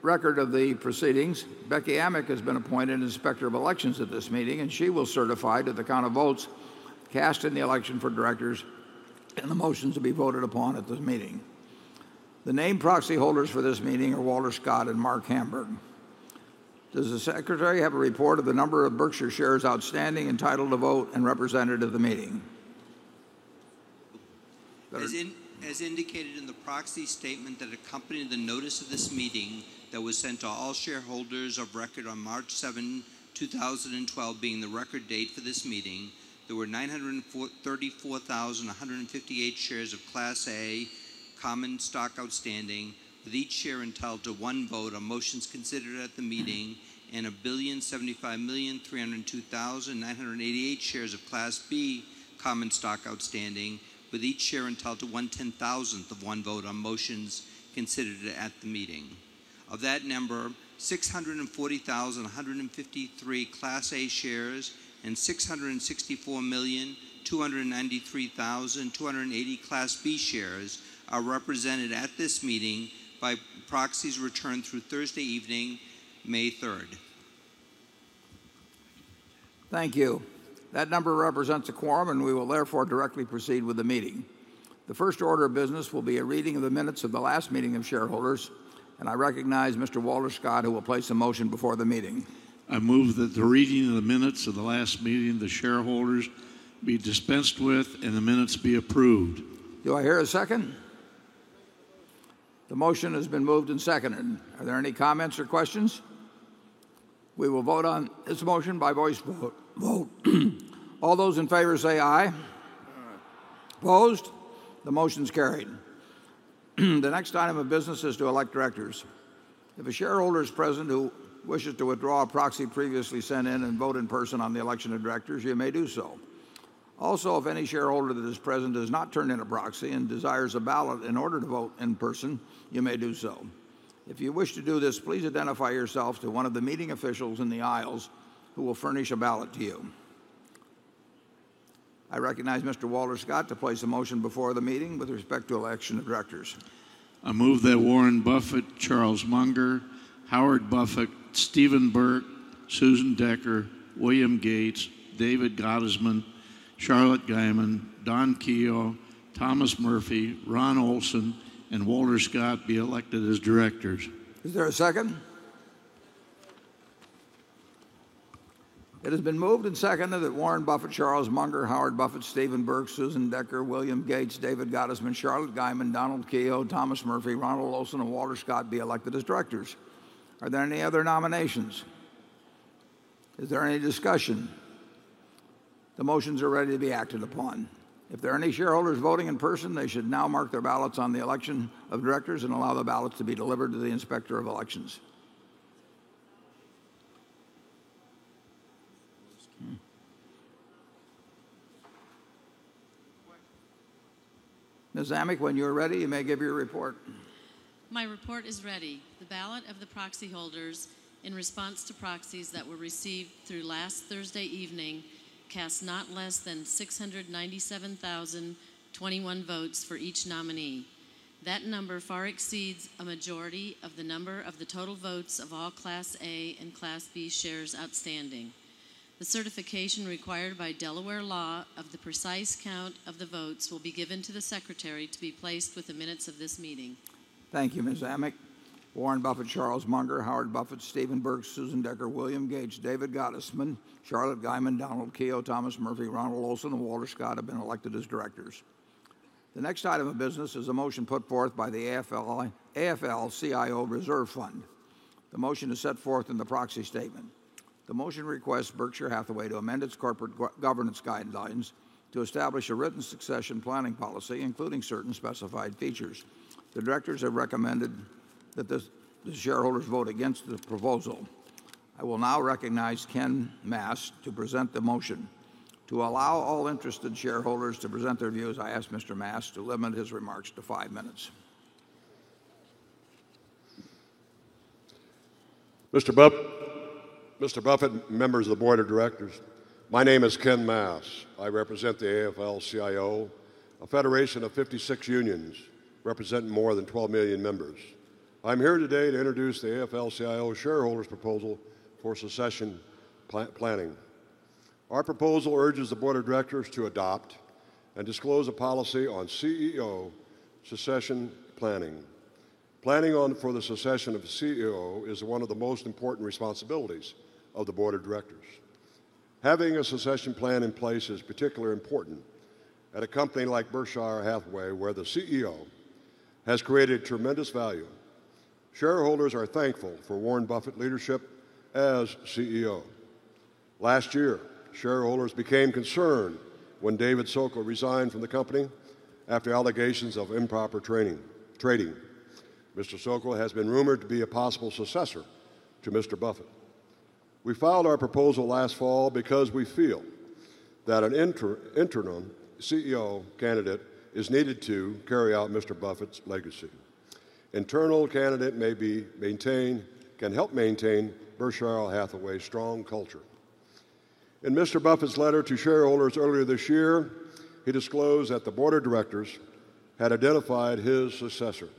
record of the proceedings. Becki Amick has been appointed Inspector of Elections at this meeting, and she will certify to the count of votes cast in the election for directors and the motions to be voted upon at this meeting. The named proxy holders for this meeting are Walter Scott and Marc Hamburg. Does the Secretary have a report of the number of Berkshire shares outstanding entitled to vote and represented at the meeting? As indicated in the proxy statement that accompanied the notice of this meeting that was sent to all shareholders of record on March 7th, 2012, being the record date for this meeting, there were 934,158 shares of Class A common stock outstanding, with each share entitled to one vote on motions considered at the meeting, and 1,075,302,988 shares of Class B common stock outstanding, with each share entitled to one ten-thousandth of one vote on motions considered at the meeting. Of that number, 640,153 Class A shares and 664,293,280 Class B shares are represented at this meeting by proxies returned through Thursday evening, May 3rd. Thank you. That number represents a quorum, and we will therefore directly proceed with the meeting. The first order of business will be a reading of the minutes of the last meeting of shareholders, and I recognize Mr. Walter Scott who will place a motion before the meeting. I move that the reading of the minutes of the last meeting of the shareholders be dispensed with, and the minutes be approved. Do I hear a second? The motion has been moved and seconded. Are there any comments or questions? We will vote on this motion by voice vote. All those in favor say aye. Opposed? The motion's carried. The next item of business is to elect directors. If a shareholder is present who wishes to withdraw a proxy previously sent in and vote in person on the election of directors, you may do so. Also, if any shareholder that is present does not turn in a proxy and desires a ballot in order to vote in person, you may do so. If you wish to do this, please identify yourself to one of the meeting officials in the aisles who will furnish a ballot to you. I recognize Mr. Walter Scott to place a motion before the meeting with respect to election of directors. I move that Warren Buffett, Charles Munger, Howard Buffett, Stephen Burke, Susan Decker, William Gates, David Gottesman, Charlotte Guyman, Don Keough, Thomas Murphy, Ron Olson, and Walter Scott be elected as directors. Is there a second? It has been moved and seconded that Warren Buffett, Charles Munger, Howard Buffett, Stephen Burke, Susan Decker, William Gates, David Gottesman, Charlotte Guyman, Don Keough, Thomas Murphy, Ron Olson, and Walter Scott be elected as directors. Are there any other nominations? Is there any discussion? The motions are ready to be acted upon. If there are any shareholders voting in person, they should now mark their ballots on the election of directors and allow the ballots to be delivered to the Inspector of Elections. Ms. Amick, when you're ready, you may give your report. My report is ready. The ballot of the proxy holders in response to proxies that were received through last Thursday evening cast not less than 697,021 votes for each nominee. That number far exceeds a majority of the number of the total votes of all Class A and Class B shares outstanding. The certification required by Delaware law of the precise count of the votes will be given to the Secretary to be placed with the minutes of this meeting. Thank you, Ms. Amick. Warren Buffett, Charles Munger, Howard Buffett, Stephen Burke, Susan Decker, William Gates, David Gottesman, Charlotte Geiman, Don Keough, Thomas Murphy, Ron Olson, and Walter Scott have been elected as directors. The next item of business is a motion put forth by the AFL-CIO Reserve Fund. The motion is set forth in the proxy statement. The motion requests Berkshire Hathaway to amend its corporate governance guidelines to establish a written succession planning policy, including certain specified features. The directors have recommended that the shareholders vote against the proposal. I will now recognize Ken Mass to present the motion. To allow all interested shareholders to present their views, I ask Mr. Mass to limit his remarks to five minutes. Mr. Buffett, members of the Board of Directors, my name is Ken Mass. I represent the AFL-CIO, a federation of 56 unions representing more than 12 million members. I'm here today to introduce the AFL-CIO shareholders' proposal for succession planning. Our proposal urges the Board of Directors to adopt and disclose a policy on CEO succession planning. Planning for the succession of the CEO is one of the most important responsibilities of the Board of Directors. Having a succession plan in place is particularly important at a company like Berkshire Hathaway, where the CEO has created tremendous value. Shareholders are thankful for Warren Buffett's leadership as CEO. Last year, shareholders became concerned when David Sokol resigned from the company after allegations of improper trading. Mr. Sokol has been rumored to be a possible successor to Mr. Buffett. We filed our proposal last fall because we feel that an internal CEO candidate is needed to carry out Mr. Buffett's legacy. An internal candidate can help maintain Berkshire Hathaway's strong culture. In Mr. Buffett's letter to shareholders earlier this year, he disclosed that the Board of Directors had identified his successor,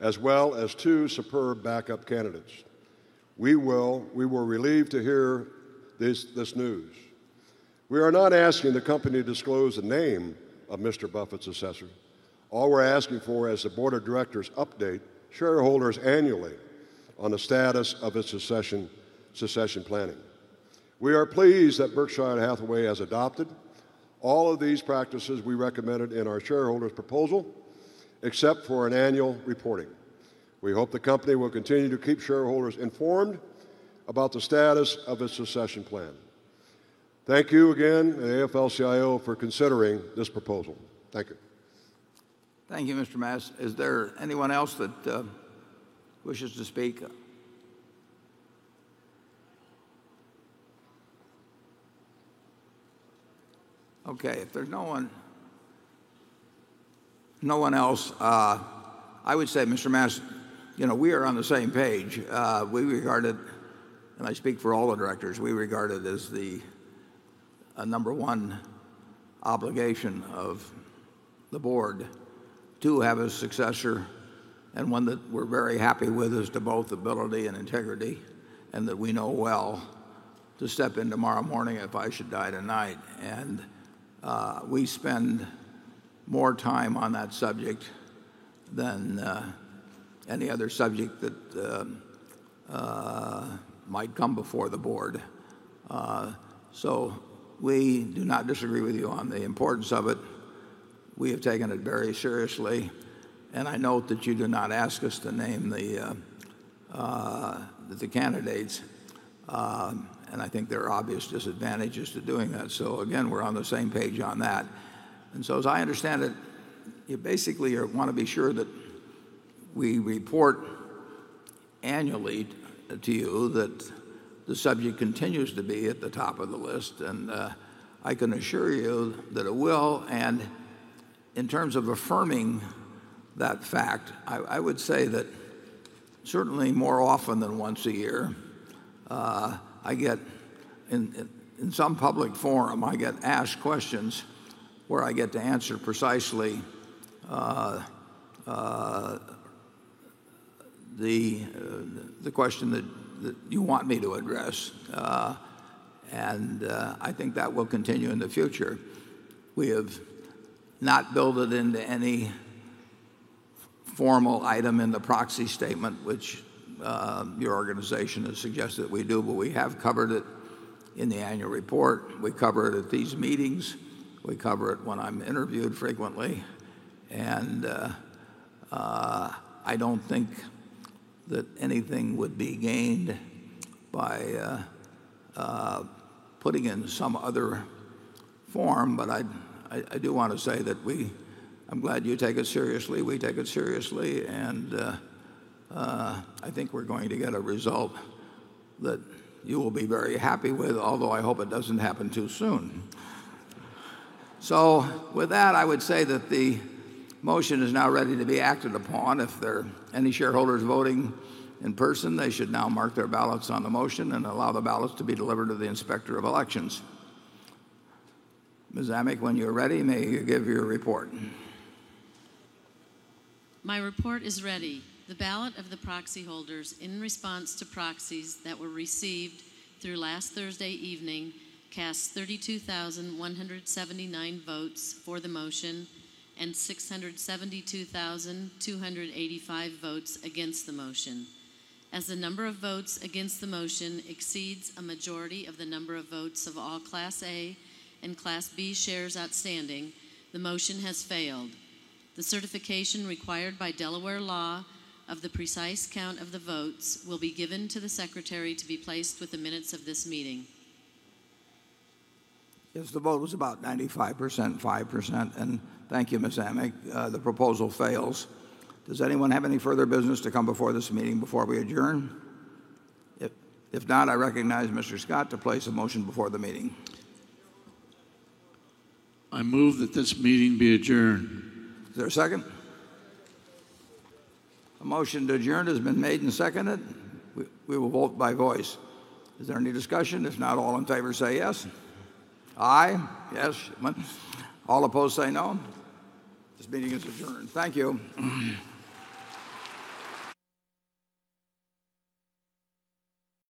as well as two superb backup candidates. We were relieved to hear this news. We are not asking the company to disclose the name of Mr. Buffett's successor. All we're asking for is the Board of Directors update shareholders annually on the status of its succession planning. We are pleased that Berkshire Hathaway has adopted all of these practices we recommended in our shareholders' proposal, except for annual reporting. We hope the company will continue to keep shareholders informed about the status of its succession plan. Thank you again, AFL-CIO, for considering this proposal. Thank you. Thank you, Mr. Mass. Is there anyone else that wishes to speak? Okay, if there's no one else, I would say, Mr. Mass, you know, we are on the same page. We regard it, and I speak for all the directors, we regard it as the number one obligation of the board to have a successor and one that we're very happy with as to both ability and integrity and that we know well to step in tomorrow morning if I should die tonight. We spend more time on that subject than any other subject that might come before the board. We do not disagree with you on the importance of it. We have taken it very seriously. I note that you do not ask us to name the candidates, and I think there are obvious disadvantages to doing that. Again, we're on the same page on that. As I understand it, you basically want to be sure that we report annually to you that the subject continues to be at the top of the list. I can assure you that it will. In terms of affirming that fact, I would say that certainly more often than once a year, in some public forum, I get asked questions where I get to answer precisely the question that you want me to address. I think that will continue in the future. We have not built it into any formal item in the proxy statement, which your organization has suggested that we do, but we have covered it in the annual report. We cover it at these meetings. We cover it when I'm interviewed frequently. I don't think that anything would be gained by putting it in some other form, but I do want to say that I'm glad you take it seriously. We take it seriously. I think we're going to get a result that you will be very happy with, although I hope it doesn't happen too soon. With that, I would say that the motion is now ready to be acted upon. If there are any shareholders voting in person, they should now mark their ballots on the motion and allow the ballots to be delivered to the Inspector of Elections. Ms. Amick, when you're ready, may I give you a report? My report is ready. The ballot of the proxy holders in response to proxies that were received through last Thursday evening cast 32,179 votes for the motion and 672,285 votes against the motion. As the number of votes against the motion exceeds a majority of the number of votes of all Class A and Class B shares outstanding, the motion has failed. The certification required by Delaware law of the precise count of the votes will be given to the Secretary to be placed with the minutes of this meeting. Yes, the vote was about 95%, 5%. Thank you, Ms. Amick. The proposal fails. Does anyone have any further business to come before this meeting before we adjourn? If not, I recognize Mr. Scott to place a motion before the meeting. I move that this meeting be adjourned. Is there a second? A motion to adjourn has been made and seconded. We will vote by voice. Is there any discussion? If not, all in favor say yes. Aye. Yes. All opposed say no. This meeting is adjourned. Thank you.